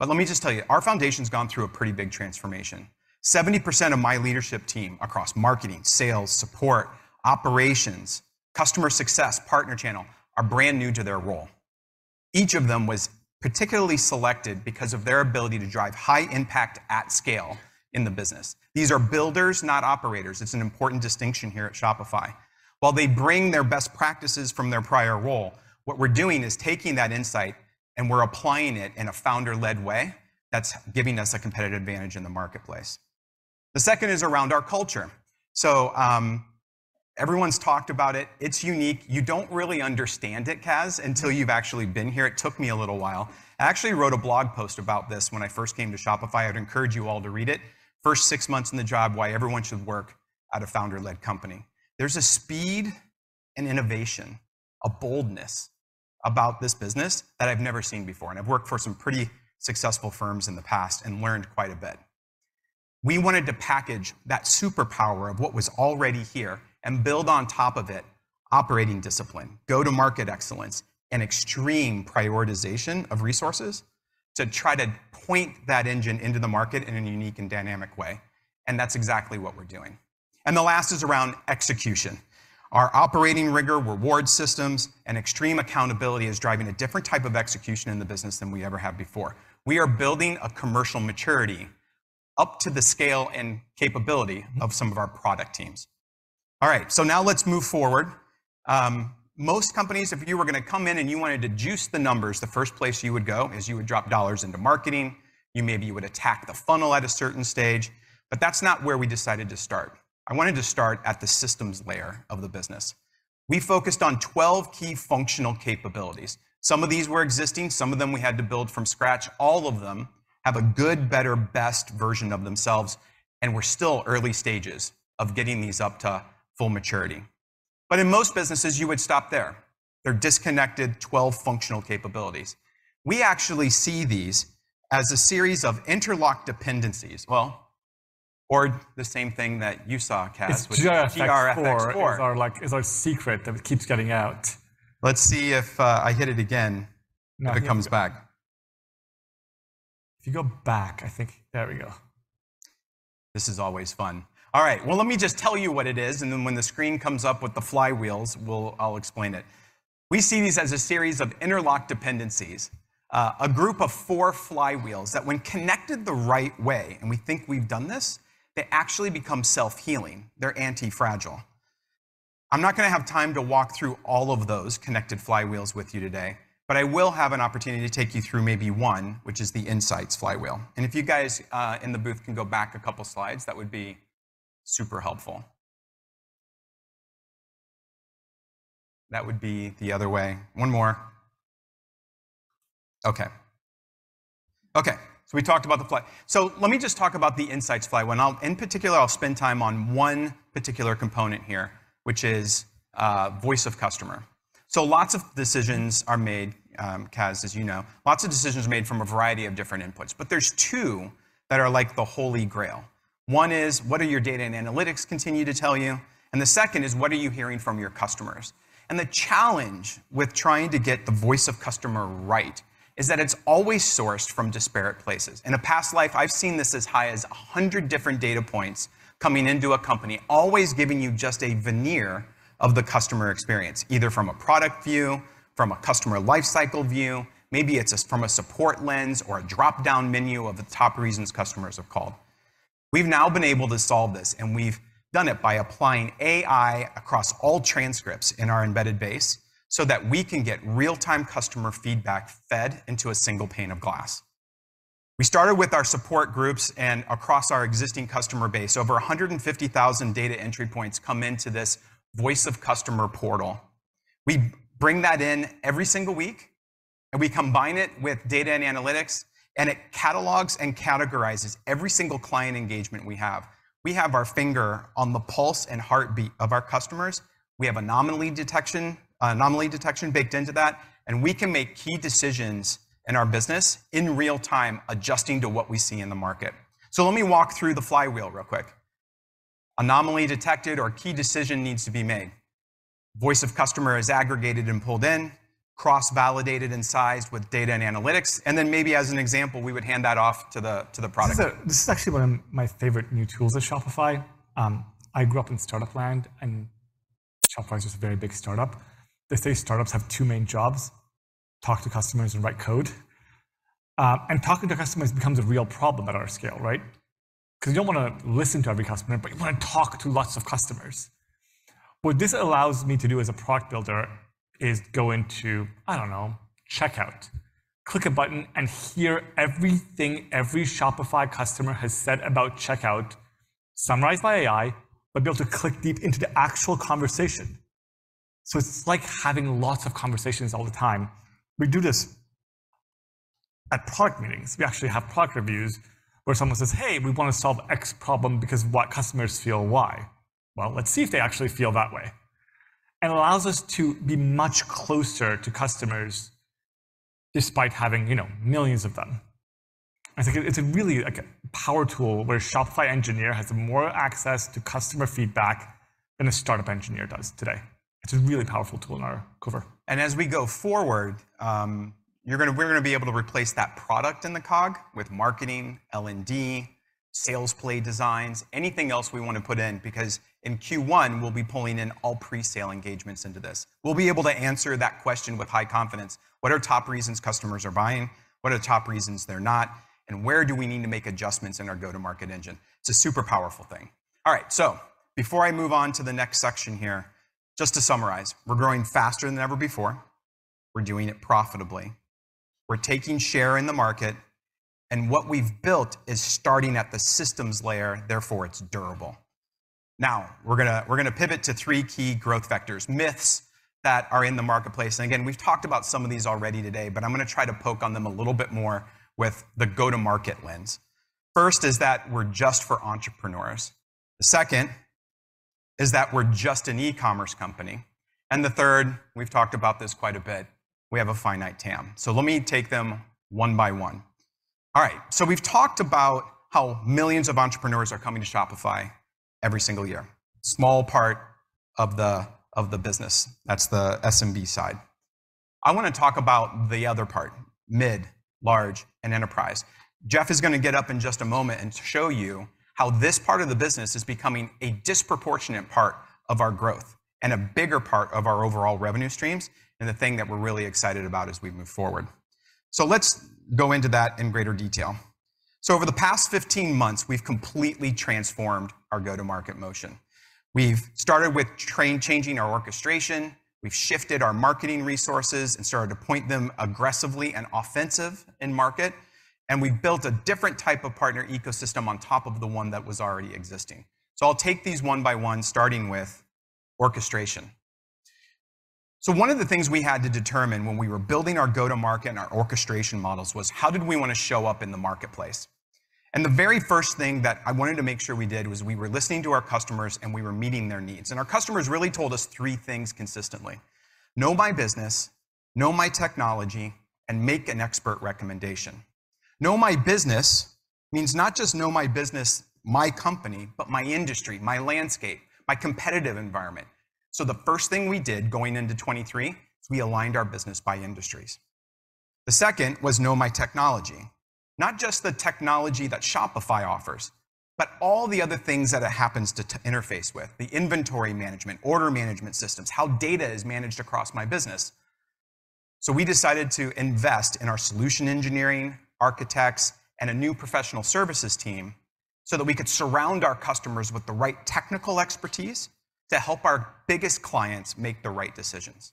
but let me just tell you, our foundation's gone through a pretty big transformation. 70% of my leadership team across marketing, sales, support, operations, customer success, partner channel, are brand new to their role. Each of them was particularly selected because of their ability to drive high impact at scale in the business. These are builders, not operators. It's an important distinction here at Shopify. While they bring their best practices from their prior role, what we're doing is taking that insight, and we're applying it in a founder-led way that's giving us a competitive advantage in the marketplace. The second is around our culture, so everyone's talked about it. It's unique. You don't really understand it, Kaz, until you've actually been here. It took me a little while. I actually wrote a blog post about this when I first came to Shopify. I'd encourage you all to read it. "First six months in the job, why everyone should work at a founder-led company." There's a speed and innovation, a boldness about this business that I've never seen before, and I've worked for some pretty successful firms in the past and learned quite a bit. We wanted to package that superpower of what was already here and build on top of it operating discipline, go-to-market excellence, and extreme prioritization of resources to try to point that engine into the market in a unique and dynamic way, and that's exactly what we're doing. The last is around execution. Our operating rigor, reward systems, and extreme accountability is driving a different type of execution in the business than we ever have before. We are building a commercial maturity up to the scale and capability of some of our product teams. All right, so now let's move forward. Most companies, if you were gonna come in and you wanted to juice the numbers, the first place you would go is you would drop dollars into marketing. You maybe you would attack the funnel at a certain stage, but that's not where we decided to start. I wanted to start at the systems layer of the business. We focused on 12 key functional capabilities. Some of these were existing, some of them we had to build from scratch. All of them have a good, better, best version of themselves, and we're still early stages of getting these up to full maturity. But in most businesses, you would stop there. They're disconnected, 12 functional capabilities. We actually see these as a series of interlocked dependencies. Well, or the same thing that you saw, Kaz- It's Growth X4- Growth X4 is our, like, is our secret that keeps getting out. Let's see if I hit it again, if it comes back. If you go back, I think... There we go. This is always fun. All right, well, let me just tell you what it is, and then when the screen comes up with the flywheels, we'll- I'll explain it. We see these as a series of interlocked dependencies, a group of four flywheels that when connected the right way, and we think we've done this, they actually become self-healing. They're anti-fragile. I'm not gonna have time to walk through all of those connected flywheels with you today, but I will have an opportunity to take you through maybe one, which is the insights flywheel. And if you guys in the booth can go back a couple of slides, that would be super helpful. That would be the other way. One more. Okay. Okay, so we talked about, so let me just talk about the insights flywheel. Now, in particular, I'll spend time on one particular component here, which is, Voice of Customer. So lots of decisions are made, Kaz, as you know, lots of decisions are made from a variety of different inputs, but there's two that are like the Holy Grail. One is, what are your data and analytics continue to tell you? And the second is, what are you hearing from your customers? And the challenge with trying to get the Voice of Customer right is that it's always sourced from disparate places. In a past life, I've seen this as high as 100 different data points coming into a company, always giving you just a veneer of the customer experience, either from a product view, from a customer lifecycle view, maybe it's from a support lens or a drop-down menu of the top reasons customers have called. We've now been able to solve this, and we've done it by applying AI across all transcripts in our embedded base so that we can get real-time customer feedback fed into a single pane of glass. We started with our support groups and across our existing customer base. Over 150,000 data entry points come into this voice-of-customer portal. We bring that in every single week, and we combine it with data and analytics, and it catalogs and categorizes every single client engagement we have. We have our finger on the pulse and heartbeat of our customers. We have anomaly detection baked into that, and we can make key decisions in our business in real time, adjusting to what we see in the market. So let me walk through the flywheel real quick. Anomaly detected or key decision needs to be made. Voice of customer is aggregated and pulled in, cross-validated and sized with data and analytics, and then maybe as an example, we would hand that off to the, to the product. This is actually one of my favorite new tools at Shopify. I grew up in startup land, and Shopify is just a very big startup. They say startups have two main jobs: talk to customers and write code. Talking to customers becomes a real problem at our scale, right? 'Cause you don't want to listen to every customer, but you want to talk to lots of customers. What this allows me to do as a product builder is go into, I don't know, checkout, click a button, and hear everything every Shopify customer has said about checkout, summarized by AI, but be able to click deep into the actual conversation. So it's like having lots of conversations all the time. We do this at product meetings. We actually have product reviews where someone says: "Hey, we want to solve X problem because Y customers feel Y." Well, let's see if they actually feel that way. It allows us to be much closer to customers despite having, you know, millions of them. I think it's a really, like a power tool, where a Shopify engineer has more access to customer feedback than a startup engineer does today. It's a really powerful tool in our quiver. As we go forward, we're gonna be able to replace that product in the cog with marketing, L&D, sales play designs, anything else we want to put in, because in Q1, we'll be pulling in all pre-sale engagements into this. We'll be able to answer that question with high confidence: What are top reasons customers are buying? What are the top reasons they're not, and where do we need to make adjustments in our go-to-market engine? It's a super powerful thing. All right, so before I move on to the next section here, just to summarize, we're growing faster than ever before. We're doing it profitably. We're taking share in the market, and what we've built is starting at the systems layer, therefore, it's durable. Now, we're gonna, we're gonna pivot to three key growth vectors, myths that are in the marketplace. Again, we've talked about some of these already today, but I'm gonna try to poke on them a little bit more with the go-to-market lens. First is that we're just for entrepreneurs. The second is that we're just an e-commerce company, and the third, we've talked about this quite a bit, we have a finite TAM. So let me take them one by one. All right, so we've talked about how millions of entrepreneurs are coming to Shopify every single year. Small part of the business, that's the SMB side. I want to talk about the other part, mid, large, and enterprise. Jeff is going to get up in just a moment and show you how this part of the business is becoming a disproportionate part of our growth and a bigger part of our overall revenue streams, and the thing that we're really excited about as we move forward. So let's go into that in greater detail. So over the past 15 months, we've completely transformed our go-to-market motion. We've started with transforming our orchestration, we've shifted our marketing resources and started to point them aggressively and offensively in market, and we've built a different type of partner ecosystem on top of the one that was already existing. So I'll take these one by one, starting with orchestration. So one of the things we had to determine when we were building our go-to-market and our orchestration models was: how did we want to show up in the marketplace? The very first thing that I wanted to make sure we did was we were listening to our customers, and we were meeting their needs. Our customers really told us three things consistently: know my business, know my technology, and make an expert recommendation. Know my business means not just know my business, my company, but my industry, my landscape, my competitive environment. The first thing we did going into 2023 is we aligned our business by industries. The second was know my technology. Not just the technology that Shopify offers, but all the other things that it happens to to interface with, the inventory management, order management systems, how data is managed across my business. So we decided to invest in our Solution Engineering, architects, and a new Professional Services team so that we could surround our customers with the right technical expertise to help our biggest clients make the right decisions.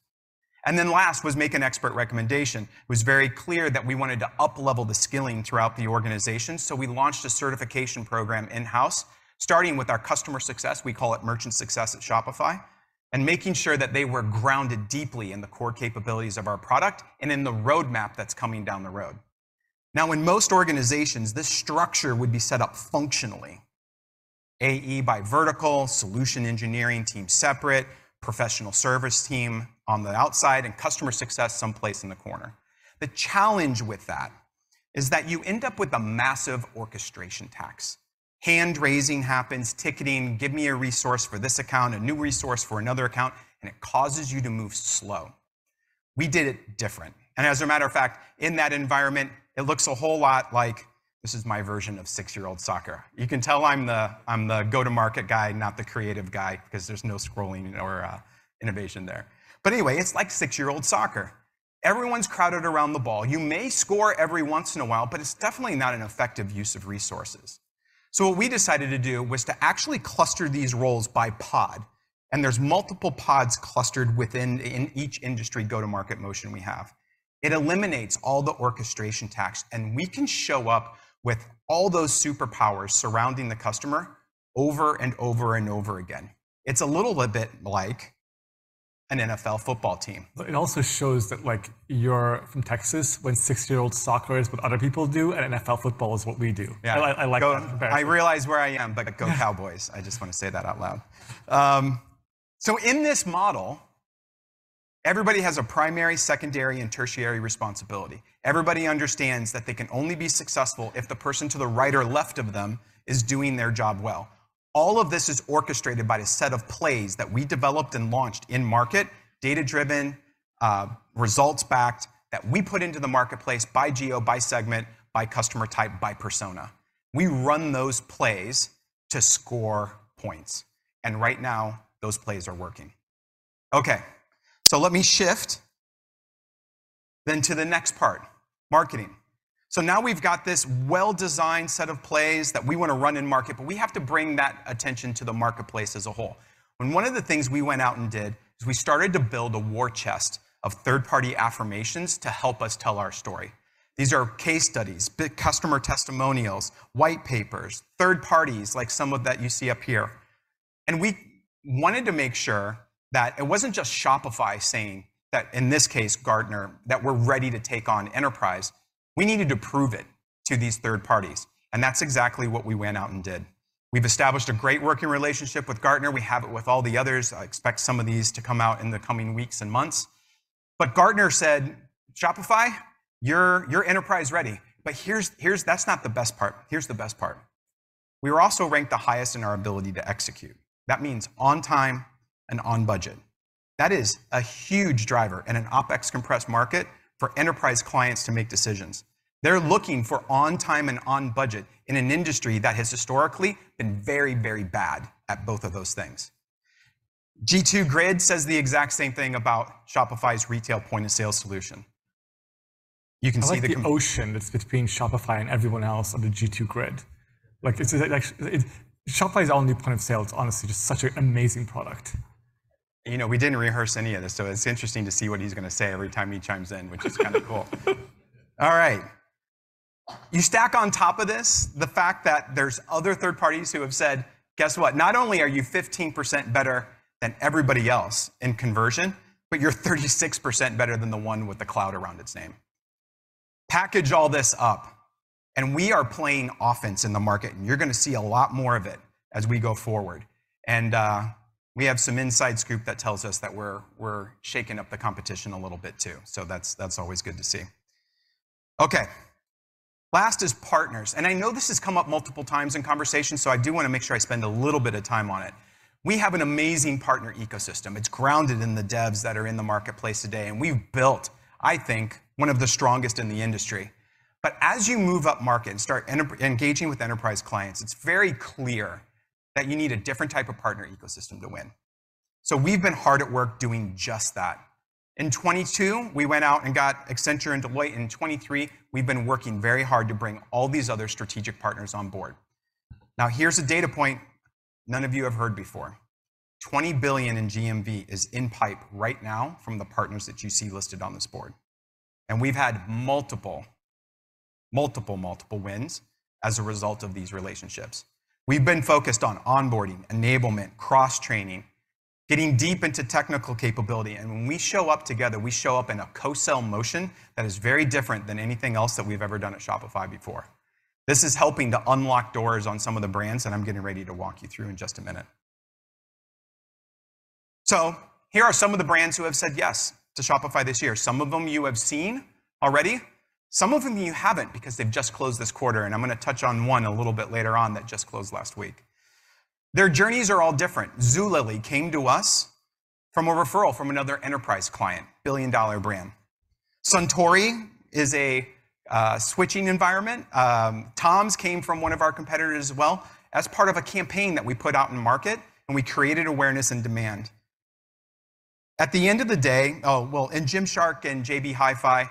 And then last was make an expert recommendation. It was very clear that we wanted to uplevel the skilling throughout the organization, so we launched a certification program in-house, starting with our customer success, we call it Merchant Success at Shopify, and making sure that they were grounded deeply in the core capabilities of our product and in the roadmap that's coming down the road. Now, in most organizations, this structure would be set up functionally, AE by vertical, Solution Engineering team separate, professional service team on the outside, and customer success someplace in the corner. The challenge with that is that you end up with a massive orchestration tax. Hand-raising happens, ticketing, give me a resource for this account, a new resource for another account, and it causes you to move slow. We did it different. And as a matter of fact, in that environment, it looks a whole lot like this is my version of six-year-old soccer. You can tell I'm the, I'm the go-to-market guy, not the creative guy, because there's no scrolling or, innovation there. But anyway, it's like six-year-old soccer. Everyone's crowded around the ball. You may score every once in a while, but it's definitely not an effective use of resources. So what we decided to do was to actually cluster these roles by pod, and there's multiple pods clustered within, in each industry go-to-market motion we have. It eliminates all the orchestration tasks, and we can show up with all those superpowers surrounding the customer over and over and over again. It's a little bit like an NFL football team. But it also shows that, like, you're from Texas, when six-year-old soccer is what other people do, and NFL football is what we do. Yeah. I like that better. I realize where I am, but go Cowboys! I just want to say that out loud. So in this model, everybody has a primary, secondary, and tertiary responsibility. Everybody understands that they can only be successful if the person to the right or left of them is doing their job well.... All of this is orchestrated by a set of plays that we developed and launched in market, data-driven, results-backed, that we put into the marketplace by geo, by segment, by customer type, by persona. We run those plays to score points, and right now, those plays are working. Okay, so let me shift then to the next part, marketing. So now we've got this well-designed set of plays that we want to run in market, but we have to bring that attention to the marketplace as a whole. One of the things we went out and did is we started to build a war chest of third-party affirmations to help us tell our story. These are case studies, big customer testimonials, white papers, third parties, like some of that you see up here. We wanted to make sure that it wasn't just Shopify saying that, in this case, Gartner, that we're ready to take on enterprise. We needed to prove it to these third parties, and that's exactly what we went out and did. We've established a great working relationship with Gartner. We have it with all the others. I expect some of these to come out in the coming weeks and months. But Gartner said, "Shopify, you're enterprise ready." But here's, that's not the best part. Here's the best part. We were also ranked the highest in our ability to execute. That means on time and on budget. That is a huge driver in an OpEx-compressed market for enterprise clients to make decisions. They're looking for on time and on budget in an industry that has historically been very, very bad at both of those things. G2 Grid says the exact same thing about Shopify's retail point-of-sale solution. You can see the- I like the ocean that's between Shopify and everyone else on the G2 Grid. Like, Shopify's all-new point of sale is honestly just such an amazing product. You know, we didn't rehearse any of this, so it's interesting to see what he's gonna say every time he chimes in, which is kind of cool. All right. You stack on top of this, the fact that there's other third parties who have said, "Guess what? Not only are you 15% better than everybody else in conversion, but you're 36% better than the one with the cloud around its name." Package all this up, and we are playing offense in the market, and you're gonna see a lot more of it as we go forward. And we have some inside scoop that tells us that we're shaking up the competition a little bit, too. So that's always good to see. Okay. Last is partners, and I know this has come up multiple times in conversation, so I do want to make sure I spend a little bit of time on it. We have an amazing partner ecosystem. It's grounded in the devs that are in the marketplace today, and we've built, I think, one of the strongest in the industry. But as you move up market and start engaging with enterprise clients, it's very clear that you need a different type of partner ecosystem to win. So we've been hard at work doing just that. In 2022, we went out and got Accenture and Deloitte. In 2023, we've been working very hard to bring all these other strategic partners on board. Now, here's a data point none of you have heard before. $20 billion in GMV is in pipe right now from the partners that you see listed on this board, and we've had multiple, multiple, multiple wins as a result of these relationships. We've been focused on onboarding, enablement, cross-training, getting deep into technical capability, and when we show up together, we show up in a co-sell motion that is very different than anything else that we've ever done at Shopify before. This is helping to unlock doors on some of the brands, and I'm getting ready to walk you through in just a minute. So here are some of the brands who have said yes to Shopify this year. Some of them you have seen already, some of them you haven't because they've just closed this quarter, and I'm gonna touch on one a little bit later on that just closed last week. Their journeys are all different. Zulily came to us from a referral from another enterprise client, billion-dollar brand. Suntory is a switching environment. TOMS came from one of our competitors as well, as part of a campaign that we put out in the market, and we created awareness and demand. At the end of the day... Oh, well, and Gymshark and JB Hi-Fi,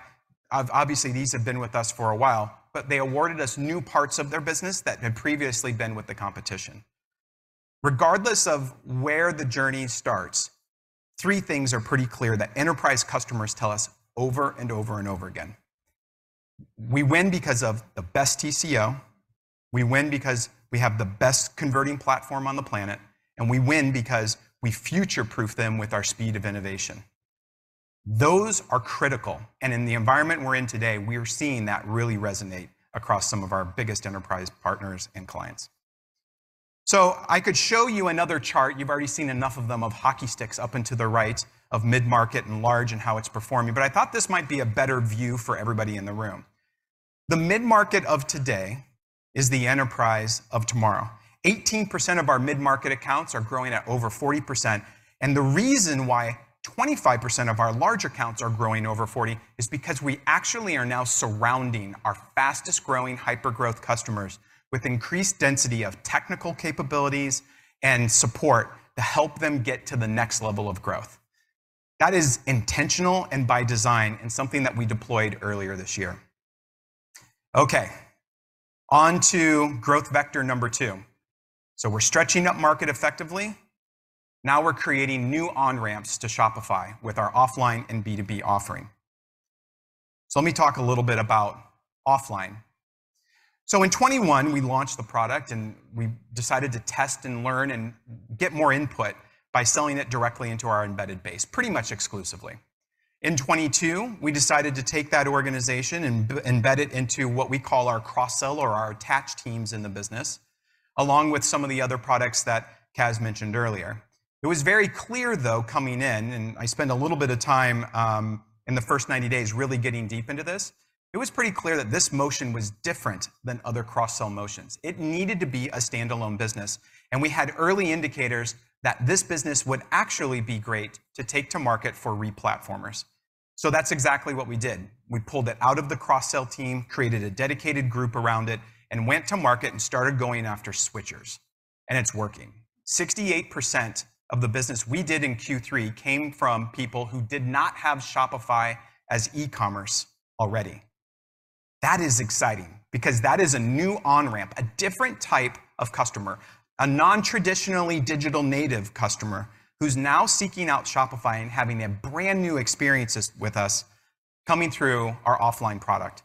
obviously, these have been with us for a while, but they awarded us new parts of their business that had previously been with the competition. Regardless of where the journey starts, three things are pretty clear that enterprise customers tell us over and over and over again: we win because of the best TCO, we win because we have the best converting platform on the planet, and we win because we future-proof them with our speed of innovation. Those are critical, and in the environment we're in today, we are seeing that really resonate across some of our biggest enterprise partners and clients. So I could show you another chart, you've already seen enough of them, of hockey sticks up into the right of mid-market and large and how it's performing, but I thought this might be a better view for everybody in the room. The mid-market of today is the enterprise of tomorrow. 18% of our mid-market accounts are growing at over 40%, and the reason why 25% of our large accounts are growing over 40% is because we actually are now surrounding our fastest-growing hyper-growth customers with increased density of technical capabilities and support to help them get to the next level of growth. That is intentional and by design, and something that we deployed earlier this year. Okay, on to growth vector number 2. So we're stretching up market effectively. Now we're creating new on-ramps to Shopify with our offline and B2B offering. So let me talk a little bit about offline. So in 2021, we launched the product, and we decided to test and learn and get more input by selling it directly into our embedded base, pretty much exclusively. In 2022, we decided to take that organization and embed it into what we call our cross-sell or our attach teams in the business, along with some of the other products that Kaz mentioned earlier. It was very clear, though, coming in, and I spent a little bit of time in the first 90 days really getting deep into this. It was pretty clear that this motion was different than other cross-sell motions. It needed to be a standalone business, and we had early indicators that this business would actually be great to take to market for re-platformers. That's exactly what we did. We pulled it out of the cross-sell team, created a dedicated group around it, and went to market and started going after switchers, and it's working. 68% of the business we did in Q3 came from people who did not have Shopify as e-commerce already. That is exciting because that is a new on-ramp, a different type of customer, a non-traditionally digital native customer who's now seeking out Shopify and having a brand new experiences with us coming through our offline product.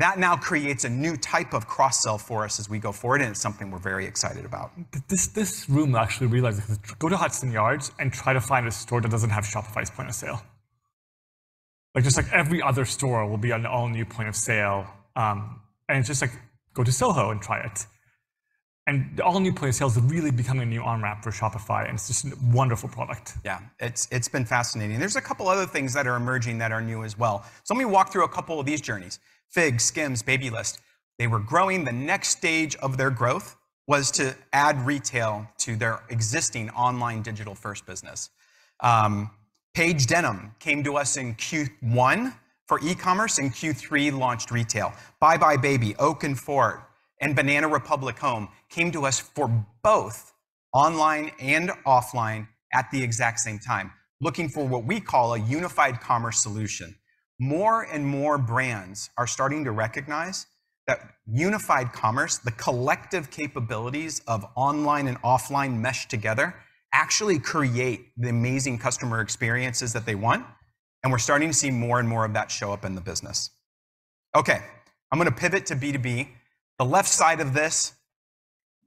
That now creates a new type of cross-sell for us as we go forward, and it's something we're very excited about. But this, this room actually realizes this. Go to Hudson Yards and try to find a store that doesn't have Shopify's point of sale. Like, just like every other store will be on the all-new point of sale, and it's just like, go to SoHo and try it. And the all-new Point of Sale is really becoming a new on-ramp for Shopify, and it's just a wonderful product. Yeah, it's, it's been fascinating. There's a couple other things that are emerging that are new as well. So let me walk through a couple of these journeys. FIGS, SKIMS, Babylist, they were growing. The next stage of their growth was to add retail to their existing online digital-first business. Paige Denim came to us in Q1 for e-commerce, in Q3, launched retail. buybuy BABY, Oak + Fort, and Banana Republic Home came to us for both online and offline at the exact same time, looking for what we call a unified commerce solution. More and more brands are starting to recognize that unified commerce, the collective capabilities of online and offline meshed together, actually create the amazing customer experiences that they want, and we're starting to see more and more of that show up in the business. Okay, I'm gonna pivot to B2B. The left side of this,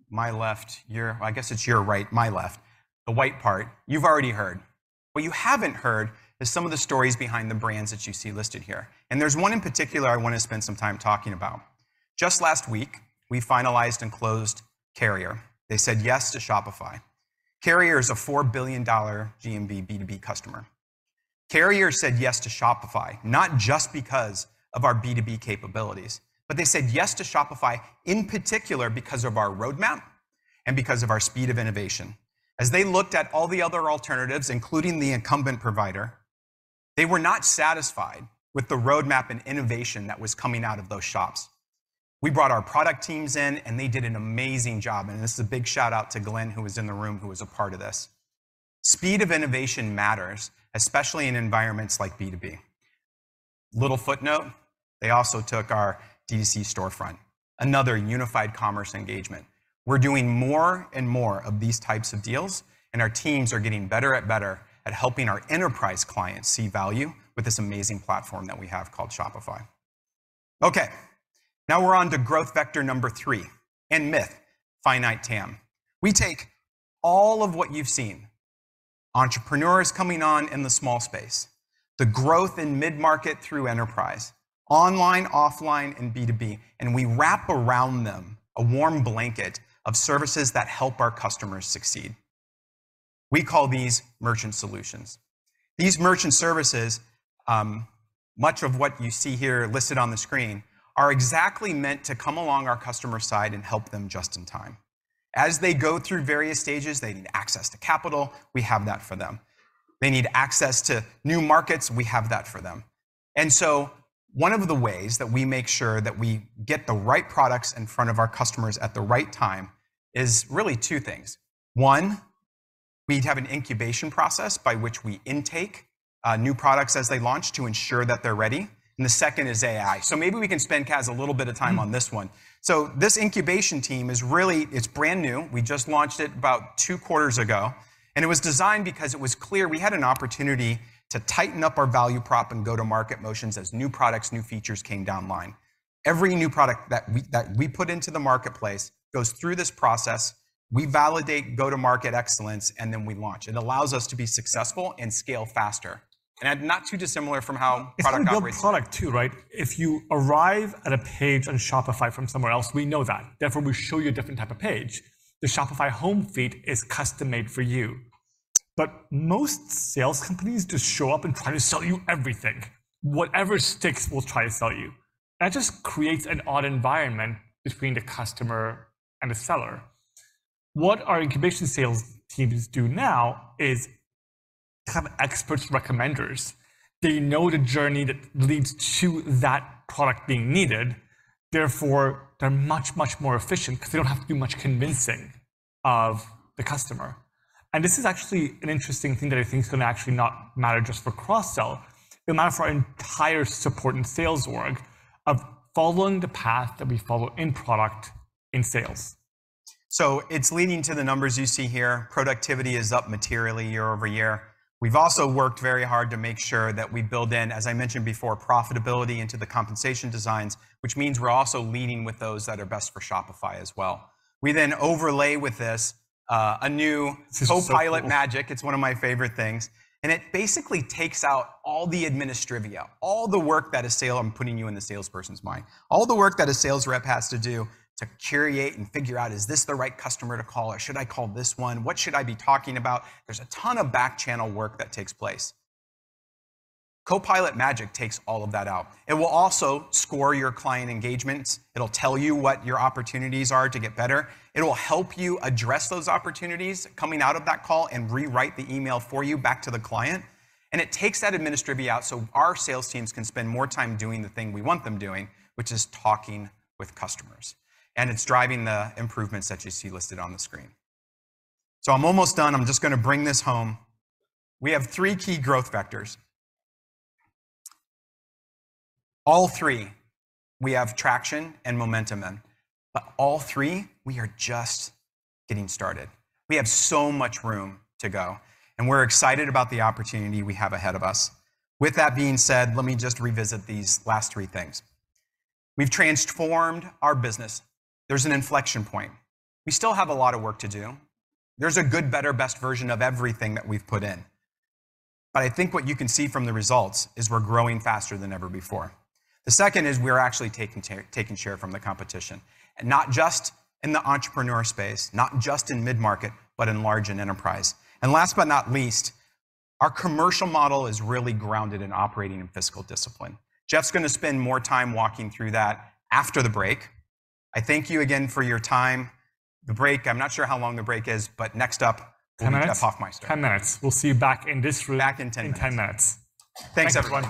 my left, your- I guess it's your right, my left, the white part you've already heard. What you haven't heard is some of the stories behind the brands that you see listed here, and there's one in particular I want to spend some time talking about. Just last week, we finalized and closed Carrier. They said yes to Shopify. Carrier is a $4 billion GMV B2B customer. Carrier said yes to Shopify, not just because of our B2B capabilities, but they said yes to Shopify, in particular, because of our roadmap and because of our speed of innovation. As they looked at all the other alternatives, including the incumbent provider, they were not satisfied with the roadmap and innovation that was coming out of those shops. We brought our product teams in, and they did an amazing job, and this is a big shout-out to Glen, who is in the room, who was a part of this. Speed of innovation matters, especially in environments like B2B. Little footnote, they also took our DTC storefront, another unified commerce engagement. We're doing more and more of these types of deals, and our teams are getting better and better at helping our enterprise clients see value with this amazing platform that we have called Shopify. Okay, now we're on to growth vector number 3, and myth, finite TAM. We take all of what you've seen, entrepreneurs coming on in the small space, the growth in mid-market through enterprise, online, offline, and B2B, and we wrap around them a warm blanket of services that help our customers succeed. We call these Merchant Solutions. These merchant services, much of what you see here listed on the screen, are exactly meant to come along our customer side and help them just in time. As they go through various stages, they need access to capital, we have that for them. They need access to new markets, we have that for them. And so one of the ways that we make sure that we get the right products in front of our customers at the right time is really two things: One, we have an incubation process by which we intake new products as they launch to ensure that they're ready, and the second is AI. So maybe we can spend, Kaz, a little bit of time on this one. So this incubation team is really... It's brand new. We just launched it about two quarters ago, and it was designed because it was clear we had an opportunity to tighten up our value prop and go-to-market motions as new products, new features came down the line. Every new product that we put into the marketplace goes through this process. We validate, go-to-market excellence, and then we launch. It allows us to be successful and scale faster, and not too dissimilar from how product operates. It's a good product, too, right? If you arrive at a page on Shopify from somewhere else, we know that. Therefore, we show you a different type of page. The Shopify home feed is custom-made for you. But most sales companies just show up and try to sell you everything. Whatever sticks, we'll try to sell you. That just creates an odd environment between the customer and the seller. What our incubation sales teams do now is have expert recommenders. They know the journey that leads to that product being needed, therefore, they're much, much more efficient because they don't have to do much convincing of the customer. And this is actually an interesting thing that I think is going to actually not matter just for cross-sell. It will matter for our entire support and sales org of following the path that we follow in product, in sales. So it's leading to the numbers you see here. Productivity is up materially year over year. We've also worked very hard to make sure that we build in, as I mentioned before, profitability into the compensation designs, which means we're also leading with those that are best for Shopify as well. We then overlay with this, a new- This is so cool. Copilot Magic. It's one of my favorite things, and it basically takes out all the administrivia, all the work. I'm putting you in the salesperson's mind. All the work that a sales rep has to do to curate and figure out, is this the right customer to call, or should I call this one? What should I be talking about? There's a ton of back-channel work that takes place.... Copilot Magic takes all of that out. It will also score your client engagements. It'll tell you what your opportunities are to get better. It will help you address those opportunities coming out of that call and rewrite the email for you back to the client, and it takes that administrative out, so our sales teams can spend more time doing the thing we want them doing, which is talking with customers, and it's driving the improvements that you see listed on the screen. So I'm almost done. I'm just gonna bring this home. We have three key growth vectors. All three, we have traction and momentum in, but all three, we are just getting started. We have so much room to go, and we're excited about the opportunity we have ahead of us. With that being said, let me just revisit these last three things. We've transformed our business. There's an inflection point. We still have a lot of work to do. There's a good, better, best version of everything that we've put in. But I think what you can see from the results is we're growing faster than ever before. The second is we're actually taking share, taking share from the competition, and not just in the entrepreneur space, not just in mid-market, but in large and enterprise. And last but not least, our commercial model is really grounded in operating and fiscal discipline. Jeff's gonna spend more time walking through that after the break. I thank you again for your time. The break, I'm not sure how long the break is, but next up will be Jeff Hoffmeister. 10 minutes. 10 minutes. We'll see you back in this room- Back in 10 minutes.... in 10 minutes. Thanks, everyone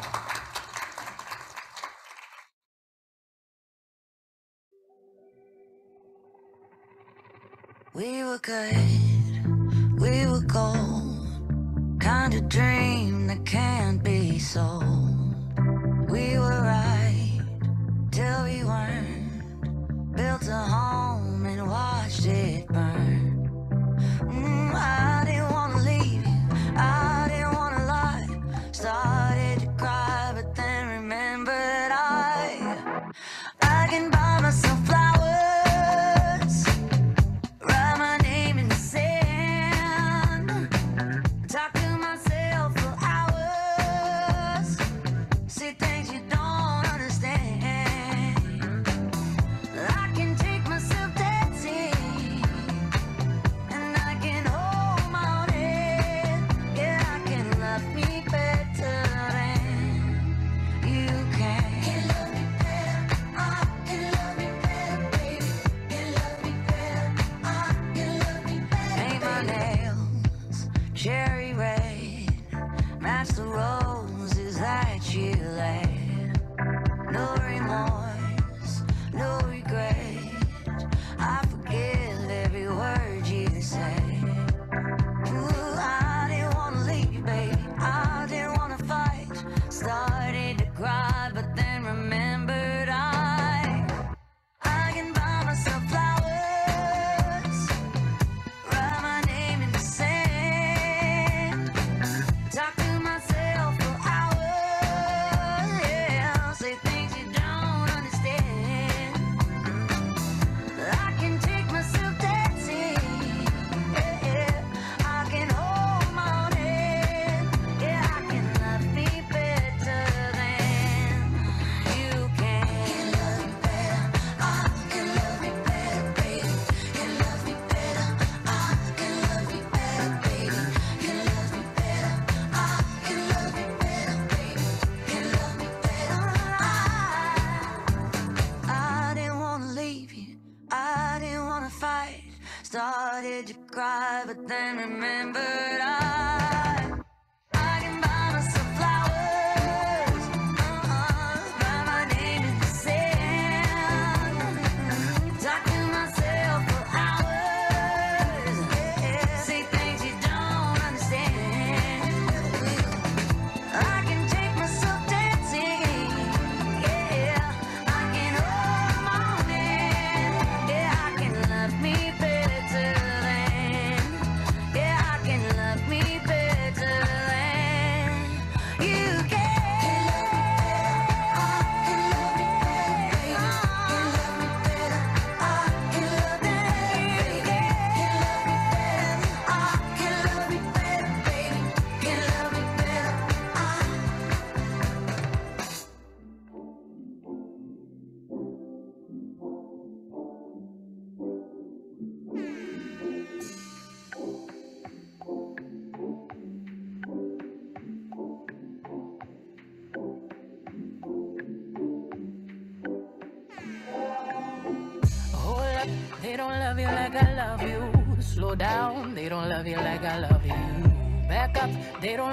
Please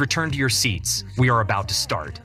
return to your seats. We are about to start.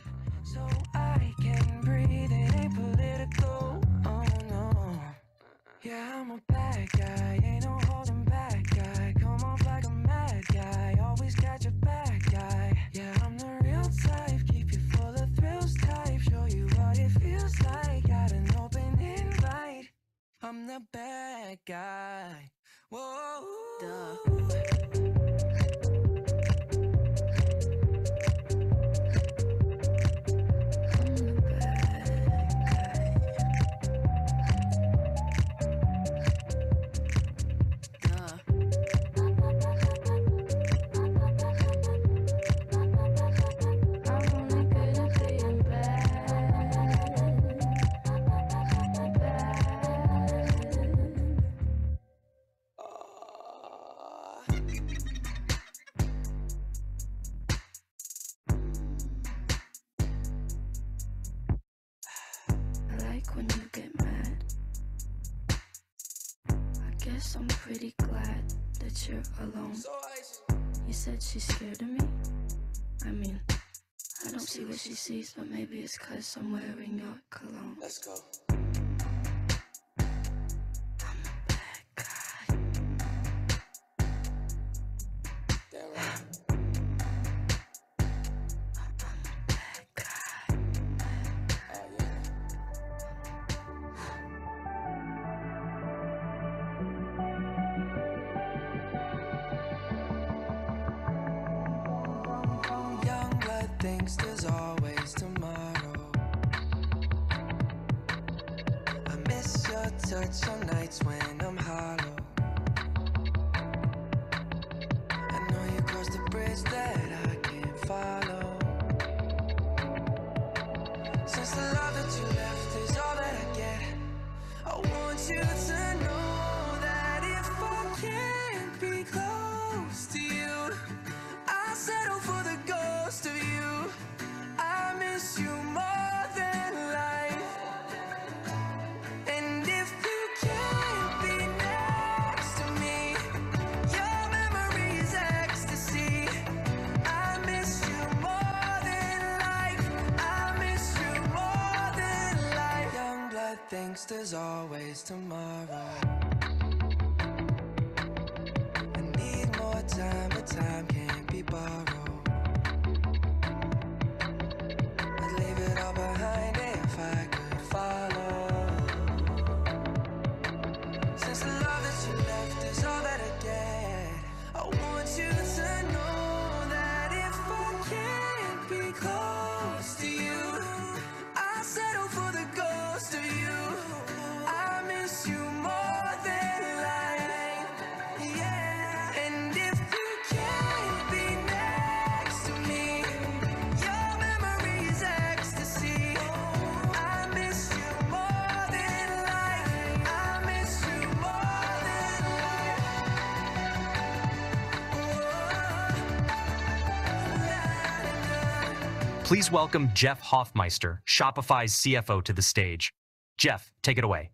Please welcome Jeff Hoffmeister, Shopify's CFO, to the stage. Jeff, take it away.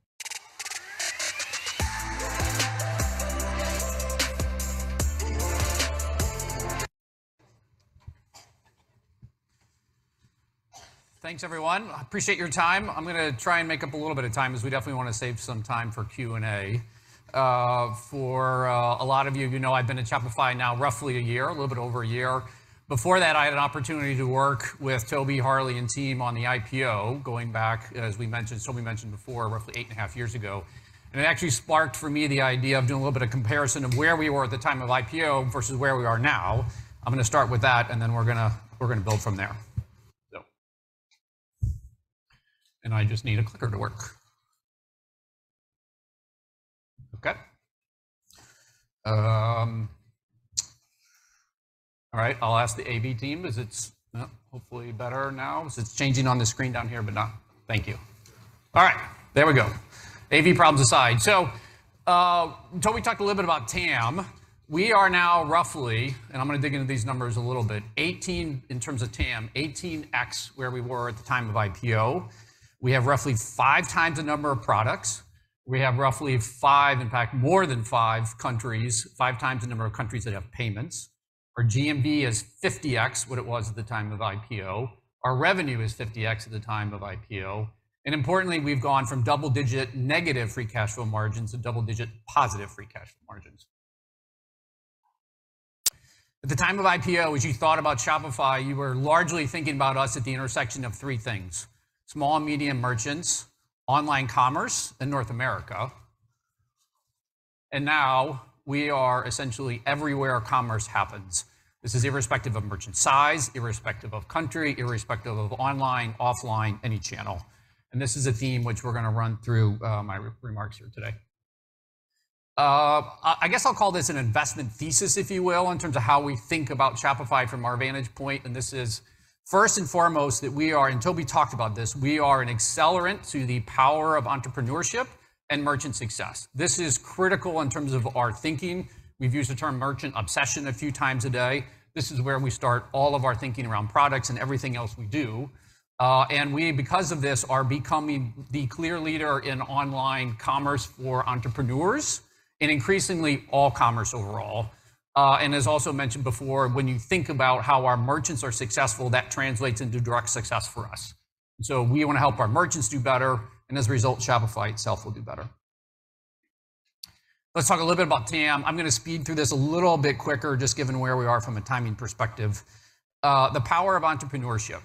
Thanks, everyone. I appreciate your time. I'm gonna try and make up a little bit of time, as we definitely want to save some time for Q&A. For a lot of you, you know I've been at Shopify now roughly a year, a little bit over a year. Before that, I had an opportunity to work with Tobi, Harley, and team on the IPO, going back, as we mentioned, Tobi mentioned before, roughly eight and a half years ago. And it actually sparked for me the idea of doing a little bit of comparison of where we were at the time of IPO versus where we are now. I'm gonna start with that, and then we're gonna, we're gonna build from there. So... And I just need a clicker to work. Okay. All right, I'll ask the AV team, is it hopefully better now? 'Cause it's changing on the screen down here, but not. Thank you. All right, there we go. AV problems aside. So, Tobi talked a little bit about TAM. We are now roughly, and I'm gonna dig into these numbers a little bit, 18, in terms of TAM, 18x where we were at the time of IPO. We have roughly 5x the number of products. We have roughly five, in fact, more than five countries, 5x the number of countries that have payments. Our GMV is 50x what it was at the time of IPO. Our revenue is 50x at the time of IPO. And importantly, we've gone from double-digit negative free cash flow margins to double-digit positive free cash flow margins. At the time of IPO, as you thought about Shopify, you were largely thinking about us at the intersection of three things: small and medium merchants, online commerce, and North America. Now we are essentially everywhere commerce happens. This is irrespective of merchant size, irrespective of country, irrespective of online, offline, any channel. This is a theme which we're gonna run through my remarks here today. I guess I'll call this an investment thesis, if you will, in terms of how we think about Shopify from our vantage point, and this is first and foremost, that we are, and Tobi talked about this, we are an accelerant to the power of entrepreneurship and merchant success. This is critical in terms of our thinking. We've used the term merchant obsession a few times today. This is where we start all of our thinking around products and everything else we do. And we, because of this, are becoming the clear leader in online commerce for entrepreneurs and increasingly all commerce overall. And as also mentioned before, when you think about how our merchants are successful, that translates into direct success for us. So we want to help our merchants do better, and as a result, Shopify itself will do better. Let's talk a little bit about TAM. I'm gonna speed through this a little bit quicker, just given where we are from a timing perspective. The power of entrepreneurship.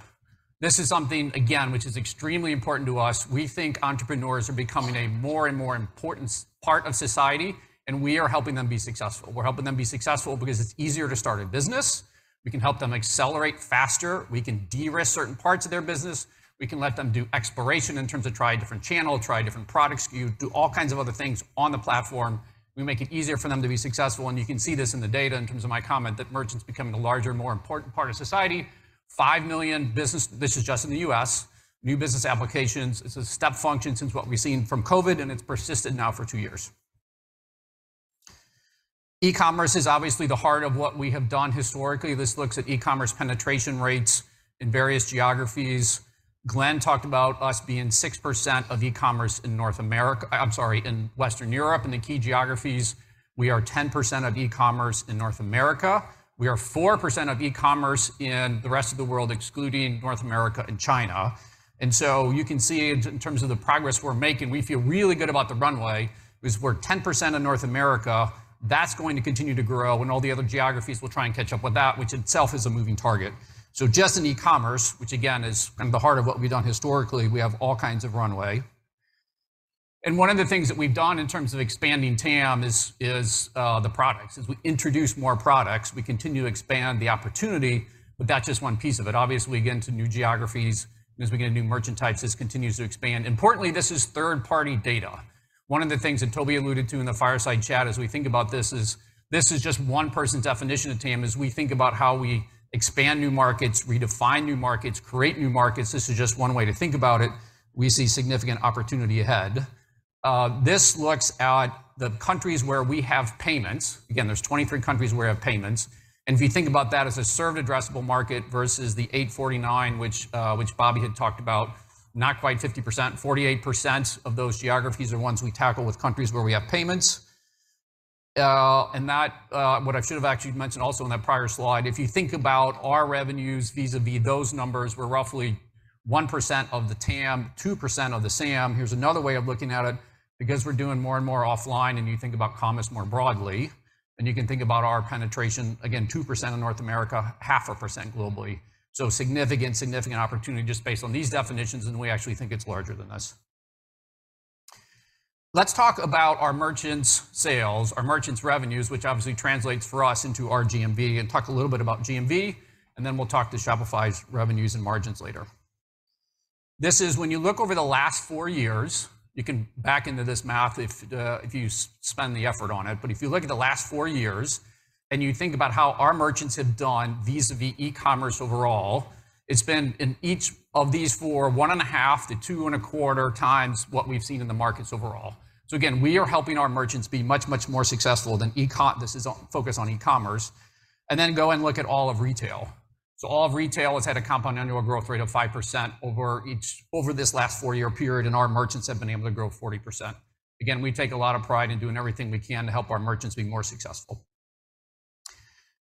This is something, again, which is extremely important to us. We think entrepreneurs are becoming a more and more important part of society, and we are helping them be successful. We're helping them be successful because it's easier to start a business. We can help them accelerate faster. We can de-risk certain parts of their business. We can let them do exploration in terms of try a different channel, try a different product SKU, do all kinds of other things on the platform. We make it easier for them to be successful, and you can see this in the data in terms of my comment that merchants becoming a larger, more important part of society. 5 million business, this is just in the U.S., new business applications. It's a step function since what we've seen from COVID, and it's persisted now for 2 years. E-commerce is obviously the heart of what we have done historically. This looks at e-commerce penetration rates in various geographies. Glen talked about us being 6% of e-commerce in North America, I'm sorry, in Western Europe, in the key geographies. We are 10% of e-commerce in North America. We are 4% of e-commerce in the rest of the world, excluding North America and China. And so you can see in terms of the progress we're making, we feel really good about the runway, because we're 10% of North America. That's going to continue to grow, and all the other geographies will try and catch up with that, which itself is a moving target. So just in e-commerce, which again, is kind of the heart of what we've done historically, we have all kinds of runway. And one of the things that we've done in terms of expanding TAM is the products. As we introduce more products, we continue to expand the opportunity, but that's just one piece of it. Obviously, we get into new geographies. As we get into new merchant types, this continues to expand. Importantly, this is third-party data. One of the things that Tobi alluded to in the fireside chat as we think about this is, this is just one person's definition of TAM. As we think about how we expand new markets, redefine new markets, create new markets, this is just one way to think about it. We see significant opportunity ahead. This looks at the countries where we have payments. Again, there's 23 countries where we have payments. And if you think about that as a served addressable market versus the 849, which, which Bobby had talked about, not quite 50%, 48% of those geographies are ones we tackle with countries where we have payments. and that, what I should have actually mentioned also in that prior slide, if you think about our revenues, vis-a-vis those numbers, we're roughly 1% of the TAM, 2% of the SAM. Here's another way of looking at it, because we're doing more and more offline, and you think about commerce more broadly, and you can think about our penetration, again, 2% in North America, 0.5% globally. So significant, significant opportunity just based on these definitions, and we actually think it's larger than this. Let's talk about our merchants' sales, our merchants' revenues, which obviously translates for us into our GMV, and talk a little bit about GMV, and then we'll talk to Shopify's revenues and margins later. This is when you look over the last four years, you can back into this math if you spend the effort on it. But if you look at the last four years and you think about how our merchants have done, vis-a-vis e-commerce overall, it's been in each of these four, 1.5-2.25 times what we've seen in the markets overall. So again, we are helping our merchants be much, much more successful than e-commerce. This is focused on e-commerce, and then go and look at all of retail. So all of retail has had a compound annual growth rate of 5% over each, over this last four-year period, and our merchants have been able to grow 40%. Again, we take a lot of pride in doing everything we can to help our merchants be more successful.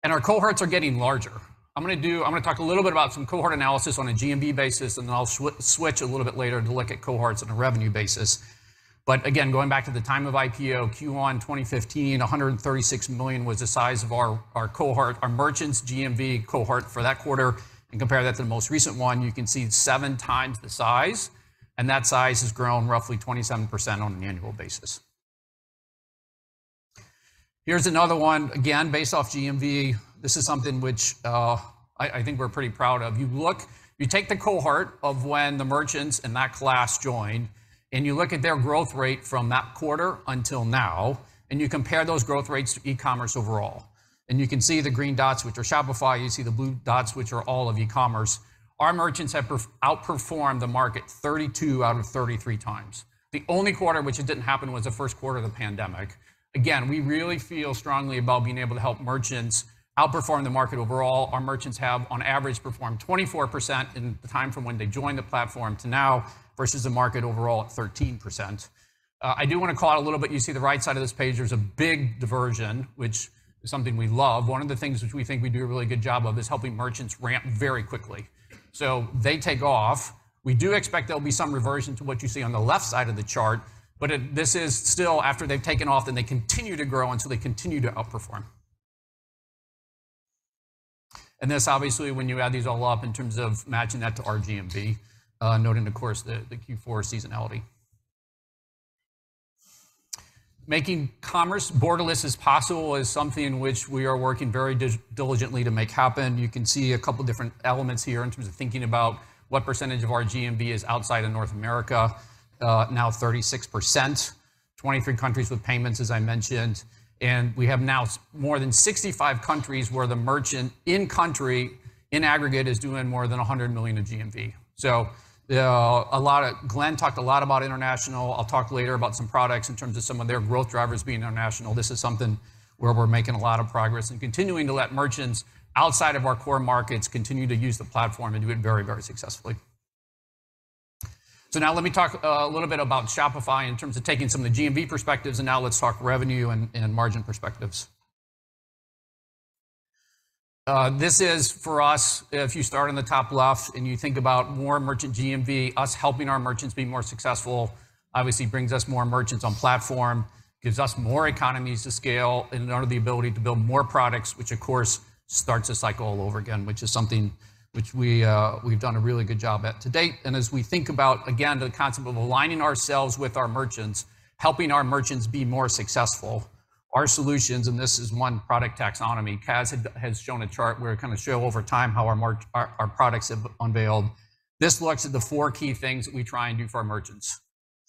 And our cohorts are getting larger. I'm gonna talk a little bit about some cohort analysis on a GMV basis, and then I'll switch a little bit later to look at cohorts on a revenue basis. But again, going back to the time of IPO, Q1 2015, $136 million was the size of our cohort, our merchants' GMV cohort for that quarter, and compare that to the most recent one, you can see it's seven times the size, and that size has grown roughly 27% on an annual basis. Here's another one, again, based off GMV. This is something which I think we're pretty proud of. You take the cohort of when the merchants in that class joined, and you look at their growth rate from that quarter until now, and you compare those growth rates to e-commerce overall. And you can see the green dots, which are Shopify, you see the blue dots, which are all of e-commerce. Our merchants have outperformed the market 32 out of 33 times. The only quarter in which it didn't happen was the first quarter of the pandemic. Again, we really feel strongly about being able to help merchants outperform the market overall. Our merchants have, on average, performed 24% in the time from when they joined the platform to now, versus the market overall at 13%. I do want to call out a little bit, you see the right side of this page, there's a big divergence, which is something we love. One of the things which we think we do a really good job of is helping merchants ramp very quickly. So they take off. We do expect there'll be some reversion to what you see on the left side of the chart, but it, this is still after they've taken off, and they continue to grow, and so they continue to outperform. And this, obviously, when you add these all up in terms of matching that to our GMV, noting, of course, the Q4 seasonality. Making commerce borderless as possible is something which we are working very diligently to make happen. You can see a couple different elements here in terms of thinking about what percentage of our GMV is outside of North America, now 36%, 23 countries with payments, as I mentioned, and we have now more than 65 countries where the merchant in country, in aggregate, is doing more than $100 million in GMV. So, a lot of—Glen talked a lot about international. I'll talk later about some products in terms of some of their growth drivers being international. This is something where we're making a lot of progress and continuing to let merchants outside of our core markets continue to use the platform and do it very, very successfully. So now let me talk a, a little bit about Shopify in terms of taking some of the GMV perspectives, and now let's talk revenue and, and margin perspectives. This is for us, if you start in the top left, and you think about more merchant GMV, us helping our merchants be more successful, obviously brings us more merchants on platform, gives us more economies to scale, in turn, the ability to build more products, which, of course, starts this cycle all over again, which is something which we, we've done a really good job at to date. And as we think about, again, the concept of aligning ourselves with our merchants, helping our merchants be more successful, our solutions, and this is one product taxonomy, Kaz has shown a chart where it kind of show over time how our products have unveiled. This looks at the four key things that we try and do for our merchants: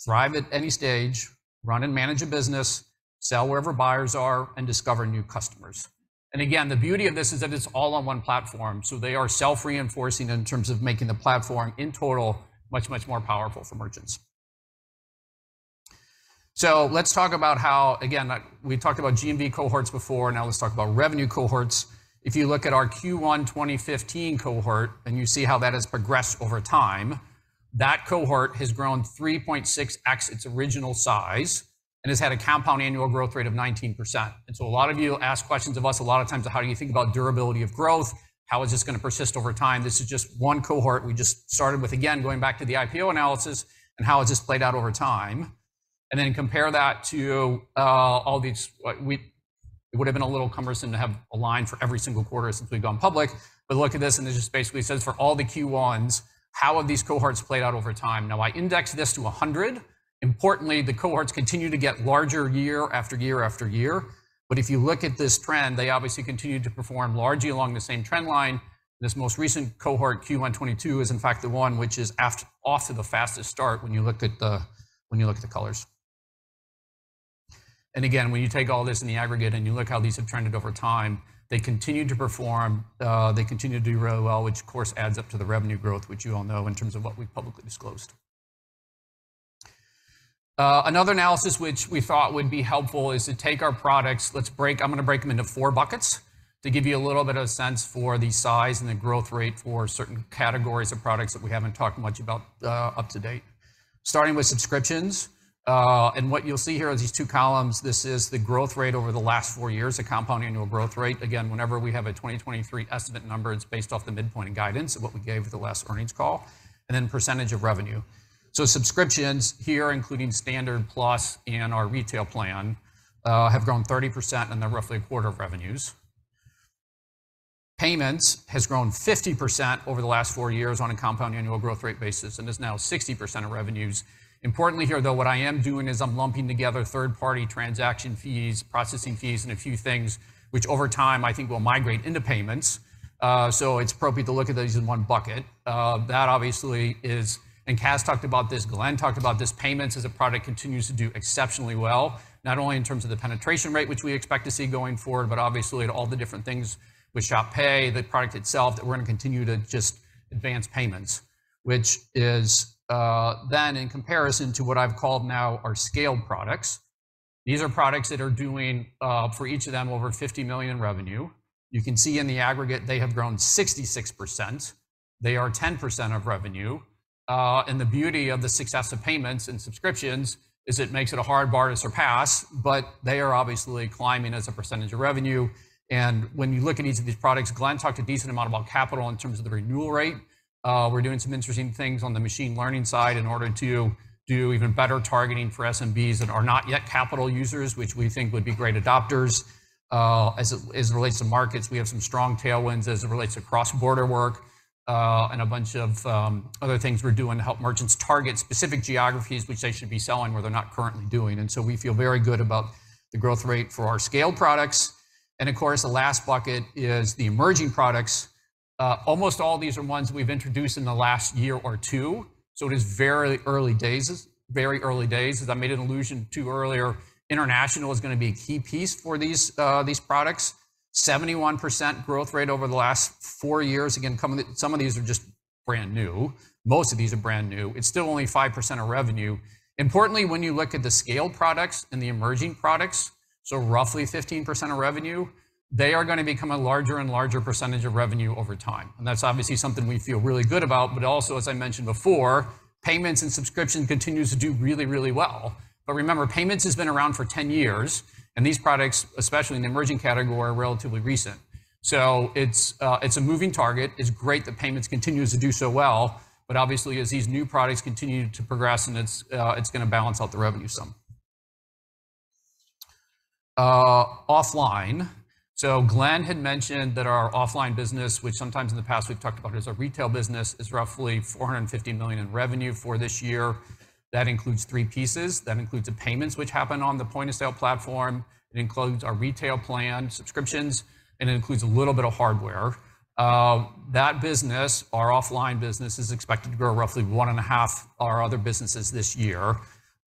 thrive at any stage, run and manage a business, sell wherever buyers are, and discover new customers. And again, the beauty of this is that it's all on one platform, so they are self-reinforcing in terms of making the platform, in total, much, much more powerful for merchants. So let's talk about how, again, like we talked about GMV cohorts before, now let's talk about revenue cohorts. If you look at our Q1 2015 cohort, and you see how that has progressed over time, that cohort has grown 3.6x its original size and has had a compound annual growth rate of 19%. And so a lot of you ask questions of us a lot of times of how do you think about durability of growth? How is this gonna persist over time? This is just one cohort. We just started with, again, going back to the IPO analysis and how has this played out over time, and then compare that to all these. It would have been a little cumbersome to have a line for every single quarter since we've gone public. But look at this, and it just basically says, for all the Q1s, how have these cohorts played out over time? Now, I indexed this to 100. Importantly, the cohorts continue to get larger year after year after year. But if you look at this trend, they obviously continue to perform largely along the same trend line. This most recent cohort, Q1 2022, is, in fact, the one which is off to the fastest start when you look at the colors. And again, when you take all this in the aggregate and you look how these have trended over time, they continue to perform, they continue to do really well, which of course, adds up to the revenue growth, which you all know in terms of what we've publicly disclosed. Another analysis, which we thought would be helpful, is to take our products. I'm gonna break them into four buckets to give you a little bit of a sense for the size and the growth rate for certain categories of products that we haven't talked much about, up to date. Starting with subscriptions, and what you'll see here are these two columns. This is the growth rate over the last four years, the compound annual growth rate. Again, whenever we have a 2023 estimate number, it's based off the midpoint of guidance of what we gave at the last earnings call, and then percentage of revenue. Subscriptions here, including Standard, Plus, and our Retail plan, have grown 30% and they're roughly a quarter of revenues. Payments has grown 50% over the last four years on a compound annual growth rate basis, and is now 60% of revenues. Importantly here, though, what I am doing is I'm lumping together third-party transaction fees, processing fees, and a few things which over time I think will migrate into payments, so it's appropriate to look at these in one bucket. That obviously is, and Kaz talked about this, Glen talked about this, payments as a product continues to do exceptionally well, not only in terms of the penetration rate, which we expect to see going forward, but obviously at all the different things with Shop Pay, the product itself, that we're going to continue to just advance payments. Which is, then in comparison to what I've called now our scaled products. These are products that are doing, for each of them, over $50 million revenue. You can see in the aggregate, they have grown 66%. They are 10% of revenue, and the beauty of the success of payments and subscriptions is it makes it a hard bar to surpass, but they are obviously climbing as a percentage of revenue. When you look at each of these products, Glen talked a decent amount about Capital in terms of the renewal rate. We're doing some interesting things on the machine learning side in order to do even better targeting for SMBs that are not yet Capital users, which we think would be great adopters. As it, as it relates to Markets, we have some strong tailwinds as it relates to cross-border work, and a bunch of other things we're doing to help merchants target specific geographies, which they should be selling, where they're not currently doing. So we feel very good about the growth rate for our scale products. Of course, the last bucket is the emerging products. Almost all these are ones we've introduced in the last year or two, so it is very early days. Very early days. As I made an allusion to earlier, international is going to be a key piece for these, these products. 71% growth rate over the last four years. Again, some of the, some of these are just brand new. Most of these are brand new. It's still only 5% of revenue. Importantly, when you look at the scale products and the emerging products, so roughly 15% of revenue, they are going to become a larger and larger percentage of revenue over time. And that's obviously something we feel really good about. But also, as I mentioned before, payments and subscription continues to do really, really well. But remember, payments has been around for 10 years, and these products, especially in the emerging category, are relatively recent. So it's, it's a moving target. It's great that payments continues to do so well, but obviously as these new products continue to progress, and it's, it's going to balance out the revenue some. Offline. So Glen had mentioned that our offline business, which sometimes in the past we've talked about as a retail business, is roughly $450 million in revenue for this year. That includes three pieces. That includes the payments, which happen on the point-of-sale platform, it includes our retail plan, subscriptions, and it includes a little bit of hardware. That business, our offline business, is expected to grow roughly one and a half our other businesses this year.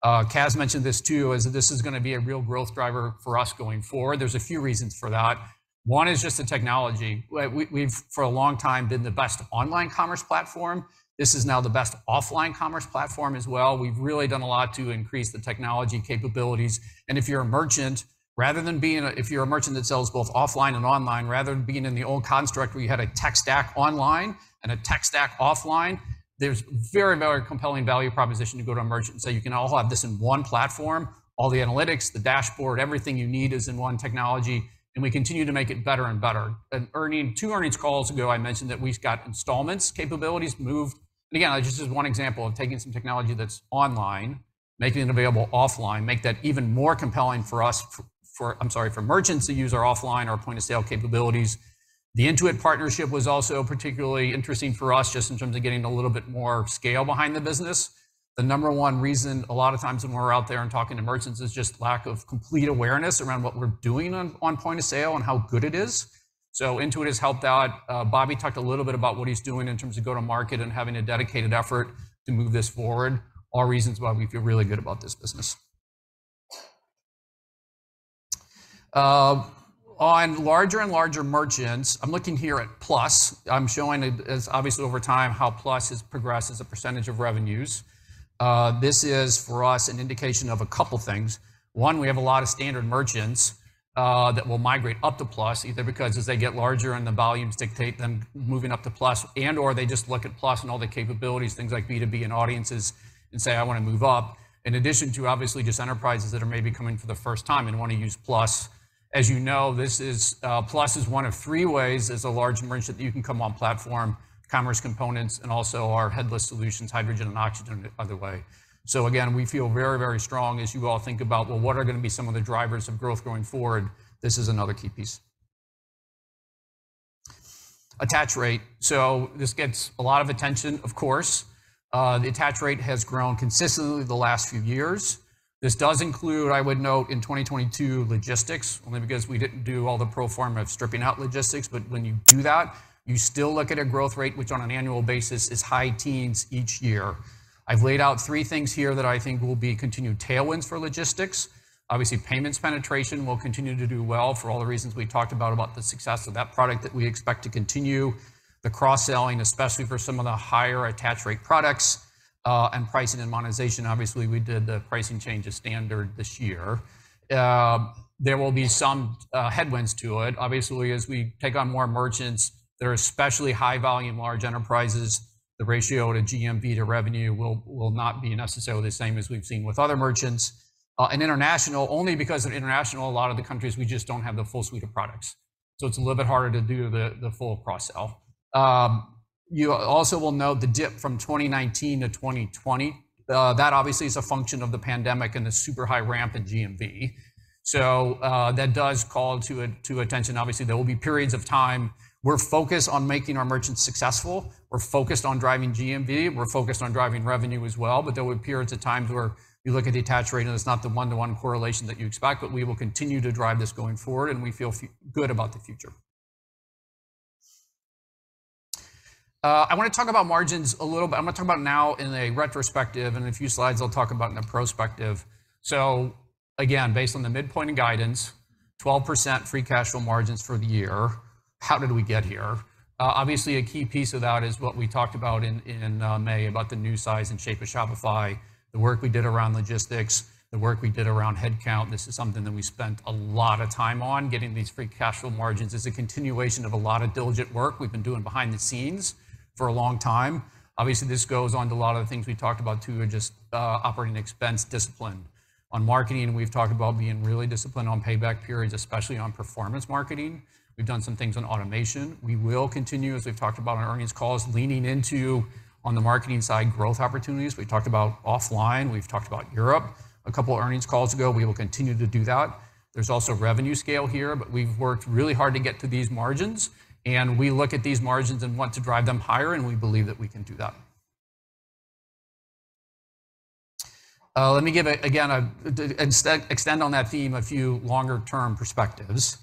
Kaz mentioned this, too, is that this is going to be a real growth driver for us going forward. There's a few reasons for that. One is just the technology. We've for a long time been the best online commerce platform. This is now the best offline commerce platform as well. We've really done a lot to increase the technology capabilities. And if you're a merchant, rather than being if you're a merchant that sells both offline and online, rather than being in the old construct where you had a tech stack online and a tech stack offline, there's very, very compelling value proposition to go to a merchant. So you can all have this in one platform, all the analytics, the dashboard, everything you need is in one technology, and we continue to make it better and better. And two earnings calls ago, I mentioned that we've got installments, capabilities moved. And again, this is one example of taking some technology that's online, making it available offline, make that even more compelling for us for, I'm sorry, for merchants to use our offline, our point-of-sale capabilities. The Intuit partnership was also particularly interesting for us, just in terms of getting a little bit more scale behind the business. The number one reason a lot of times when we're out there and talking to merchants is just lack of complete awareness around what we're doing on point of sale and how good it is. So Intuit has helped out. Bobby talked a little bit about what he's doing in terms of go-to-market and having a dedicated effort to move this forward. All reasons why we feel really good about this business. On larger and larger merchants, I'm looking here at Plus. I'm showing it as obviously over time, how Plus has progressed as a percentage of revenues. This is, for us, an indication of a couple things. One, we have a lot of standard merchants that will migrate up to Plus, either because as they get larger and the volumes dictate them moving up to Plus, and/or they just look at Plus and all the capabilities, things like B2B and Audiences, and say, "I want to move up." In addition to obviously just enterprises that are maybe coming for the first time and want to use Plus. As you know, this is Plus is one of three ways as a large merchant that you can come on platform, Commerce Components, and also our headless solutions, Hydrogen and Oxygen, the other way. So again, we feel very, very strong as you all think about, well, what are going to be some of the drivers of growth going forward? This is another key piece. Attach rate. So this gets a lot of attention, of course. The attach rate has grown consistently the last few years. This does include, I would note, in 2022, logistics, only because we didn't do all the pro forma of stripping out logistics. But when you do that, you still look at a growth rate, which on an annual basis is high teens each year. I've laid out three things here that I think will be continued tailwinds for logistics. Obviously, payments penetration will continue to do well for all the reasons we talked about, about the success of that product, that we expect to continue the cross-selling, especially for some of the higher attach rate products, and pricing and monetization. Obviously, we did the pricing change of standard this year. There will be some headwinds to it. Obviously, as we take on more merchants that are especially high volume, large enterprises, the ratio to GMV to revenue will not be necessarily the same as we've seen with other merchants. And international, only because of international, a lot of the countries, we just don't have the full suite of products, so it's a little bit harder to do the full cross-sell. You also will note the dip from 2019 to 2020. That obviously is a function of the pandemic and the super high ramp in GMV. So, that does call to attention. Obviously, there will be periods of time. We're focused on making our merchants successful. We're focused on driving GMV. We're focused on driving revenue as well, but there will be periods of times where you look at attach rate, and it's not the one-to-one correlation that you expect, but we will continue to drive this going forward, and we feel good about the future. I wanna talk about margins a little bit. I'm gonna talk about it now in a retrospective, and in a few slides, I'll talk about in a prospective. So again, based on the midpoint of guidance, 12% free cash flow margins for the year. How did we get here? Obviously, a key piece of that is what we talked about in May, about the new size and shape of Shopify, the work we did around logistics, the work we did around headcount. This is something that we spent a lot of time on, getting these free cash flow margins. It's a continuation of a lot of diligent work we've been doing behind the scenes for a long time. Obviously, this goes on to a lot of the things we talked about, too, and just operating expense discipline. On marketing, we've talked about being really disciplined on payback periods, especially on performance marketing. We've done some things on automation. We will continue, as we've talked about on earnings calls, leaning into, on the marketing side, growth opportunities. We've talked about offline, we've talked about Europe, a couple of earnings calls ago. We will continue to do that. There's also revenue scale here, but we've worked really hard to get to these margins, and we look at these margins and want to drive them higher, and we believe that we can do that. Let me give again and extend on that theme a few longer-term perspectives.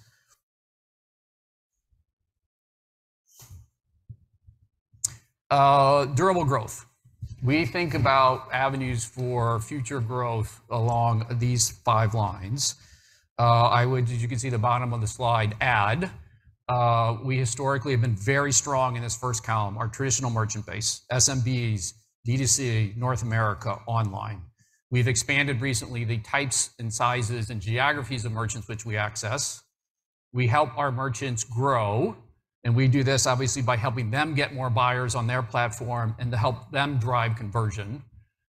Durable growth. We think about avenues for future growth along these five lines. I would, as you can see the bottom of the slide, add we historically have been very strong in this first column, our traditional merchant base, SMBs, D2C, North America, online. We've expanded recently the types and sizes and geographies of merchants which we access. We help our merchants grow, and we do this obviously by helping them get more buyers on their platform and to help them drive conversion.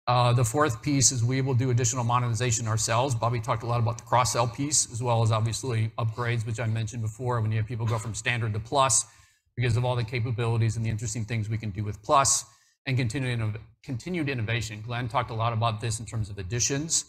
The fourth piece is we will do additional monetization ourselves. Bobby talked a lot about the cross-sell piece, as well as obviously upgrades, which I mentioned before, when you have people go from standard to Plus because of all the capabilities and the interesting things we can do with Plus, and continued innovation. Glen talked a lot about this in terms of Editions.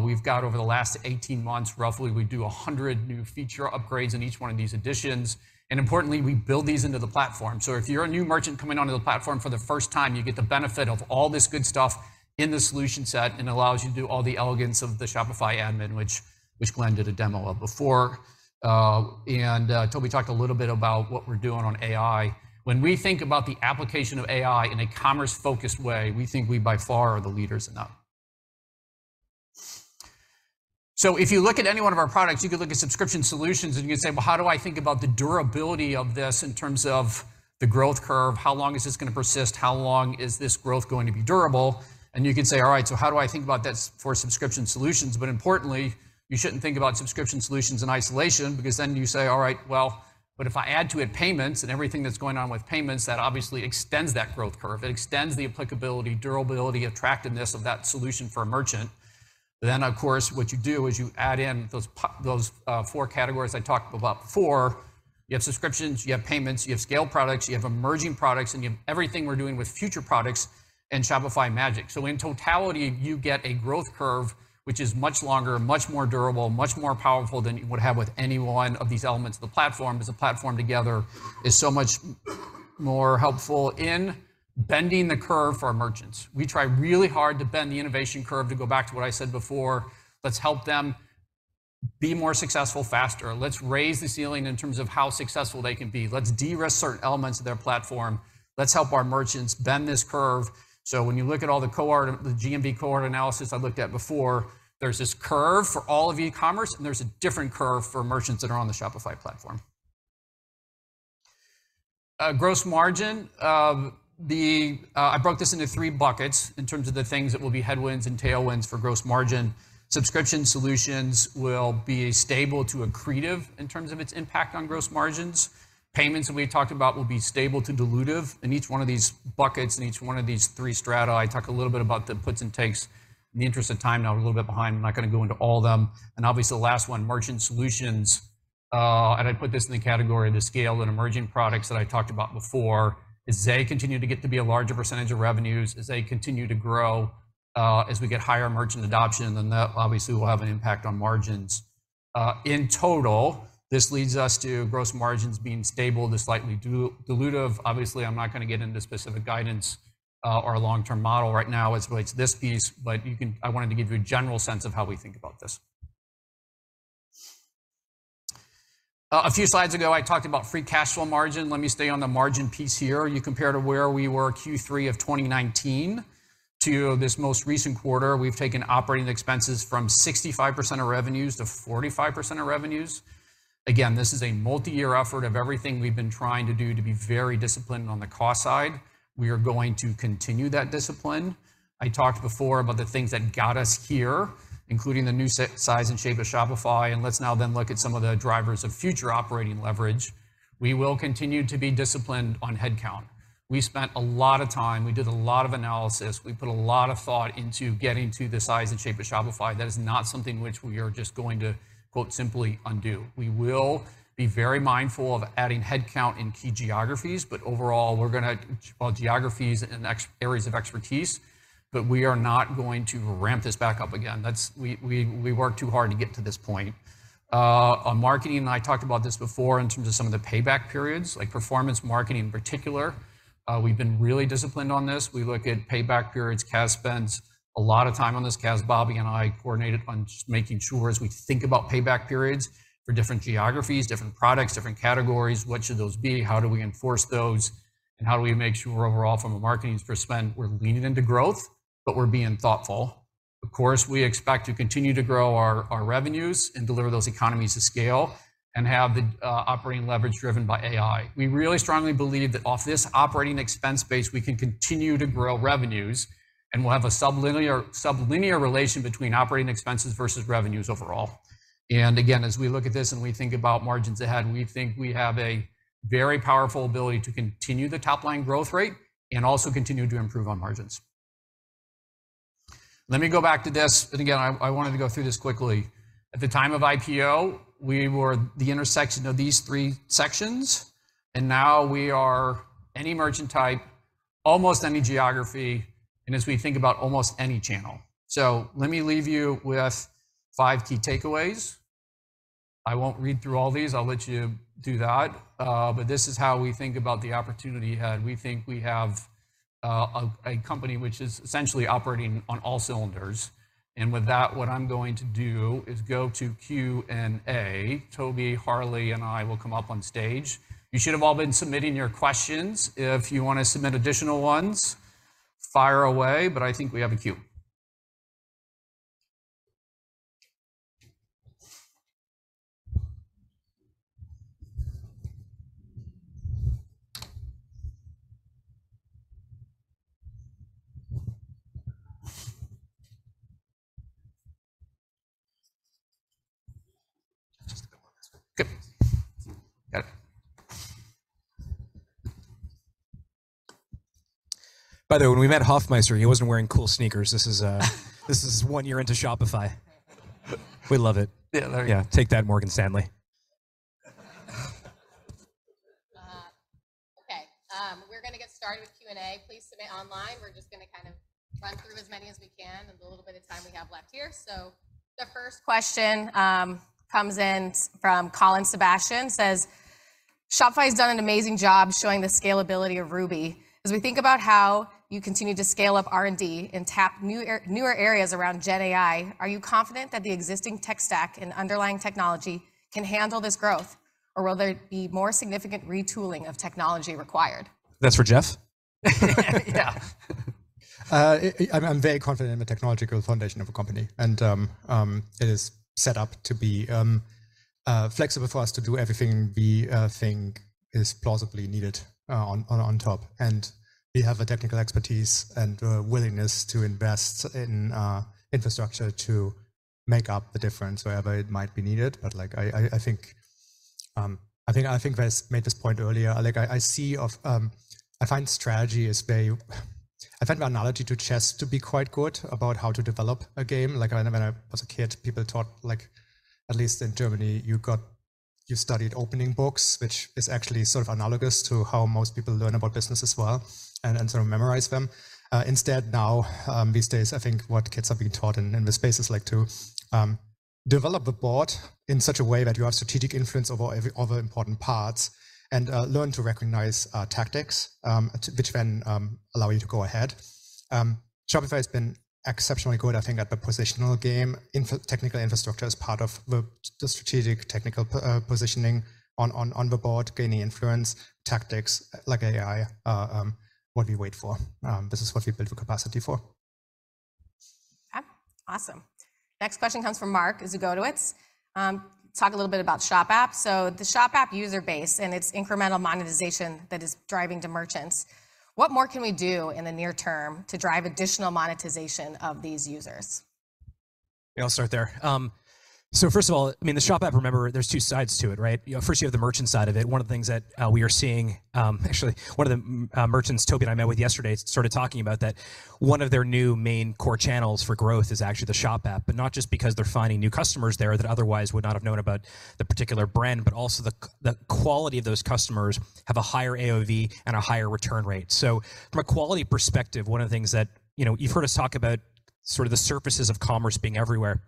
We've got over the last 18 months, roughly, we do 100 new feature upgrades in each one of these Editions, and importantly, we build these into the platform. So if you're a new merchant coming onto the platform for the first time, you get the benefit of all this good stuff in the solution set, and it allows you to do all the elegance of the Shopify admin, which, which Glen did a demo of before. Tobi talked a little bit about what we're doing on AI. When we think about the application of AI in a commerce-focused way, we think we, by far, are the leaders in that. So if you look at any one of our products, you could look at Subscription Solutions, and you could say, "Well, how do I think about the durability of this in terms of the growth curve? How long is this gonna persist? How long is this growth going to be durable?" And you could say, "All right, so how do I think about this for Subscription Solutions?" But importantly, you shouldn't think about Subscription Solutions in isolation because then you say: "All right, well, but if I add to it payments and everything that's going on with payments, that obviously extends that growth curve. It extends the applicability, durability, attractiveness of that solution for a merchant." Then, of course, what you do is you add in those four categories I talked about before. You have subscriptions, you have payments, you have scale products, you have emerging products, and you have everything we're doing with future products and Shopify Magic. So in totality, you get a growth curve, which is much longer, much more durable, much more powerful than you would have with any one of these elements. The platform, as a platform together, is so much more helpful in bending the curve for our merchants. We try really hard to bend the innovation curve, to go back to what I said before. Let's help them be more successful, faster. Let's raise the ceiling in terms of how successful they can be. Let's de-risk certain elements of their platform. Let's help our merchants bend this curve. So when you look at all the cohort, the GMV cohort analysis I looked at before, there's this curve for all of e-commerce, and there's a different curve for merchants that are on the Shopify platform. Gross margin. The, I broke this into three buckets in terms of the things that will be headwinds and tailwinds for gross margin. Subscription solutions will be stable to accretive in terms of its impact on gross margins. Payments, that we talked about, will be stable to dilutive, and each one of these buckets and each one of these three strata, I talk a little bit about the puts and takes. In the interest of time, now we're a little bit behind, I'm not gonna go into all of them. Obviously, the last one, merchant solutions, and I put this in the category of the scale and emerging products that I talked about before, as they continue to get to be a larger percentage of revenues, as they continue to grow, as we get higher merchant adoption, then that obviously will have an impact on margins. In total, this leads us to gross margins being stable to slightly dilutive. Obviously, I'm not gonna get into specific guidance, or long-term model right now as it relates to this piece, but you can. I wanted to give you a general sense of how we think about this. A few slides ago, I talked about free cash flow margin. Let me stay on the margin piece here. You compare to where we were Q3 of 2019 to this most recent quarter. We've taken operating expenses from 65% of revenues to 45% of revenues. Again, this is a multi-year effort of everything we've been trying to do to be very disciplined on the cost side. We are going to continue that discipline. I talked before about the things that got us here, including the new size and shape of Shopify, and let's now then look at some of the drivers of future operating leverage. We will continue to be disciplined on headcount. We spent a lot of time, we did a lot of analysis, we put a lot of thought into getting to the size and shape of Shopify. That is not something which we are just going to, quote, "simply undo." We will be very mindful of adding headcount in key geographies, but overall, we're gonna—well, geographies and areas of expertise, but we are not going to ramp this back up again. That's—we worked too hard to get to this point. On marketing, and I talked about this before in terms of some of the payback periods, like performance marketing in particular, we've been really disciplined on this. We look at payback periods. Kaz spends a lot of time on this. Kaz, Bobby, and I coordinated on just making sure as we think about payback periods for different geographies, different products, different categories, what should those be? How do we enforce those, and how do we make sure we're overall, from a marketing spend, we're leaning into growth, but we're being thoughtful? Of course, we expect to continue to grow our, our revenues and deliver those economies to scale and have the operating leverage driven by AI. We really strongly believe that off this operating expense base, we can continue to grow revenues, and we'll have a sublinear, sublinear relation between operating expenses versus revenues overall. And again, as we look at this and we think about margins ahead, we think we have a very powerful ability to continue the top-line growth rate and also continue to improve on margins. Let me go back to this, and again, I, I wanted to go through this quickly. At the time of IPO, we were the intersection of these three sections, and now we are any merchant type, almost any geography, and as we think about almost any channel. So let me leave you with five key takeaways. I won't read through all these. I'll let you do that, but this is how we think about the opportunity ahead. We think we have a company which is essentially operating on all cylinders, and with that, what I'm going to do is go to Q&A. Tobi, Harley, and I will come up on stage. You should have all been submitting your questions. If you want to submit additional ones, fire away, but I think we have a queue. Just a couple on this one. Okay. Got it. By the way, when we met Hoffmeister, he wasn't wearing cool sneakers. This is one year into Shopify. We love it. Yeah, love it. Yeah, take that, Morgan Stanley. Okay, we're going to get started with Q&A. Please submit online. We're just going to kind of run through as many as we can in the little bit of time we have left here. So the first question comes in from Colin Sebastian, says: "Shopify has done an amazing job showing the scalability of Ruby. As we think about how you continue to scale up R&D and tap newer areas around GenAI, are you confident that the existing tech stack and underlying technology can handle this growth, or will there be more significant retooling of technology required? That's for Jeff? Yeah. I'm very confident in the technological foundation of a company, and it is set up to be flexible for us to do everything we think is plausibly needed on top. And we have the technical expertise and willingness to invest in infrastructure to make up the difference wherever it might be needed. But like, I think I made this point earlier. Like, I find the analogy to chess to be quite good about how to develop a game. Like, I know when I was a kid, people taught, like, at least in Germany, you studied opening books, which is actually sort of analogous to how most people learn about business as well, and sort of memorize them. Instead now, these days, I think what kids are being taught in the space is like to develop the board in such a way that you have strategic influence over every other important parts, and learn to recognize tactics, which then allow you to go ahead. Shopify has been exceptionally good, I think, at the positional game, infrastructure as part of the strategic technical positioning on the board, gaining influence, tactics, like AI, what we wait for, this is what we build the capacity for. Okay, awesome. Next question comes from Mark Zgutowicz. Talk a little bit about Shop App. So the Shop App user base and its incremental monetization that is driving to merchants, what more can we do in the near term to drive additional monetization of these users? Yeah, I'll start there. So first of all, I mean, the Shop App, remember, there's two sides to it, right? First, you have the merchant side of it. One of the things that we are seeing, actually, one of the merchants, Tobi and I met with yesterday, started talking about that one of their new main core channels for growth is actually the Shop App, but not just because they're finding new customers there that otherwise would not have known about the particular brand, but also the quality of those customers have a higher AOV and a higher return rate. So from a quality perspective, one of the things that, you know, you've heard us talk about sort of the surfaces of commerce being everywhere.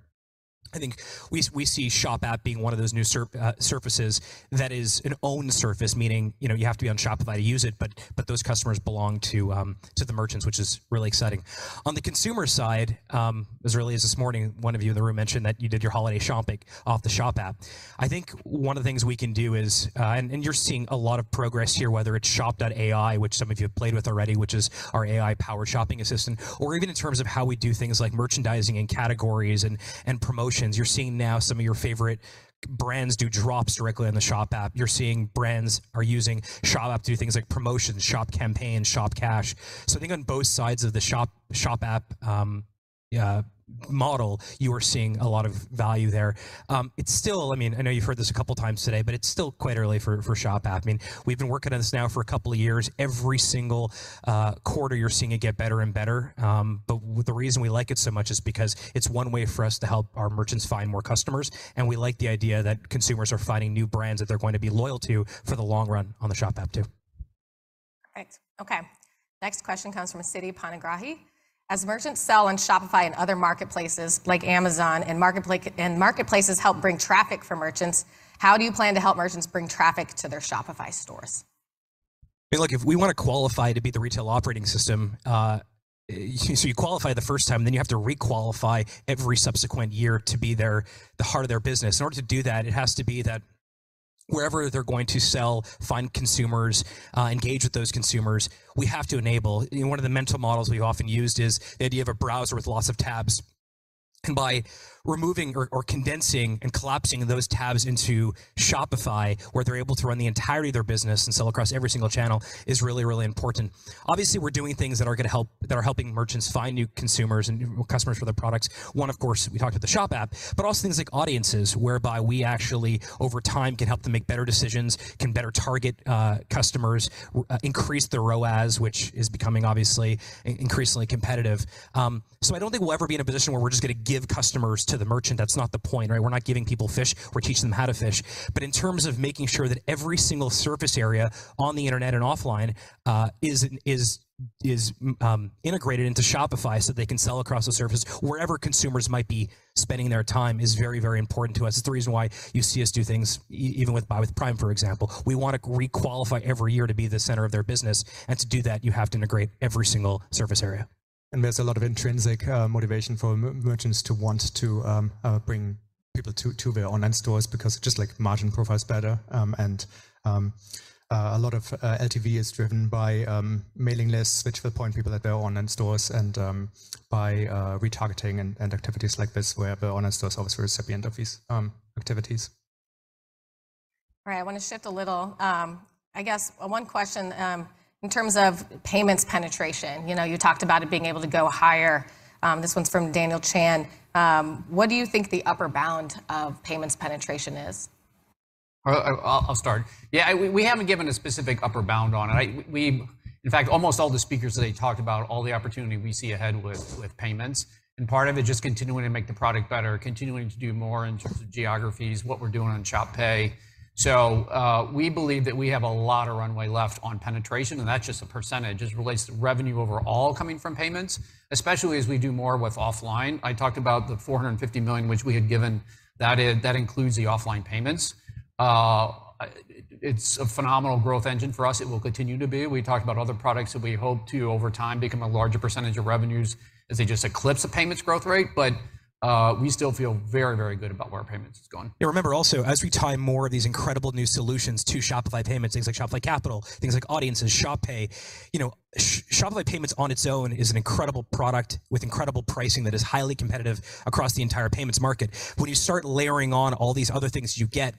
I think we see Shop App being one of those new surfaces that is an own surface, meaning, you know, you have to be on Shopify to use it, but those customers belong to the merchants, which is really exciting. On the consumer side, as early as this morning, one of you in the room mentioned that you did your holiday shopping off the Shop App. I think one of the things we can do is, and you're seeing a lot of progress here, whether it's Shop AI, which some of you have played with already, which is our AI-powered shopping assistant, or even in terms of how we do things like merchandising and categories and promotions. You're seeing now some of your favorite brands do drops directly in the Shop App. You're seeing brands are using Shop App to do things like promotions, Shop Campaigns, Shop Cash. So I think on both sides of the Shop, Shop App, yeah, model, you are seeing a lot of value there. It's still, I mean, I know you've heard this a couple of times today, but it's still quite early for, for Shop App. I mean, we've been working on this now for a couple of years. Every single quarter, you're seeing it get better and better. But the reason we like it so much is because it's one way for us to help our merchants find more customers, and we like the idea that consumers are finding new brands that they're going to be loyal to for the long run on the Shop App, too. Right. Okay. Next question comes from Sitikantha Panigrahi: As merchants sell on Shopify and other marketplaces like Amazon, and marketplaces help bring traffic for merchants, how do you plan to help merchants bring traffic to their Shopify stores? Hey, look, if we want to qualify to be the retail operating system, so you qualify the first time, then you have to re-qualify every subsequent year to be their, the heart of their business. In order to do that, it has to be that wherever they're going to sell, find consumers, engage with those consumers, we have to enable. You know, one of the mental models we've often used is the idea of a browser with lots of tabs. And by removing or condensing and collapsing those tabs into Shopify, where they're able to run the entirety of their business and sell across every single channel, is really, really important. Obviously, we're doing things that are going to help- that are helping merchants find new consumers and new customers for their products. 1, of course, we talked about the Shop app, but also things like Audiences, whereby we actually, over time, can help them make better decisions, can better target, customers, increase their ROAS, which is becoming obviously increasingly competitive. So I don't think we'll ever be in a position where we're just going to give customers to the merchant. That's not the point, right? We're not giving people fish, we're teaching them how to fish. But in terms of making sure that every single surface area on the internet and offline, is integrated into Shopify so they can sell across the surface wherever consumers might be spending their time, is very, very important to us. It's the reason why you see us do things even with Buy with Prime, for example. We want to re-qualify every year to be the center of their business, and to do that, you have to integrate every single surface area. There's a lot of intrinsic motivation for merchants to want to bring people to their online stores because just, like, margin profile is better. And a lot of LTV is driven by mailing lists, which will point people at their online stores and by retargeting and activities like this, where the online stores are always at the end of these activities. All right, I want to shift a little. I guess one question in terms of payments penetration. You know, you talked about it being able to go higher. This one's from Daniel Chan: What do you think the upper bound of payments penetration is? I'll start. Yeah, we haven't given a specific upper bound on it. In fact, almost all the speakers today talked about all the opportunity we see ahead with payments. And part of it just continuing to make the product better, continuing to do more in terms of geographies, what we're doing on Shop Pay. So, we believe that we have a lot of runway left on penetration, and that's just a percentage. It relates to revenue overall coming from payments, especially as we do more with offline. I talked about the $450 million, which we had given. That includes the offline payments. It's a phenomenal growth engine for us. It will continue to be. We talked about other products that we hope to, over time, become a larger percentage of revenues as they just eclipse the payments growth rate. But, we still feel very, very good about where our payments is going. Yeah, remember also, as we tie more of these incredible new solutions to Shopify Payments, things like Shopify Capital, things like Audiences, Shop Pay, you know, Shopify Payments on its own is an incredible product with incredible pricing that is highly competitive across the entire payments market. When you start layering on all these other things, you get,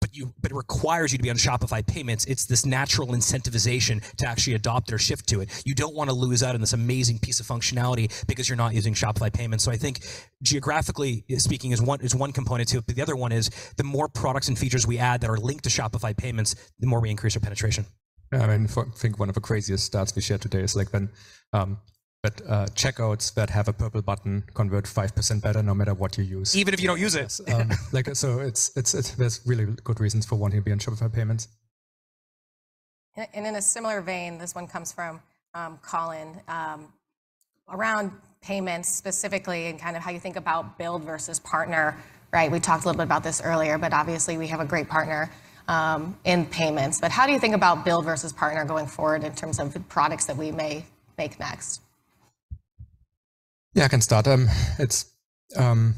but it requires you to be on Shopify Payments. It's this natural incentivization to actually adopt or shift to it. You don't want to lose out on this amazing piece of functionality because you're not using Shopify Payments. So I think geographically speaking, is one component to it, but the other one is, the more products and features we add that are linked to Shopify Payments, the more we increase our penetration. Yeah, I mean, I think one of the craziest stats we shared today is like when checkouts that have a purple button convert 5% better no matter what you use. Even if you don't use it. Yes. Like, so it's, there's really good reasons for wanting to be on Shopify Payments. And in a similar vein, this one comes from Colin. Around payments specifically and kind of how you think about build versus partner, right? We talked a little bit about this earlier, but obviously, we have a great partner in payments. But how do you think about build versus partner going forward in terms of the products that we may make next? Yeah, I can start. It's I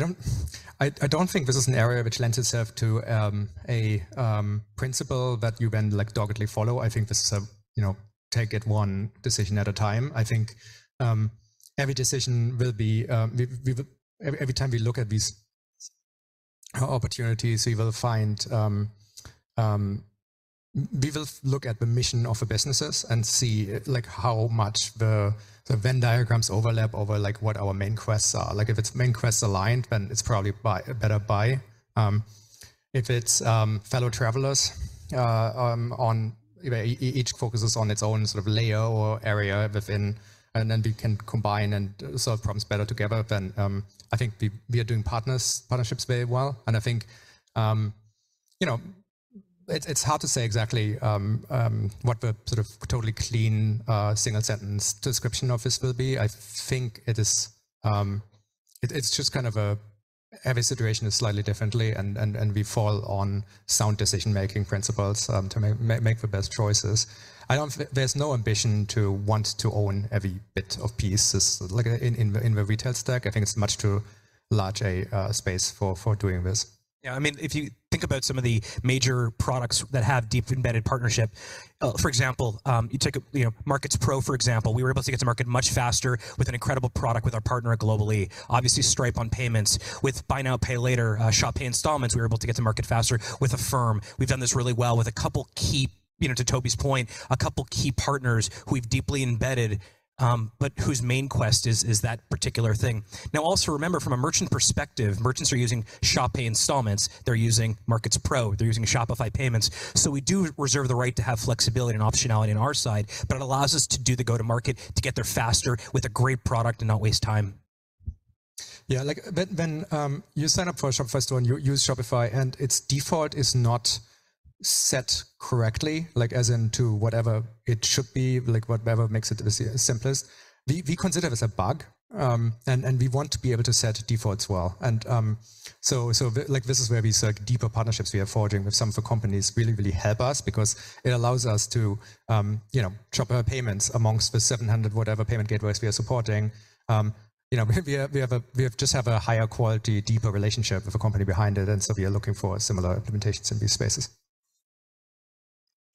don't think this is an area which lends itself to a principle that you then, like, doggedly follow. I think this is a, you know, take it one decision at a time. I think every decision will be every time we look at these opportunities, we will find we will look at the mission of the businesses and see, like, how much the Venn diagrams overlap over, like, what our main quests are. Like, if it's main quests aligned, then it's probably buy- a better buy. If it's fellow travelers on, you know, each focuses on its own sort of layer or area within, and then we can combine and solve problems better together, then I think we are doing partnerships very well. I think, you know, it's hard to say exactly what the sort of totally clean single-sentence description of this will be. I think it is, it's just kind of every situation is slightly differently, and we fall on sound decision-making principles to make the best choices. There's no ambition to want to own every bit of pieces. Like in the retail stack, I think it's much too large a space for doing this. Yeah, I mean, if you think about some of the major products that have deep embedded partnership, for example, you know, Markets Pro, for example, we were able to get to market much faster with an incredible product with our partner Global-e. Obviously, Stripe on payments. With buy now, pay later, Shop Pay Installments, we were able to get to market faster with Affirm. We've done this really well with a couple key, you know, to Tobi's point, a couple of key partners who we've deeply embedded, but whose main quest is, is that particular thing. Now, also remember, from a merchant perspective, merchants are using Shop Pay Installments, they're using Markets Pro, they're using Shopify Payments. We do reserve the right to have flexibility and optionality on our side, but it allows us to do the go-to-market, to get there faster with a great product and not waste time.... Yeah, like, when you sign up for Shopify store and you use Shopify, and its default is not set correctly, like, as in to whatever it should be, like, whatever makes it the simplest, we consider this a bug, and we want to be able to set defaults well. And, so, like, this is where these deeper partnerships we are forging with some of the companies really help us because it allows us to, you know, chop our payments amongst the 700 whatever payment gateways we are supporting. You know, we just have a higher quality, deeper relationship with the company behind it, and so we are looking for similar implementations in these spaces.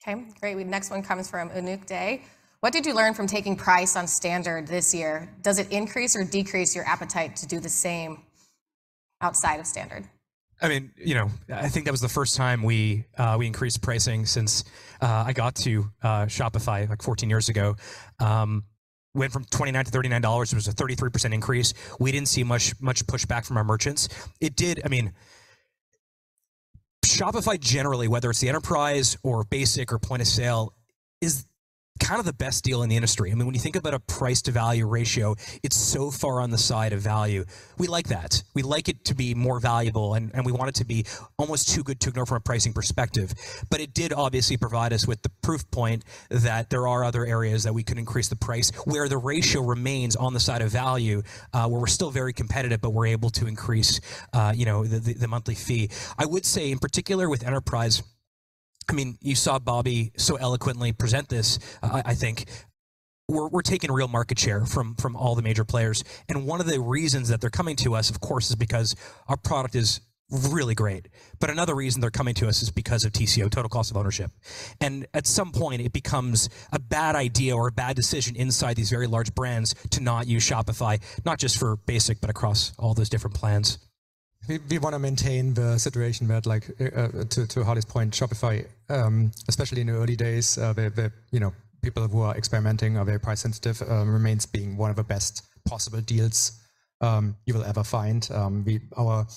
Okay, great. The next one comes from Anurag Rana. What did you learn from taking price on Standard this year? Does it increase or decrease your appetite to do the same outside of Standard? I mean, you know, I think that was the first time we increased pricing since I got to Shopify, like, 14 years ago. Went from $29-$39. It was a 33% increase. We didn't see much, much pushback from our merchants. I mean, Shopify generally, whether it's the enterprise or Basic or point-of-sale, is kind of the best deal in the industry. I mean, when you think about a price-to-value ratio, it's so far on the side of value. We like that. We like it to be more valuable, and, and we want it to be almost too good to ignore from a pricing perspective. But it did obviously provide us with the proof point that there are other areas that we can increase the price, where the ratio remains on the side of value, where we're still very competitive, but we're able to increase, you know, the, the, the monthly fee. I would say, in particular with enterprise, I mean, you saw Bobby so eloquently present this, I think. We're, we're taking real market share from, from all the major players, and one of the reasons that they're coming to us, of course, is because our product is really great. But another reason they're coming to us is because of TCO, total cost of ownership. And at some point, it becomes a bad idea or a bad decision inside these very large brands to not use Shopify, not just for basic, but across all those different plans. We want to maintain the situation where like, to Harley's point, Shopify, especially in the early days, the, you know, people who are experimenting are very price sensitive, remains being one of the best possible deals, you will ever find. Our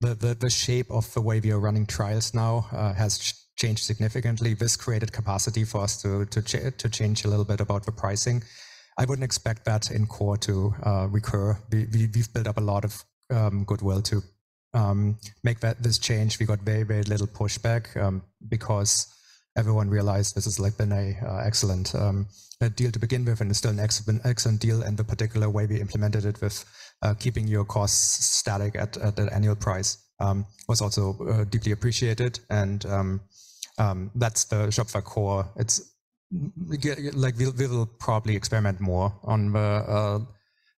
the shape of the way we are running trials now has changed significantly. This created capacity for us to change a little bit about the pricing. I wouldn't expect that in core to recur. We've built up a lot of goodwill to make that, this change. We got very, very little pushback because everyone realized this has, like, been a excellent deal to begin with, and it's still an excellent deal, and the particular way we implemented it with keeping your costs static at the annual price was also deeply appreciated, and that's the Shopify core. It's like we will probably experiment more on the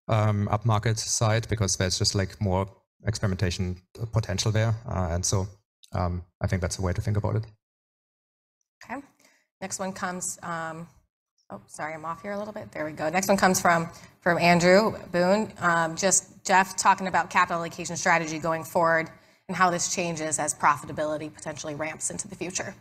upmarket side because there's just, like, more experimentation potential there. And so I think that's the way to think about it. Okay. Next one comes from Andrew Boone. Just Jeff talking about capital allocation strategy going forward and how this changes as profitability potentially ramps into the future.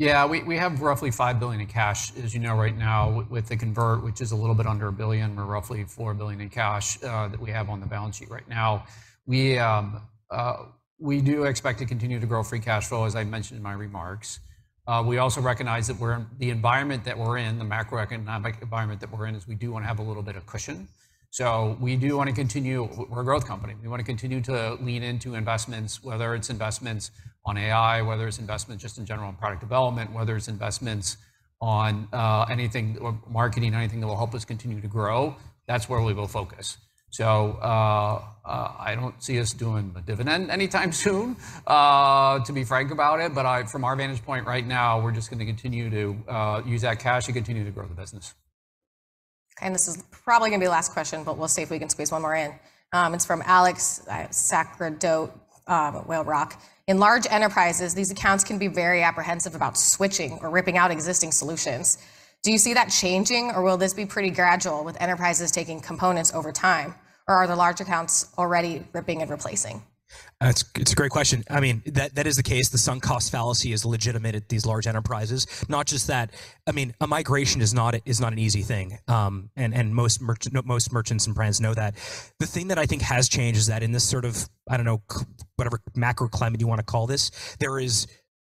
Yeah, we have roughly $5 billion in cash, as you know, right now, with the convert, which is a little bit under $1 billion. We're roughly $4 billion in cash that we have on the balance sheet right now. We do expect to continue to grow free cash flow, as I mentioned in my remarks. We also recognize that the environment that we're in, the macroeconomic environment that we're in, is we do want to have a little bit of cushion. So we do want to continue. We're a growth company. We want to continue to lean into investments, whether it's investments on AI, whether it's investment just in general on product development, whether it's investments on anything, or marketing, anything that will help us continue to grow, that's where we will focus. So, I don't see us doing a dividend anytime soon, to be frank about it, but from our vantage point right now, we're just going to continue to use that cash to continue to grow the business. This is probably going to be the last question, but we'll see if we can squeeze one more in. It's from Alex Sacerdote, Whale Rock: In large enterprises, these accounts can be very apprehensive about switching or ripping out existing solutions. Do you see that changing, or will this be pretty gradual with enterprises taking components over time, or are the large accounts already ripping and replacing? It's a great question. I mean, that is the case. The sunk cost fallacy has legitimated these large enterprises. Not just that, I mean, a migration is not an easy thing, and most merchants and brands know that. The thing that I think has changed is that in this sort of, I don't know, whatever macroclimate you want to call this, there is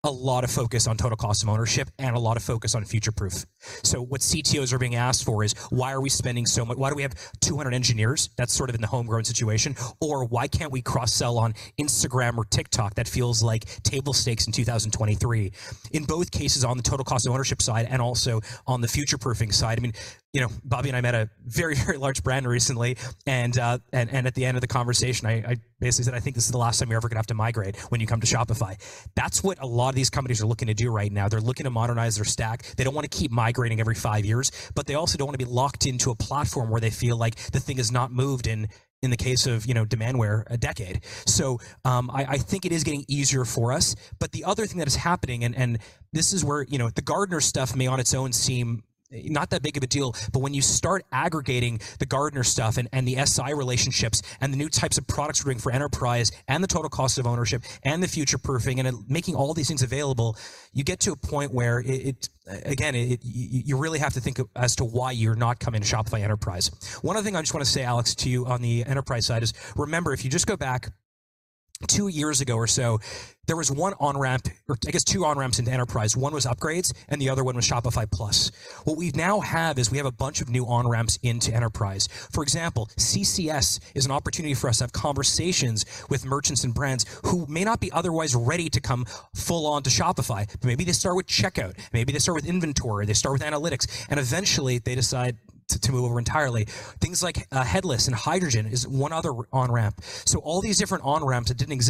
a lot of focus on total cost of ownership and a lot of focus on future-proof. So what CTOs are being asked for is: Why are we spending so much? Why do we have 200 engineers? That's sort of in the homegrown situation. Or, why can't we cross-sell on Instagram or TikTok? That feels like table stakes in 2023. In both cases, on the total cost of ownership side and also on the future-proofing side, I mean, you know, Bobby and I met a very, very large brand recently, and at the end of the conversation, I basically said, "I think this is the last time you're ever gonna have to migrate when you come to Shopify." That's what a lot of these companies are looking to do right now. They're looking to modernize their stack. They don't want to keep migrating every five years, but they also don't want to be locked into a platform where they feel like the thing has not moved in the case of, you know, Demandware, a decade. So, I think it is getting easier for us. But the other thing that is happening, and this is where, you know, the Gartner stuff may, on its own, seem not that big of a deal, but when you start aggregating the Gartner stuff and the SI relationships and the new types of products we're doing for enterprise and the total cost of ownership and the future-proofing and making all of these things available, you get to a point where it, again, you really have to think as to why you're not coming to Shopify Enterprise. One other thing I just want to say, Alex, to you on the enterprise side is, remember, if you just go back two years ago or so, there was one on-ramp, or I guess two on-ramps into enterprise. One was upgrades, and the other one was Shopify Plus. What we now have is, we have a bunch of new on-ramps into enterprise. For example, CCS is an opportunity for us to have conversations with merchants and brands who may not be otherwise ready to come full-on to Shopify, but maybe they start with checkout, maybe they start with inventory, they start with analytics, and eventually, they decide to move over entirely. Things like, headless and Hydrogen is one other on-ramp. So all these different on-ramps that didn't exist-